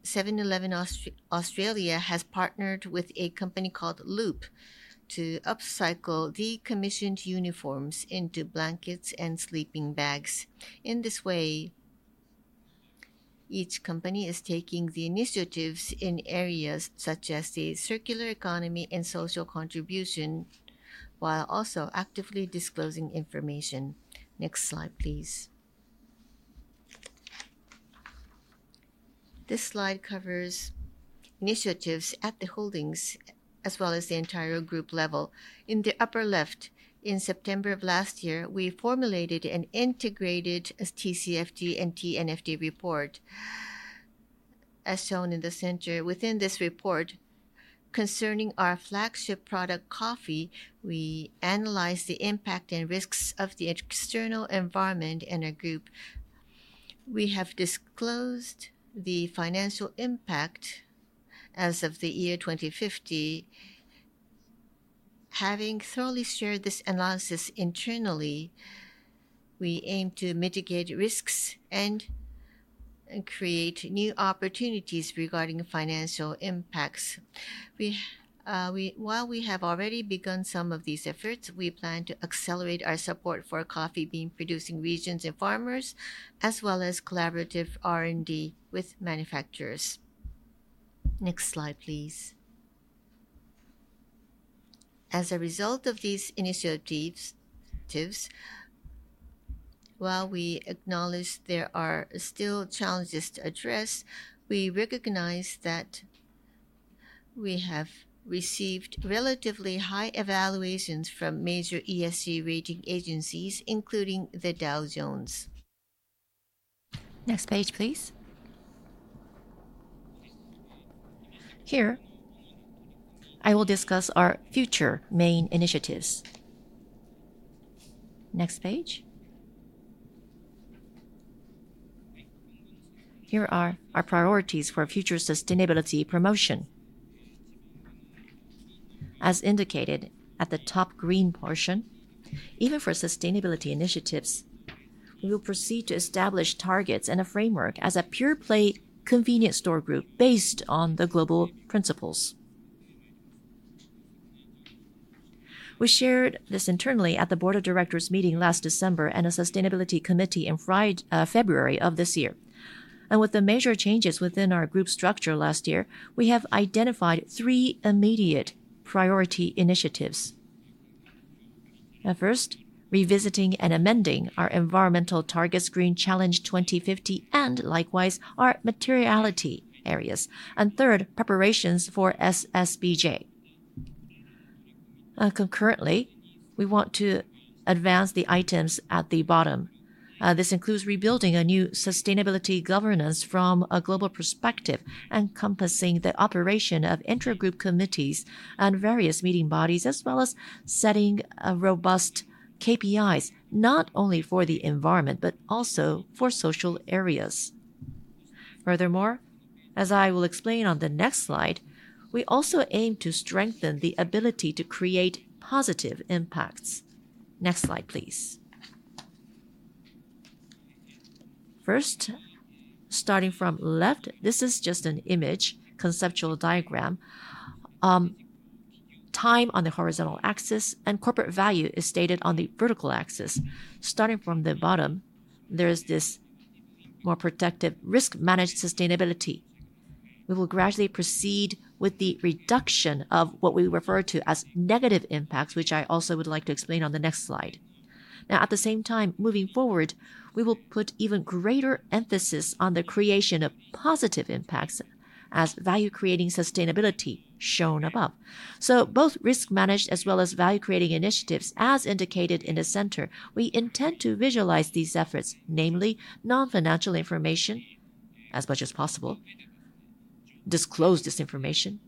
7-Eleven Australia has partnered with a company called Loop to upcycle decommissioned uniforms into blankets and sleeping bags. In this way, each company is taking the initiatives in areas such as the circular economy and social contribution, while also actively disclosing information. Next slide, please. This slide covers initiatives at the Holdings as well as the entire group level. In the upper left, in September of last year, we formulated an integrated TCFD and TNFD report, as shown in the center. Within this report, concerning our flagship product, coffee, we analyzed the impact and risks of the external environment in our group. We have disclosed the financial impact as of the year 2050. Having thoroughly shared this analysis internally, we aim to mitigate risks and create new opportunities regarding financial impacts. While we have already begun some of these efforts, we plan to accelerate our support for coffee bean-producing regions and farmers, as well as collaborative R&D with manufacturers. Next slide, please. As a result of these initiatives, while we acknowledge there are still challenges to address, we recognize that we have received relatively high evaluations from major ESG rating agencies, including the Dow Jones. Next page, please. Here, I will discuss our future main initiatives. Next page. Here are our priorities for future sustainability promotion. As indicated at the top green portion, even for sustainability initiatives, we will proceed to establish targets and a framework as a pure-play convenience store group based on the global principles. We shared this internally at the board of directors meeting last December and a sustainability committee in February of this year. With the major changes within our group structure last year, we have identified three immediate priority initiatives. First, revisiting and amending our environmental targets, Green Challenge 2050, and likewise, our materiality areas. Third, preparations for SSBJ. Concurrently, we want to advance the items at the bottom. This includes rebuilding a new sustainability governance from a global perspective, encompassing the operation of intra-group committees and various meeting bodies, as well as setting robust KPIs, not only for the environment but also for social areas. Furthermore, as I will explain on the next slide, we also aim to strengthen the ability to create positive impacts. Next slide, please. First, starting from left, this is just an image, conceptual diagram. Time on the horizontal axis and corporate value is stated on the vertical axis. Starting from the bottom, there is this more protective risk-managed sustainability We will gradually proceed with the reduction of what we refer to as negative impacts, which I also would like to explain on the next slide. Now, at the same time, moving forward, we will put even greater emphasis on the creation of positive impacts as value-creating sustainability shown above. Both risk-managed as well as value-creating initiatives, as indicated in the center. We intend to visualize these efforts, namely non-financial information, as much as possible, disclose this information,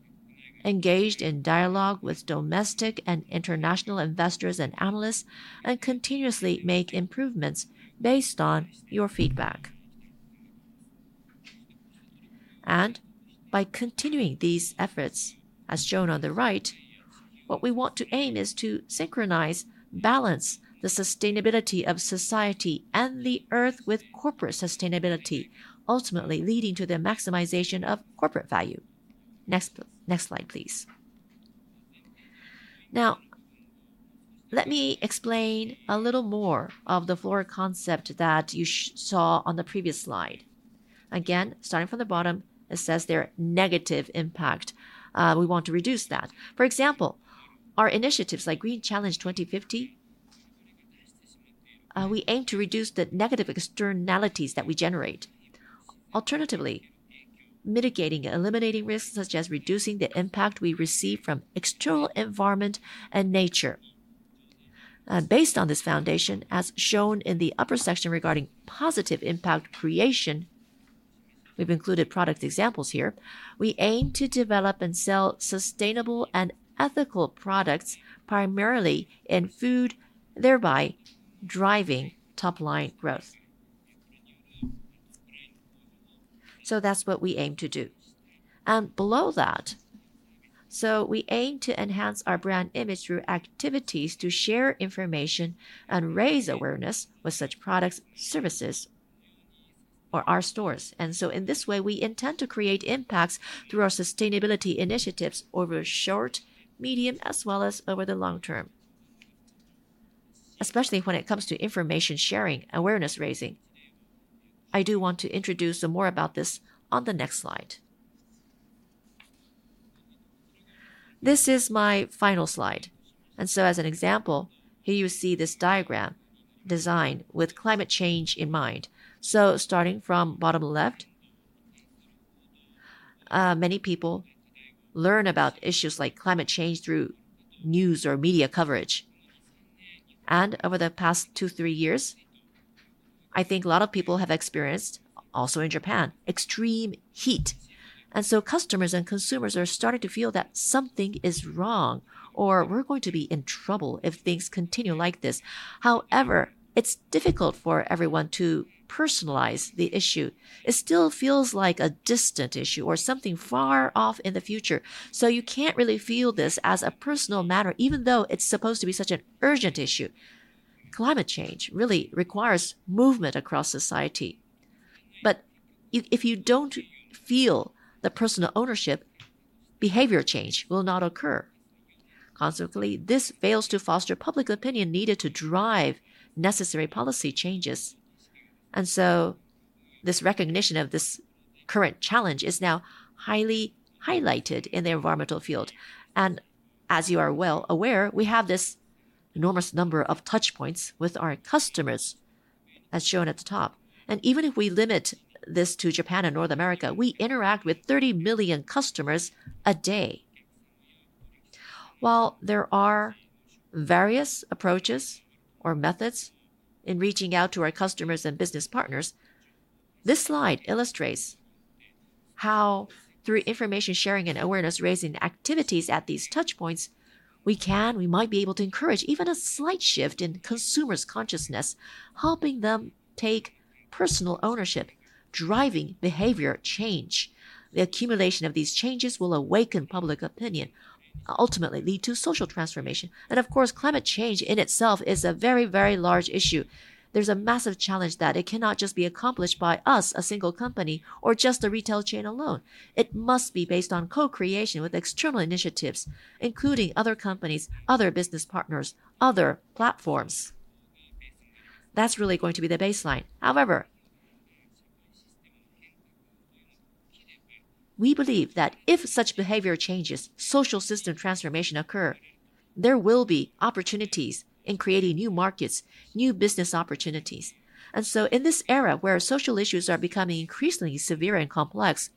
engage in dialogue with domestic and international investors and analysts, and continuously make improvements based on your feedback. By continuing these efforts, as shown on the right, what we want to aim is to synchronize, balance the sustainability of society and the Earth with corporate sustainability, ultimately leading to the maximization of corporate value. Next slide, please. Now, let me explain a little more of the floor concept that you saw on the previous slide. Again, starting from the bottom, it says there, negative impact. We want to reduce that. For example, our initiatives like Green Challenge 2050, we aim to reduce the negative externalities that we generate, alternatively mitigating and eliminating risks such as reducing the impact we receive from external environment and nature. Based on this foundation, as shown in the upper section regarding positive impact creation, we've included product examples here. We aim to develop and sell sustainable and ethical products primarily in food, thereby driving top-line growth. That's what we aim to do. Below that, so we aim to enhance our brand image through activities to share information and raise awareness with such products, services, or our stores. In this way, we intend to create impacts through our sustainability initiatives over short, medium, as well as over the long term. Especially when it comes to information sharing, awareness raising. I do want to introduce some more about this on the next slide. This is my final slide. As an example, here you see this diagram designed with climate change in mind. Starting from bottom left, many people learn about issues like climate change through news or media coverage. Over the past 2-. Years, I think a lot of people have experienced, also in Japan, extreme heat. Customers and consumers are starting to feel that something is wrong, or we're going to be in trouble if things continue like this. However, it's difficult for everyone to personalize the issue. It still feels like a distant issue or something far off in the future. You can't really feel this as a personal matter, even though it's supposed to be such an urgent issue. Climate change really requires movement across society. If you don't feel the personal ownership, behavior change will not occur. Consequently, this fails to foster public opinion needed to drive necessary policy changes. This recognition of this current challenge is now highly highlighted in the environmental field. As you are well aware, we have this enormous number of touch points with our customers, as shown at the top. Even if we limit this to Japan and North America, we interact with 30 million customers a day. While there are various approaches or methods in reaching out to our customers and business partners, this slide illustrates how through information sharing and awareness raising activities at these touch points, we can, we might be able to encourage even a slight shift in consumers' consciousness, helping them take personal ownership, driving behavior change. The accumulation of these changes will awaken public opinion, ultimately lead to social transformation. Of course, climate change in itself is a very, very large issue. There's a massive challenge that it cannot just be accomplished by us, a single company, or just the retail chain alone. It must be based on co-creation with external initiatives, including other companies, other business partners, other platforms. That's really going to be the baseline. However, we believe that if such behavior changes, social system transformation occur, there will be opportunities in creating new markets, new business opportunities. In this era where social issues are becoming increasingly severe and complex,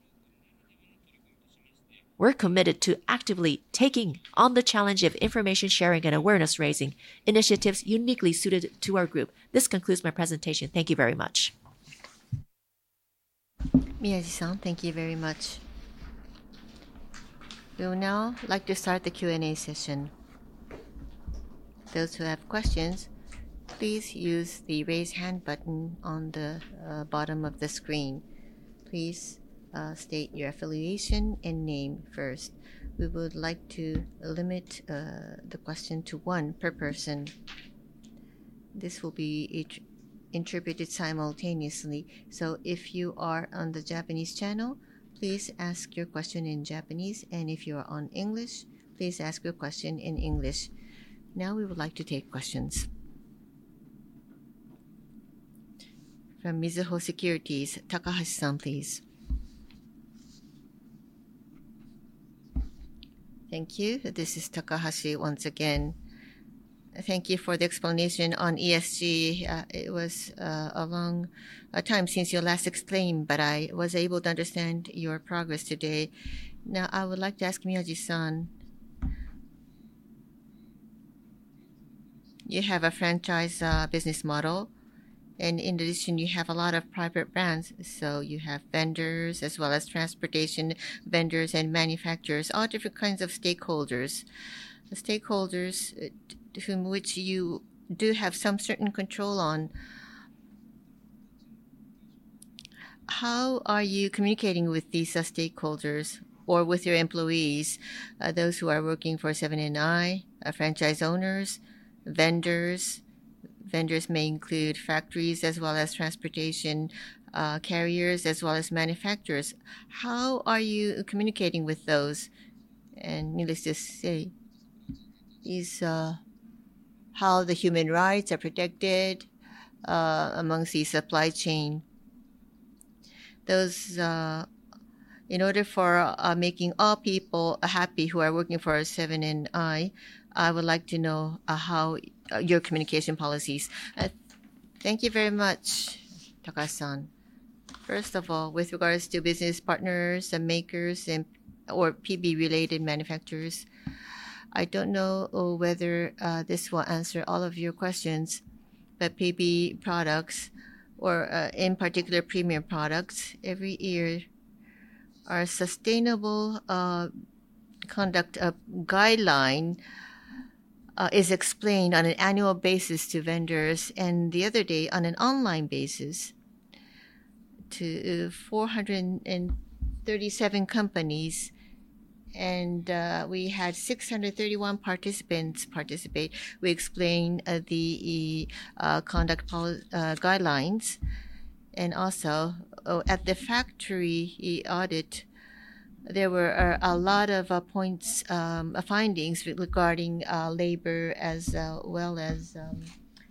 we're committed to actively taking on the challenge of information sharing and awareness raising initiatives uniquely suited to our group. This concludes my presentation. Thank you very much. Miyaji-san, thank you very much. We would now like to start the Q and A session. Those who have questions, please use the raise hand button on the bottom of the screen. Please state your affiliation and name first. We would like to limit the question to one per person. This will be interpreted simultaneously. So if you are on the Japanese channel, please ask your question in Japanese, and if you are on English, please ask your question in English. Now we would like to take questions. From Mizuho Securities, Takahashi-san, please. Thank you. This is Takahashi once again. Thank you for the explanation on ESG. It was a long time since you last explained, but I was able to understand your progress today. Now, I would like to ask Miyaji-san. You have a franchise business model, and in addition, you have a lot of private brands. So you have vendors as well as transportation vendors and manufacturers, all different kinds of stakeholders. The stakeholders whom which you do have some certain control on. How are you communicating with these stakeholders or with your employees, those who are working for Seven & i, franchise owners, vendors? Vendors may include factories as well as transportation carriers as well as manufacturers. How are you communicating with those? Let's just say, how the human rights are protected among the supply chain. In order for making all people happy who are working for Seven & i, I would like to know your communication policies. Thank you very much, Takahashi-san. First of all, with regards to business partners and makers or PB-related manufacturers, I don't know whether this will answer all of your questions, but PB products, or in particular premium products, every year, our sustainable conduct guideline is explained on an annual basis to vendors. The other day, on an online basis, to 437 companies, and we had 631 participants participate. We explained the conduct guidelines, and also at the factory audit, there were a lot of findings regarding labor as well as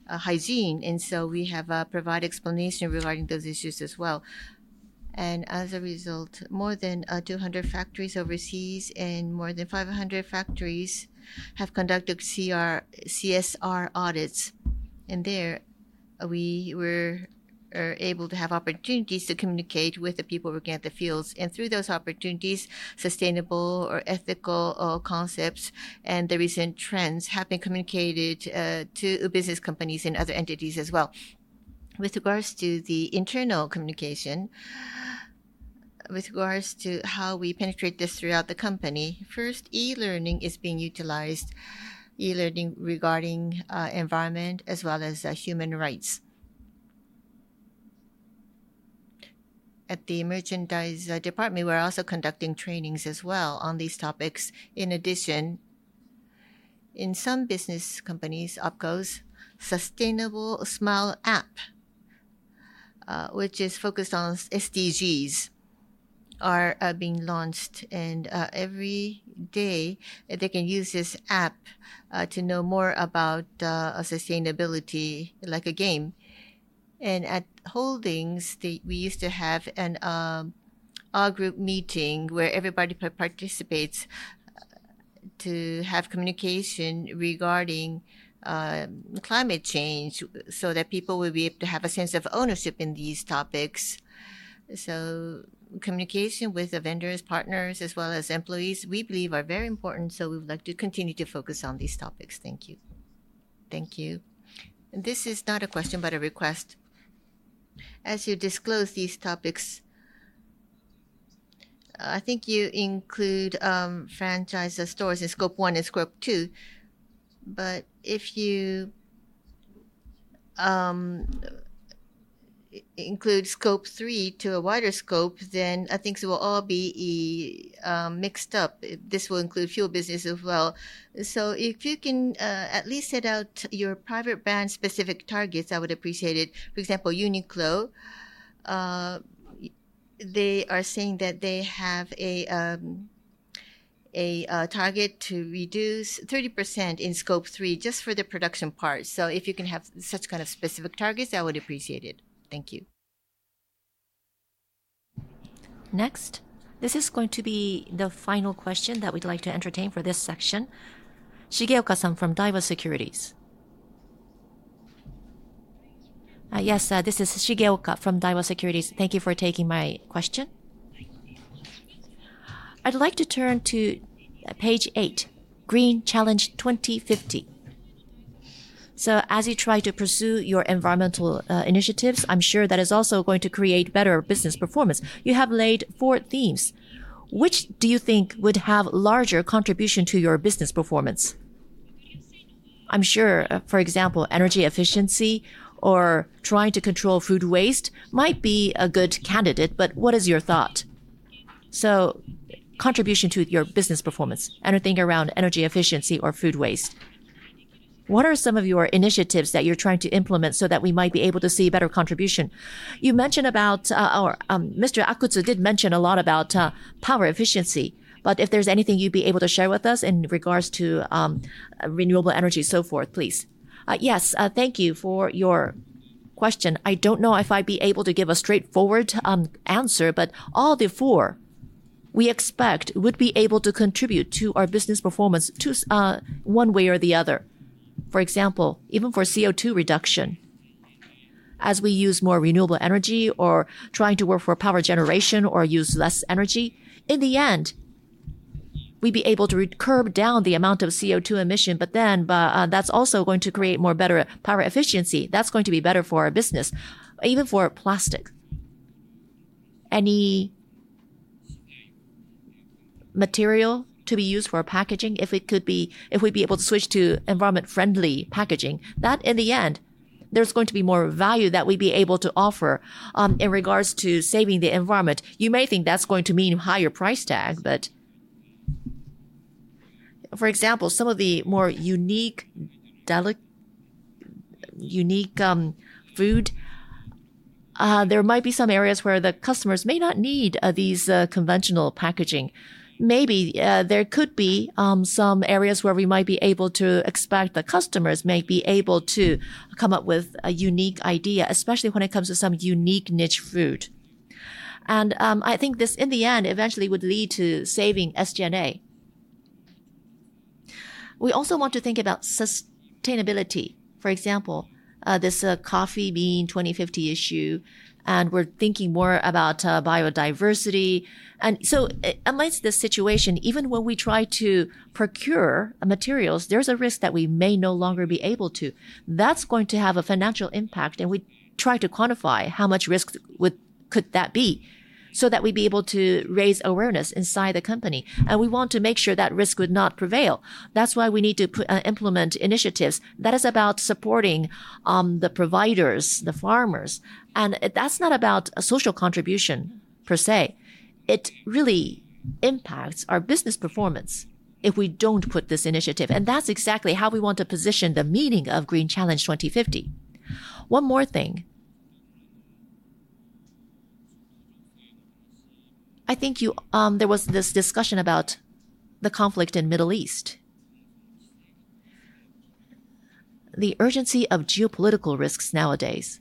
hygiene. We have provided explanation regarding those issues as well. As a result, more than 200 factories overseas and more than 500 factories have conducted CSR audits. There, we were able to have opportunities to communicate with the people working at the fields. Through those opportunities, sustainable or ethical concepts and the recent trends have been communicated to business companies and other entities as well. With regards to the internal communication, with regards to how we penetrate this throughout the company, first, e-learning is being utilized regarding environment as well as human rights. At the merchandise department, we're also conducting trainings as well on these topics. In addition, in some business companies, OPCO's Sustainable Smile app, which is focused on SDGs, are being launched. Every day, they can use this app to know more about sustainability like a game. At Holdings, we used to have an all-group meeting where everybody participates to have communication regarding climate change so that people will be able to have a sense of ownership in these topics. Communication with the vendors, partners, as well as employees, we believe are very important, so we would like to continue to focus on these topics. Thank you. Thank you. This is not a question, but a request. As you disclose these topics, I think you include franchise stores in Scope 1 and Scope 2. If you include Scope 3 to a wider scope, then I think it will all be mixed up. This will include fuel business as well. If you can at least set out your private brand specific targets, I would appreciate it. For example, Uniqlo they are saying that they have a target to reduce 30% in Scope 3 just for the production part. If you can have such kind of specific targets, I would appreciate it. Thank you. Next. This is going to be the final question that we'd like to entertain for this section. Shigeoka-san from Daiwa Securities. Yes. This is Shigeoka from Daiwa Securities. Thank you for taking my question. I'd like to turn to page eight, Green Challenge 2050. As you try to pursue your environmental initiatives, I'm sure that is also going to create better business performance. You have laid four themes. Which do you think would have larger contribution to your business performance? I'm sure, for example, energy efficiency or trying to control food waste might be a good candidate, but what is your thought? Contribution to your business performance, anything around energy efficiency or food waste. What are some of your initiatives that you're trying to implement so that we might be able to see better contribution? You mentioned about, or Mr. Akutsu did mention a lot about power efficiency, but if there's anything you'd be able to share with us in regards to renewable energy, so forth, please. Yes. Thank you for your question. I don't know if I'd be able to give a straightforward answer, but all the four, we expect would be able to contribute to our business performance one way or the other. For example, even for CO2 reduction, as we use more renewable energy or trying to work for power generation or use less energy, in the end, we'd be able to curb down the amount of CO2 emission, but then that's also going to create more better power efficiency. That's going to be better for our business. Even for plastic, any material to be used for packaging, if we'd be able to switch to environment-friendly packaging, that in the end, there's going to be more value that we'd be able to offer, in regards to saving the environment. You may think that's going to mean higher price tag, but for example, some of the more unique food, there might be some areas where the customers may not need these conventional packaging. Maybe there could be some areas where we might be able to expect the customers may be able to come up with a unique idea, especially when it comes to some unique niche food. I think this, in the end, eventually would lead to saving SG&A. We also want to think about sustainability. For example, this Green Challenge 2050 issue. We're thinking more about biodiversity. Amidst this situation, even when we try to procure materials, there's a risk that we may no longer be able to. That's going to have a financial impact, and we try to quantify how much risk could that be, so that we'd be able to raise awareness inside the company. We want to make sure that risk would not prevail. That's why we need to implement initiatives that is about supporting the providers, the farmers. That's not about social contribution per se. It really impacts our business performance if we don't put this initiative. That's exactly how we want to position the meaning of Green Challenge 2050. One more thing. I think there was this discussion about the conflict in Middle East. The urgency of geopolitical risks nowadays,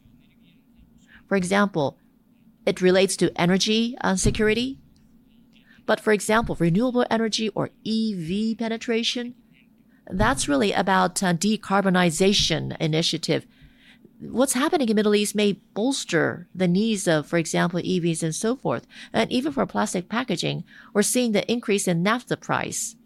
for example, it relates to energy insecurity. For example, renewable energy or EV penetration, that's really about decarbonization initiative. What's happening in Middle East may bolster the needs of, for example, EVs and so forth. Even for plastic packaging, we're seeing the increase in naphtha price.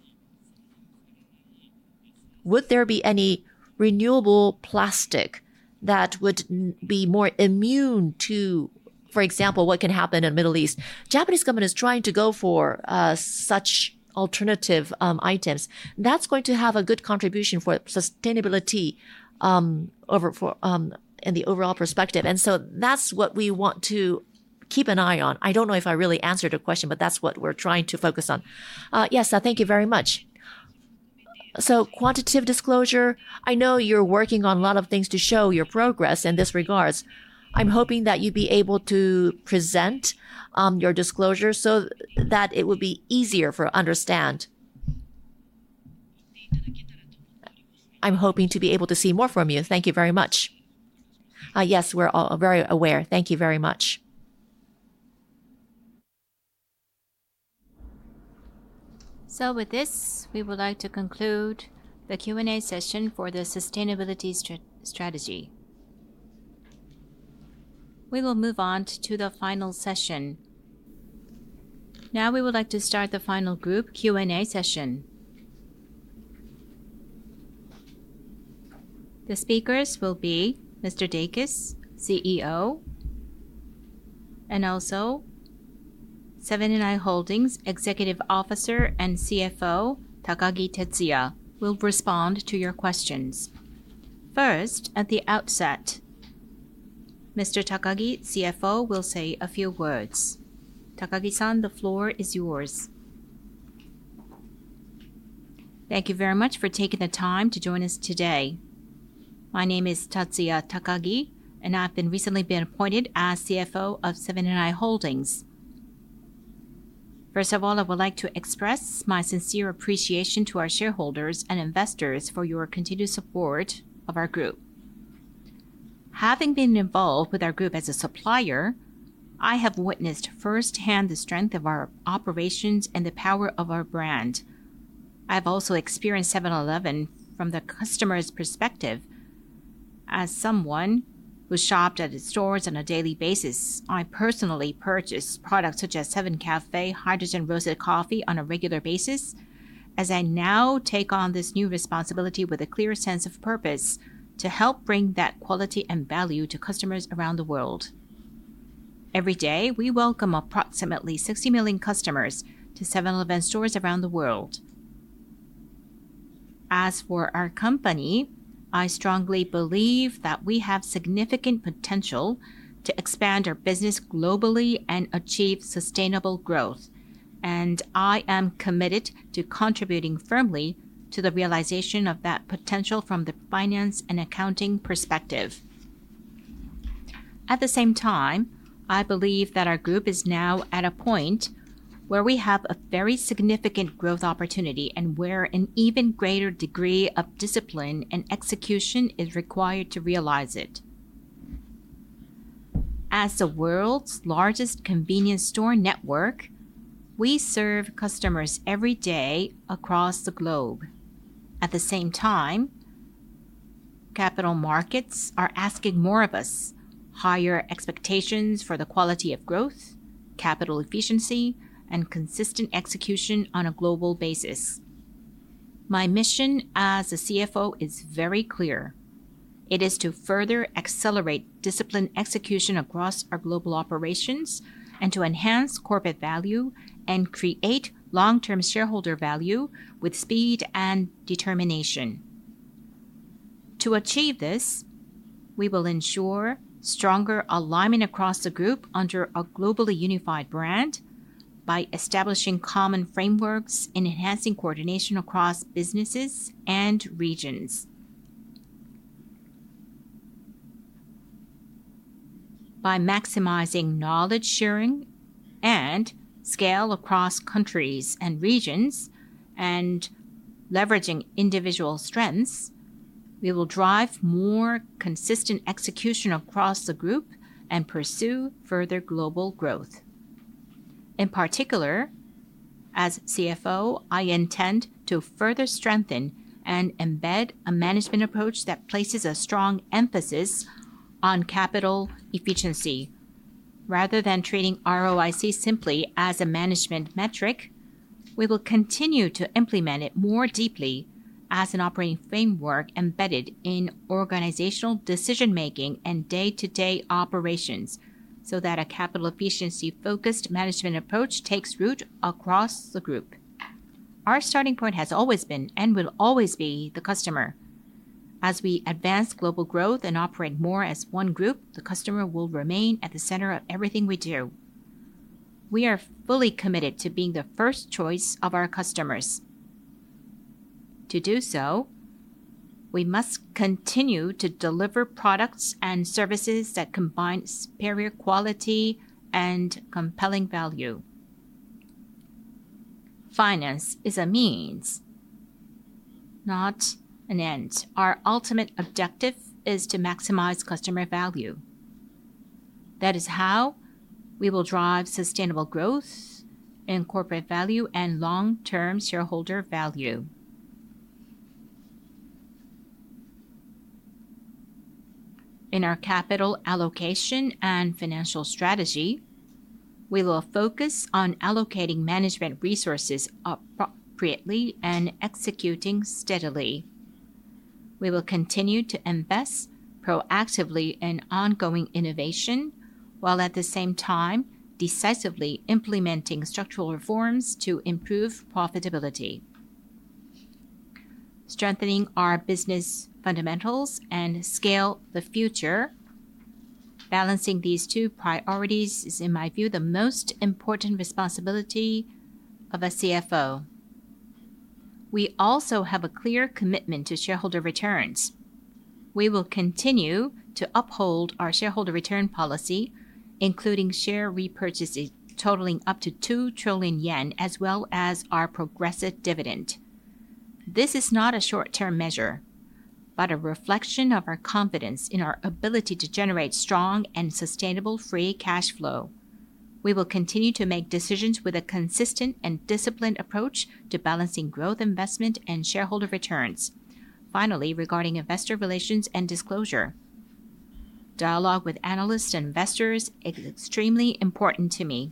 Would there be any renewable plastic that would be more immune to, for example, what can happen in Middle East? Japanese government is trying to go for such alternative items. That's going to have a good contribution for sustainability in the overall perspective. That's what we want to keep an eye on. I don't know if I really answered your question, but that's what we're trying to focus on. Yes. Thank you very much. Quantitative disclosure, I know you're working on a lot of things to show your progress in this regards. I'm hoping that you'd be able to present your disclosure so that it would be easier to understand. I'm hoping to be able to see more from you. Thank you very much. Yes, we're all very aware. Thank you very much. With this, we would like to conclude the Q and A session for the sustainability strategy. We will move on to the final session. Now we would like to start the final group Q and A session. The speakers will be Mr. Dacus, CEO, and also Seven & i Holdings Executive Officer and CFO, Tetsuya Takagi, will respond to your questions. First, at the outset, Mr. Takagi, CFO, will say a few words. Takagi-san, the floor is yours. Thank you very much for taking the time to join us today. My name is Tetsuya Takagi, and I've recently been appointed as CFO of Seven & i Holdings. First of all, I would like to express my sincere appreciation to our shareholders and investors for your continued support of our group. Having been involved with our group as a supplier, I have witnessed firsthand the strength of our operations and the power of our brand. I've also experienced 7-Eleven from the customer's perspective. As someone who shopped at its stores on a daily basis, I personally purchase products such as Seven Cafe Hydrogen-Roasted Coffee on a regular basis. As I now take on this new responsibility with a clear sense of purpose to help bring that quality and value to customers around the world. Every day, we welcome approximately 60 million customers to 7-Eleven stores around the world. As for our company, I strongly believe that we have significant potential to expand our business globally and achieve sustainable growth, and I am committed to contributing firmly to the realization of that potential from the finance and accounting perspective. At the same time, I believe that our group is now at a point where we have a very significant growth opportunity and where an even greater degree of discipline and execution is required to realize it. As the world's largest convenience store network, we serve customers every day across the globe. At the same time, capital markets are asking more of us, higher expectations for the quality of growth, capital efficiency, and consistent execution on a global basis. My mission as the CFO is very clear. It is to further accelerate disciplined execution across our global operations and to enhance corporate value and create long-term shareholder value with speed and determination. To achieve this, we will ensure stronger alignment across the group under a globally unified brand by establishing common frameworks and enhancing coordination across businesses and regions. By maximizing knowledge sharing and scale across countries and regions, and leveraging individual strengths, we will drive more consistent execution across the group and pursue further global growth. In particular, as CFO, I intend to further strengthen and embed a management approach that places a strong emphasis on capital efficiency. Rather than treating ROIC simply as a management metric, we will continue to implement it more deeply as an operating framework embedded in organizational decision-making and day-to-day operations so that a capital efficiency-focused management approach takes root across the group. Our starting point has always been and will always be the customer. As we advance global growth and operate more as one group, the customer will remain at the center of everything we do. We are fully committed to being the first choice of our customers. To do so, we must continue to deliver products and services that combine superior quality and compelling value. Finance is a means, not an end. Our ultimate objective is to maximize customer value. That is how we will drive sustainable growth and corporate value and long-term shareholder value. In our capital allocation and financial strategy, we will focus on allocating management resources appropriately and executing steadily. We will continue to invest proactively in ongoing innovation, while at the same time decisively implementing structural reforms to improve profitability. Strengthening our business fundamentals and scaling the future. Balancing these two priorities is, in my view, the most important responsibility of a CFO. We also have a clear commitment to shareholder returns. We will continue to uphold our shareholder return policy, including share repurchases totaling up to 2 trillion yen, as well as our progressive dividend. This is not a short-term measure, but a reflection of our confidence in our ability to generate strong and sustainable free cash flow. We will continue to make decisions with a consistent and disciplined approach to balancing growth investment and shareholder returns. Finally, regarding investor relations and disclosure, dialogue with analysts and investors is extremely important to me.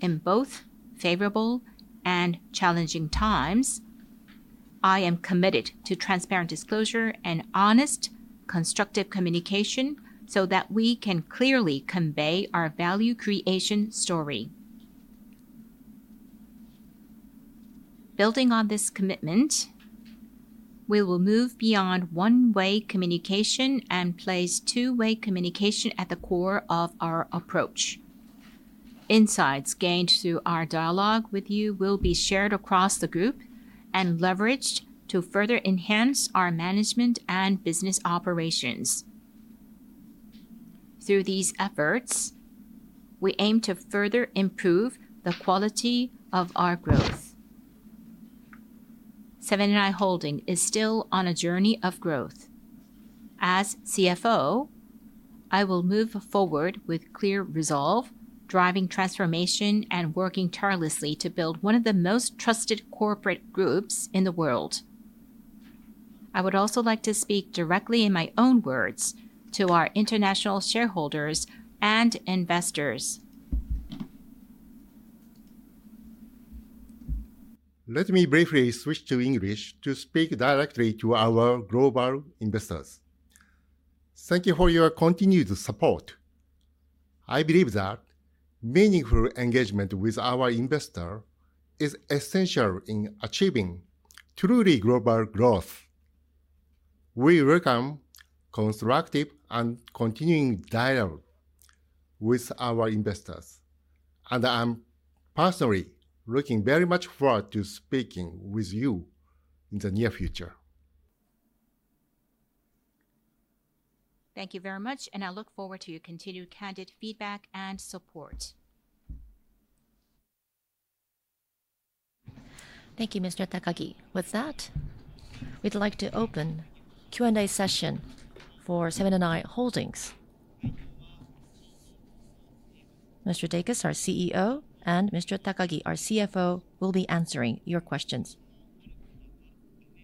In both favorable and challenging times, I am committed to transparent disclosure and honest, constructive communication so that we can clearly convey our value creation story. Building on this commitment, we will move beyond one-way communication and place two-way communication at the core of our approach. Insights gained through our dialogue with you will be shared across the group and leveraged to further enhance our management and business operations. Through these efforts, we aim to further improve the quality of our growth. Seven & i Holdings is still on a journey of growth. As CFO, I will move forward with clear resolve, driving transformation and working tirelessly to build one of the most trusted corporate groups in the world. I would also like to speak directly in my own words to our international shareholders and investors. Let me briefly switch to English to speak directly to our global investors. Thank you for your continued support. I believe that meaningful engagement with our investor is essential in achieving truly global growth. We welcome constructive and continuing dialogue with our investors. I'm personally looking very much forward to speaking with you in the near future. Thank you very much, and I look forward to your continued candid feedback and support. Thank you, Mr. Takagi. With that, we'd like to open Q and A session for Seven & i Holdings. Mr. Dacus, our CEO, and Mr. Takagi, our CFO, will be answering your questions.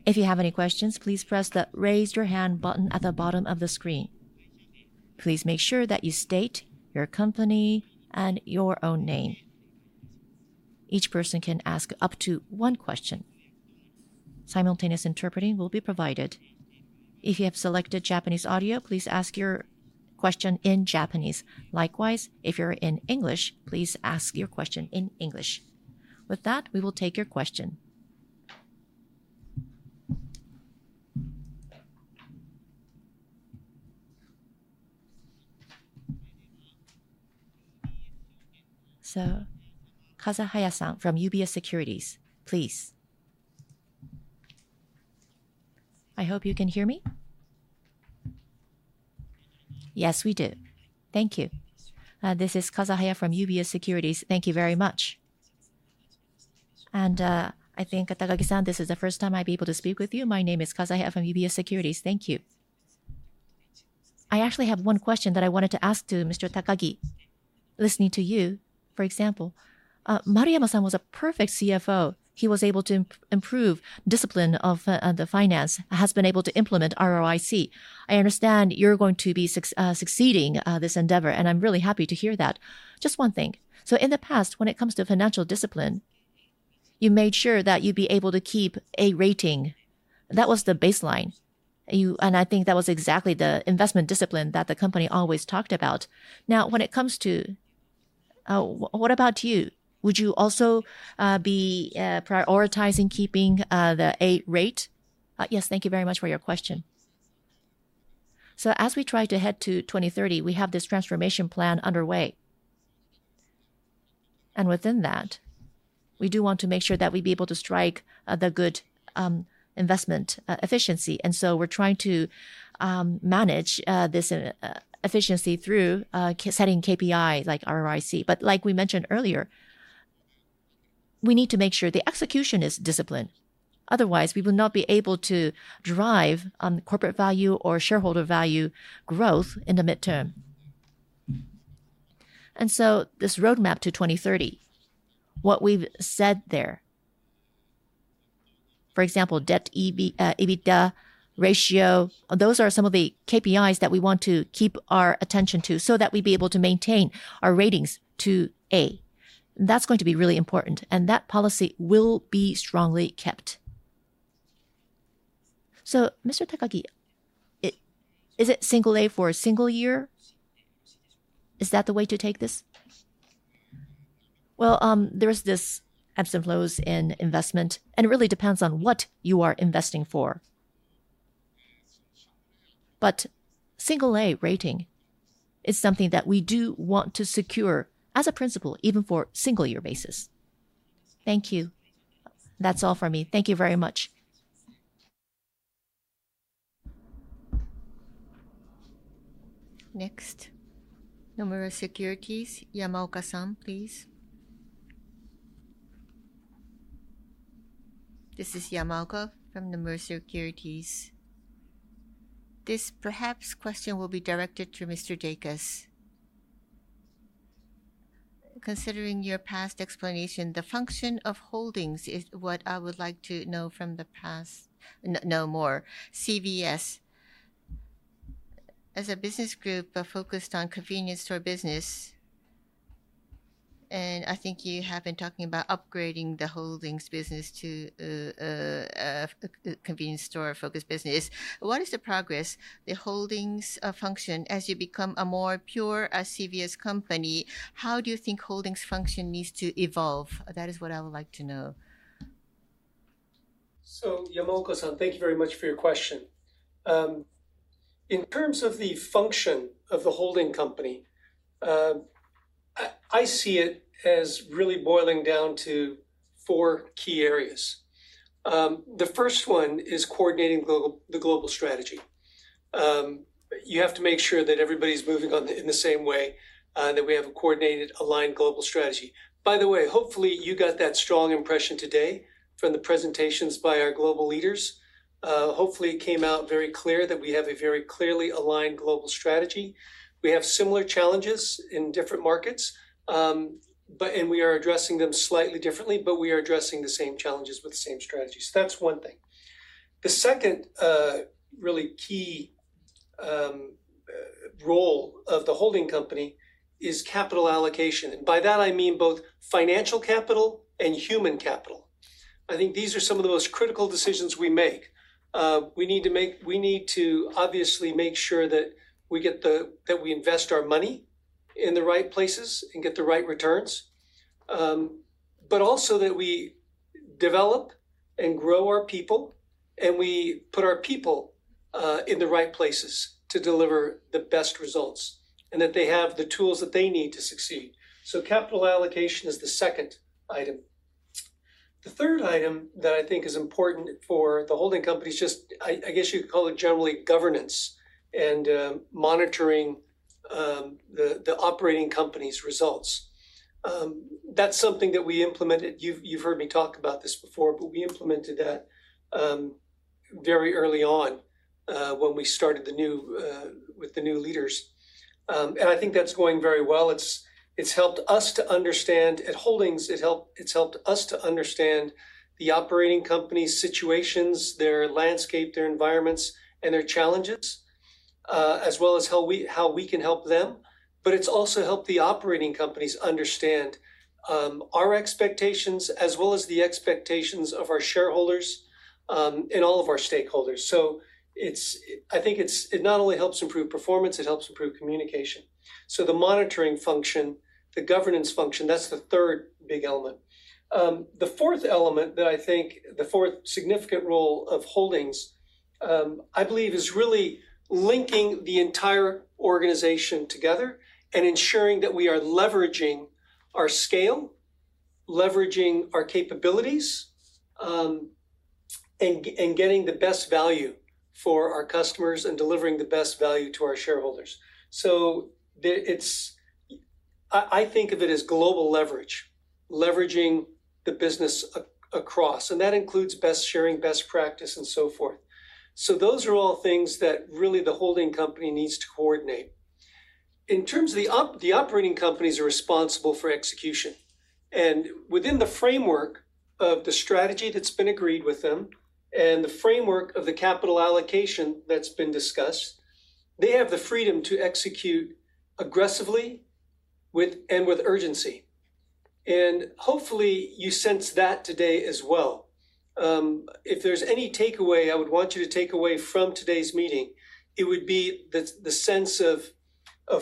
If you have any questions, please press the Raise Your Hand button at the bottom of the screen. Please make sure that you state your company and your own name. Each person can ask up to one question. Simultaneous interpreting will be provided. If you have selected Japanese audio, please ask your question in Japanese. Likewise, if you're in English, please ask your question in English. With that, we will take your question. Kazahaya-san from UBS Securities, please. I hope you can hear me. Yes, we do. Thank you. This is Kazahaya from UBS Securities. Thank you very much. I think, Takagi-san, this is the first time I'll be able to speak with you. My name is Kazahaya from UBS Securities. Thank you. I actually have one question that I wanted to ask to Mr. Takagi. Listening to you, for example, Maruyama-san was a perfect CFO. He was able to improve discipline of the finance, has been able to implement ROIC. I understand you're going to be succeeding this endeavor, and I'm really happy to hear that. Just one thing. In the past, when it comes to financial discipline, you made sure that you'd be able to keep a rating. That was the baseline. I think that was exactly the investment discipline that the company always talked about. Now, when it comes to, what about you? Would you also be prioritizing keeping the A rate? Yes. Thank you very much for your question. As we try to head to 2030, we have this transformation plan underway. Within that, we do want to make sure that we'd be able to strike the good investment efficiency. We're trying to manage this efficiency through setting KPI like ROIC. Like we mentioned earlier, we need to make sure the execution is disciplined. Otherwise, we will not be able to drive corporate value or shareholder value growth in the midterm. This roadmap to 2030, what we've said there, for example, debt/EBITDA ratio, those are some of the KPIs that we want to keep our attention to so that we'd be able to maintain our ratings to A. That's going to be really important, and that policy will be strongly kept. Mr. Takagi, is it single A for a single year? Is that the way to take this? Well, there is this ebbs and flows in investment, and it really depends on what you are investing for. Single A rating is something that we do want to secure as a principle, even for single year basis. Thank you. That's all for me. Thank you very much. Next, Nomura Securities, Yamaoka-san, please. This is Yamaoka from Nomura Securities. This question perhaps will be directed to Mr. Dacus. Considering your past explanation, the function of holdings is what I would like to know more. CVS as a business group are focused on convenience store business, and I think you have been talking about upgrading the holdings business to a convenience store-focused business. What is the progress, the holdings function as you become a more pure CVS company? How do you think holdings function needs to evolve? That is what I would like to know. Yamaoka-san, thank you very much for your question. In terms of the function of the holding company, I see it as really boiling down to four key areas. The first one is coordinating the global strategy. You have to make sure that everybody's moving in the same way, that we have a coordinated, aligned global strategy. By the way, hopefully you got that strong impression today from the presentations by our global leaders. Hopefully, it came out very clear that we have a very clearly aligned global strategy. We have similar challenges in different markets, and we are addressing them slightly differently, but we are addressing the same challenges with the same strategy. That's one thing. The second really key role of the holding company is capital allocation. By that I mean both financial capital and human capital. I think these are some of the most critical decisions we make. We need to obviously make sure that we invest our money in the right places and get the right returns. Also that we develop and grow our people, and we put our people in the right places to deliver the best results, and that they have the tools that they need to succeed. Capital allocation is the second item. The third item that I think is important for the holding company is just, I guess you could call it generally governance and monitoring the operating companies' results. That's something that we implemented. You've heard me talk about this before, but we implemented that very early on when we started with the new leaders. I think that's going very well. At Holdings, it's helped us to understand the operating companies' situations, their landscape, their environments, and their challenges, as well as how we can help them. It's also helped the operating companies understand our expectations as well as the expectations of our shareholders and all of our stakeholders. I think it not only helps improve performance, it helps improve communication. The monitoring function, the governance function, that's the third big element. The fourth element that I think, the fourth significant role of Holdings, I believe is really linking the entire organization together and ensuring that we are leveraging our scale, leveraging our capabilities, and getting the best value for our customers and delivering the best value to our shareholders. I think of it as global leverage, leveraging the business across, and that includes best sharing, best practice, and so forth. Those are all things that really the holding company needs to coordinate. In terms of the operating companies are responsible for execution, and within the framework of the strategy that's been agreed with them and the framework of the capital allocation that's been discussed, they have the freedom to execute aggressively and with urgency. Hopefully you sense that today as well. If there's any takeaway I would want you to take away from today's meeting, it would be the sense of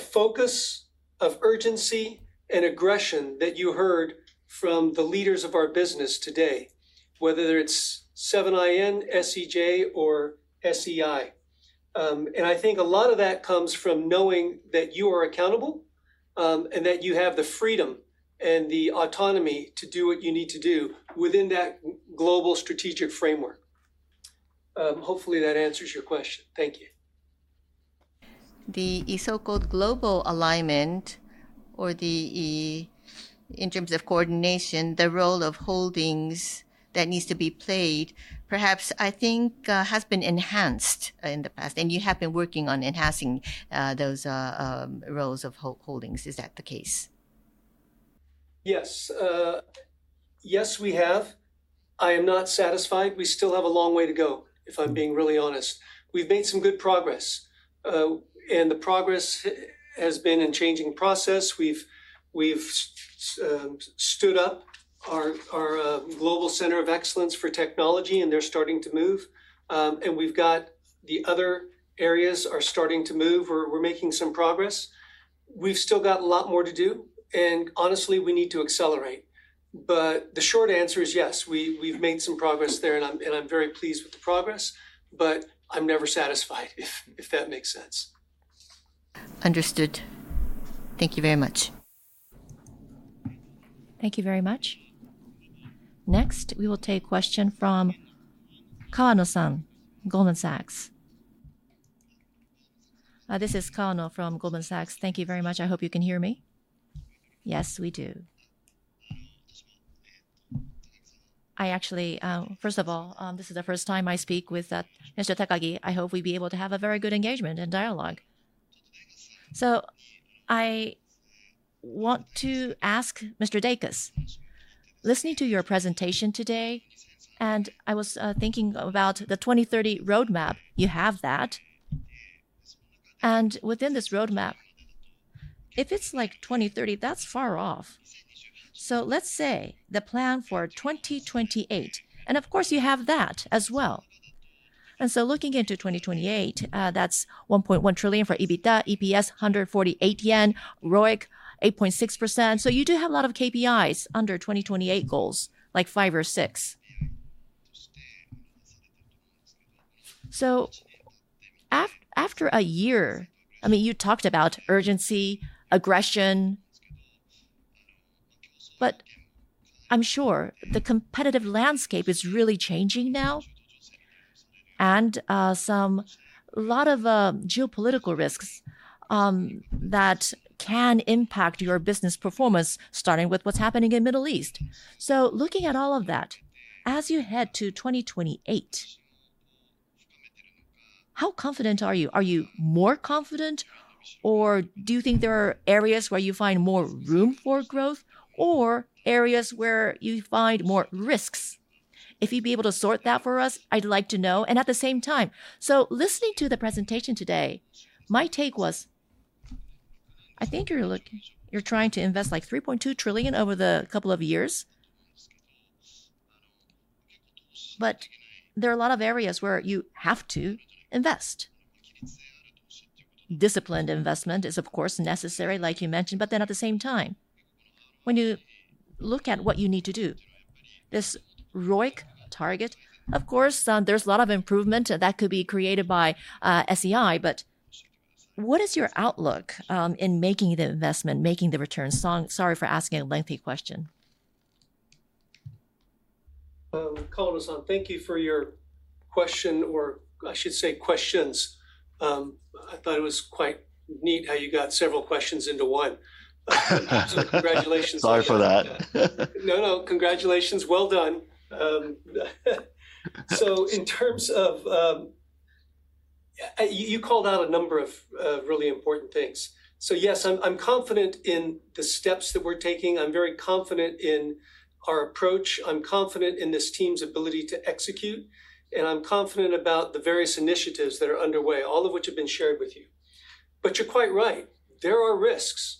focus, of urgency, and aggression that you heard from the leaders of our business today, whether it's 7-Eleven, SEJ, or SEI. I think a lot of that comes from knowing that you are accountable, and that you have the freedom and the autonomy to do what you need to do within that global strategic framework. Hopefully, that answers your question. Thank you. The so-called global alignment or in terms of coordination, the role of holdings that needs to be played, perhaps I think has been enhanced in the past and you have been working on enhancing those roles of holdings. Is that the case? Yes. Yes, we have. I am not satisfied. We still have a long way to go, if I'm being really honest. We've made some good progress. The progress has been in changing process. We've stood up our global center of excellence for technology, and they're starting to move. We've got the other areas are starting to move. We're making some progress. We've still got a lot more to do, and honestly, we need to accelerate. The short answer is yes, we've made some progress there, and I'm very pleased with the progress, but I'm never satisfied, if that makes sense. Understood. Thank you very much. Thank you very much. Next, we will take question from Kawano-san, Goldman Sachs. This is Kawano from Goldman Sachs. Thank you very much. I hope you can hear me. Yes, we do. First of all, this is the first time I speak with Mr. Takagi. I hope we'll be able to have a very good engagement and dialogue. I want to ask Mr. Dacus, listening to your presentation today, and I was thinking about the 2030 roadmap. You have that. Within this roadmap, if it's like 2030, that's far off. Let's say the plan for 2028, and of course, you have that as well. Looking into 2028, that's 1.1 trillion for EBITDA, EPS 148 yen, ROIC 8.6%. You do have a lot of KPIs under 2028 goals, like five or six. After a year, I mean, you talked about urgency, aggression, but I'm sure the competitive landscape is really changing now, and a lot of geopolitical risks that can impact your business performance, starting with what's happening in Middle East. Looking at all of that, as you head to 2028, how confident are you? Are you more confident, or do you think there are areas where you find more room for growth, or areas where you find more risks? If you'd be able to sort that for us, I'd like to know. At the same time, listening to the presentation today, my take was, I think you're trying to invest like 3.2 trillion over the couple of years. But there are a lot of areas where you have to invest. Disciplined investment is of course necessary, like you mentioned at the same time. When you look at what you need to do, this ROIC target, of course, there's a lot of improvement that could be created by SEI, but what is your outlook in making the investment, making the returns? Sorry for asking a lengthy question. Kawano-san, thank you for your question, or I should say questions. I thought it was quite neat how you got several questions into one. Congratulations. Sorry for that. No, no. Congratulations. Well done. You called out a number of really important things. Yes, I'm confident in the steps that we're taking. I'm very confident in our approach. I'm confident in this team's ability to execute, and I'm confident about the various initiatives that are underway, all of which have been shared with you. You're quite right. There are risks.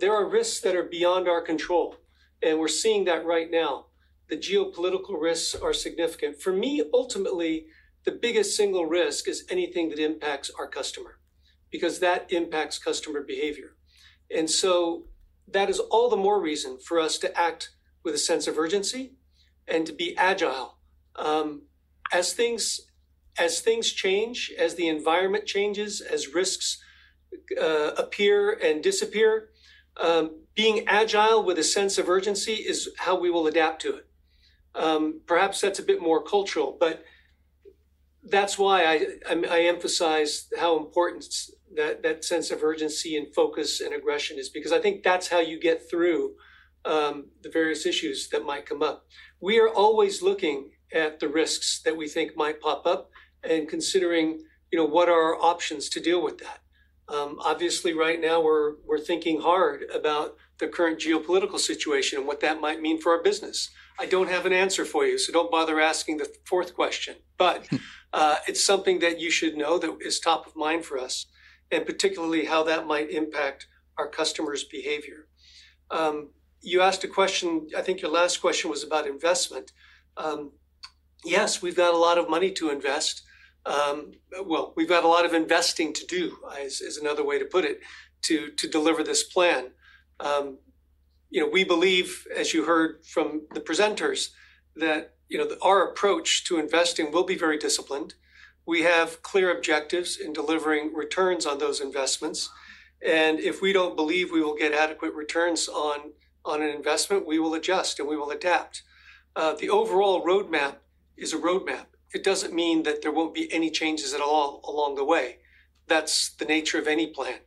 There are risks that are beyond our control, and we're seeing that right now. The geopolitical risks are significant. For me, ultimately, the biggest single risk is anything that impacts our customer, because that impacts customer behavior. That is all the more reason for us to act with a sense of urgency and to be agile. As things change, as the environment changes, as risks appear and disappear, being agile with a sense of urgency is how we will adapt to it. Perhaps that's a bit more cultural, but that's why I emphasize how important that sense of urgency and focus and aggression is because I think that's how you get through the various issues that might come up. We are always looking at the risks that we think might pop up and considering what are our options to deal with that. Obviously, right now, we're thinking hard about the current geopolitical situation and what that might mean for our business. I don't have an answer for you, so don't bother asking the fourth question. It's something that you should know that is top of mind for us, and particularly how that might impact our customers' behavior. You asked a question, I think your last question was about investment. Yes, we've got a lot of money to invest. Well, we've got a lot of investing to do, is another way to put it, to deliver this plan. We believe, as you heard from the presenters, that our approach to investing will be very disciplined. We have clear objectives in delivering returns on those investments, and if we don't believe we will get adequate returns on an investment, we will adjust and we will adapt. The overall roadmap is a roadmap. It doesn't mean that there won't be any changes at all along the way. That's the nature of any plan.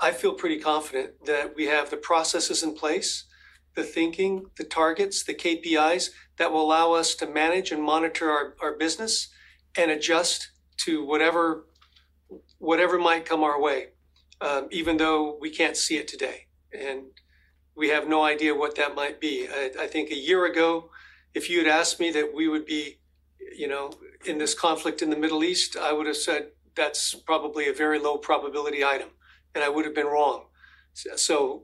I feel pretty confident that we have the processes in place, the thinking, the targets, the KPIs that will allow us to manage and monitor our business and adjust to whatever might come our way, even though we can't see it today, and we have no idea what that might be. I think a year ago, if you'd asked me that we would be in this conflict in the Middle East, I would've said that's probably a very low probability item, and I would've been wrong.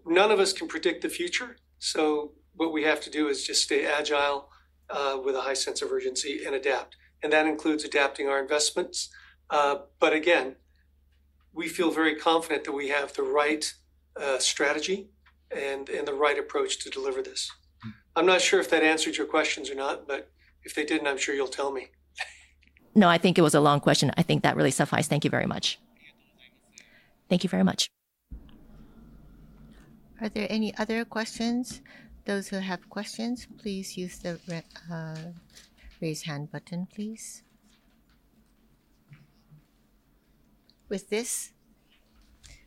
None of us can predict the future. What we have to do is just stay agile with a high sense of urgency and adapt. That includes adapting our investments. Again, we feel very confident that we have the right strategy and the right approach to deliver this. I'm not sure if that answered your questions or not, but if they didn't, I'm sure you'll tell me. No, I think it was a long question. I think that really suffices. Thank you very much. Thank you. Thank you very much. Are there any other questions? Those who have questions, please use the raise hand button, please. With this,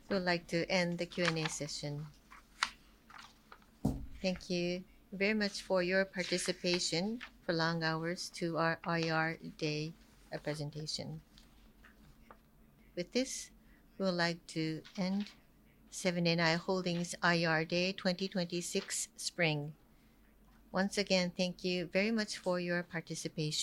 we would like to end the Q and A session. Thank you very much for your participation, for long hours to our IR Day presentation. With this, we would like to end Seven & i Holdings IR Day 2026 Spring. Once again, thank you very much for your participation.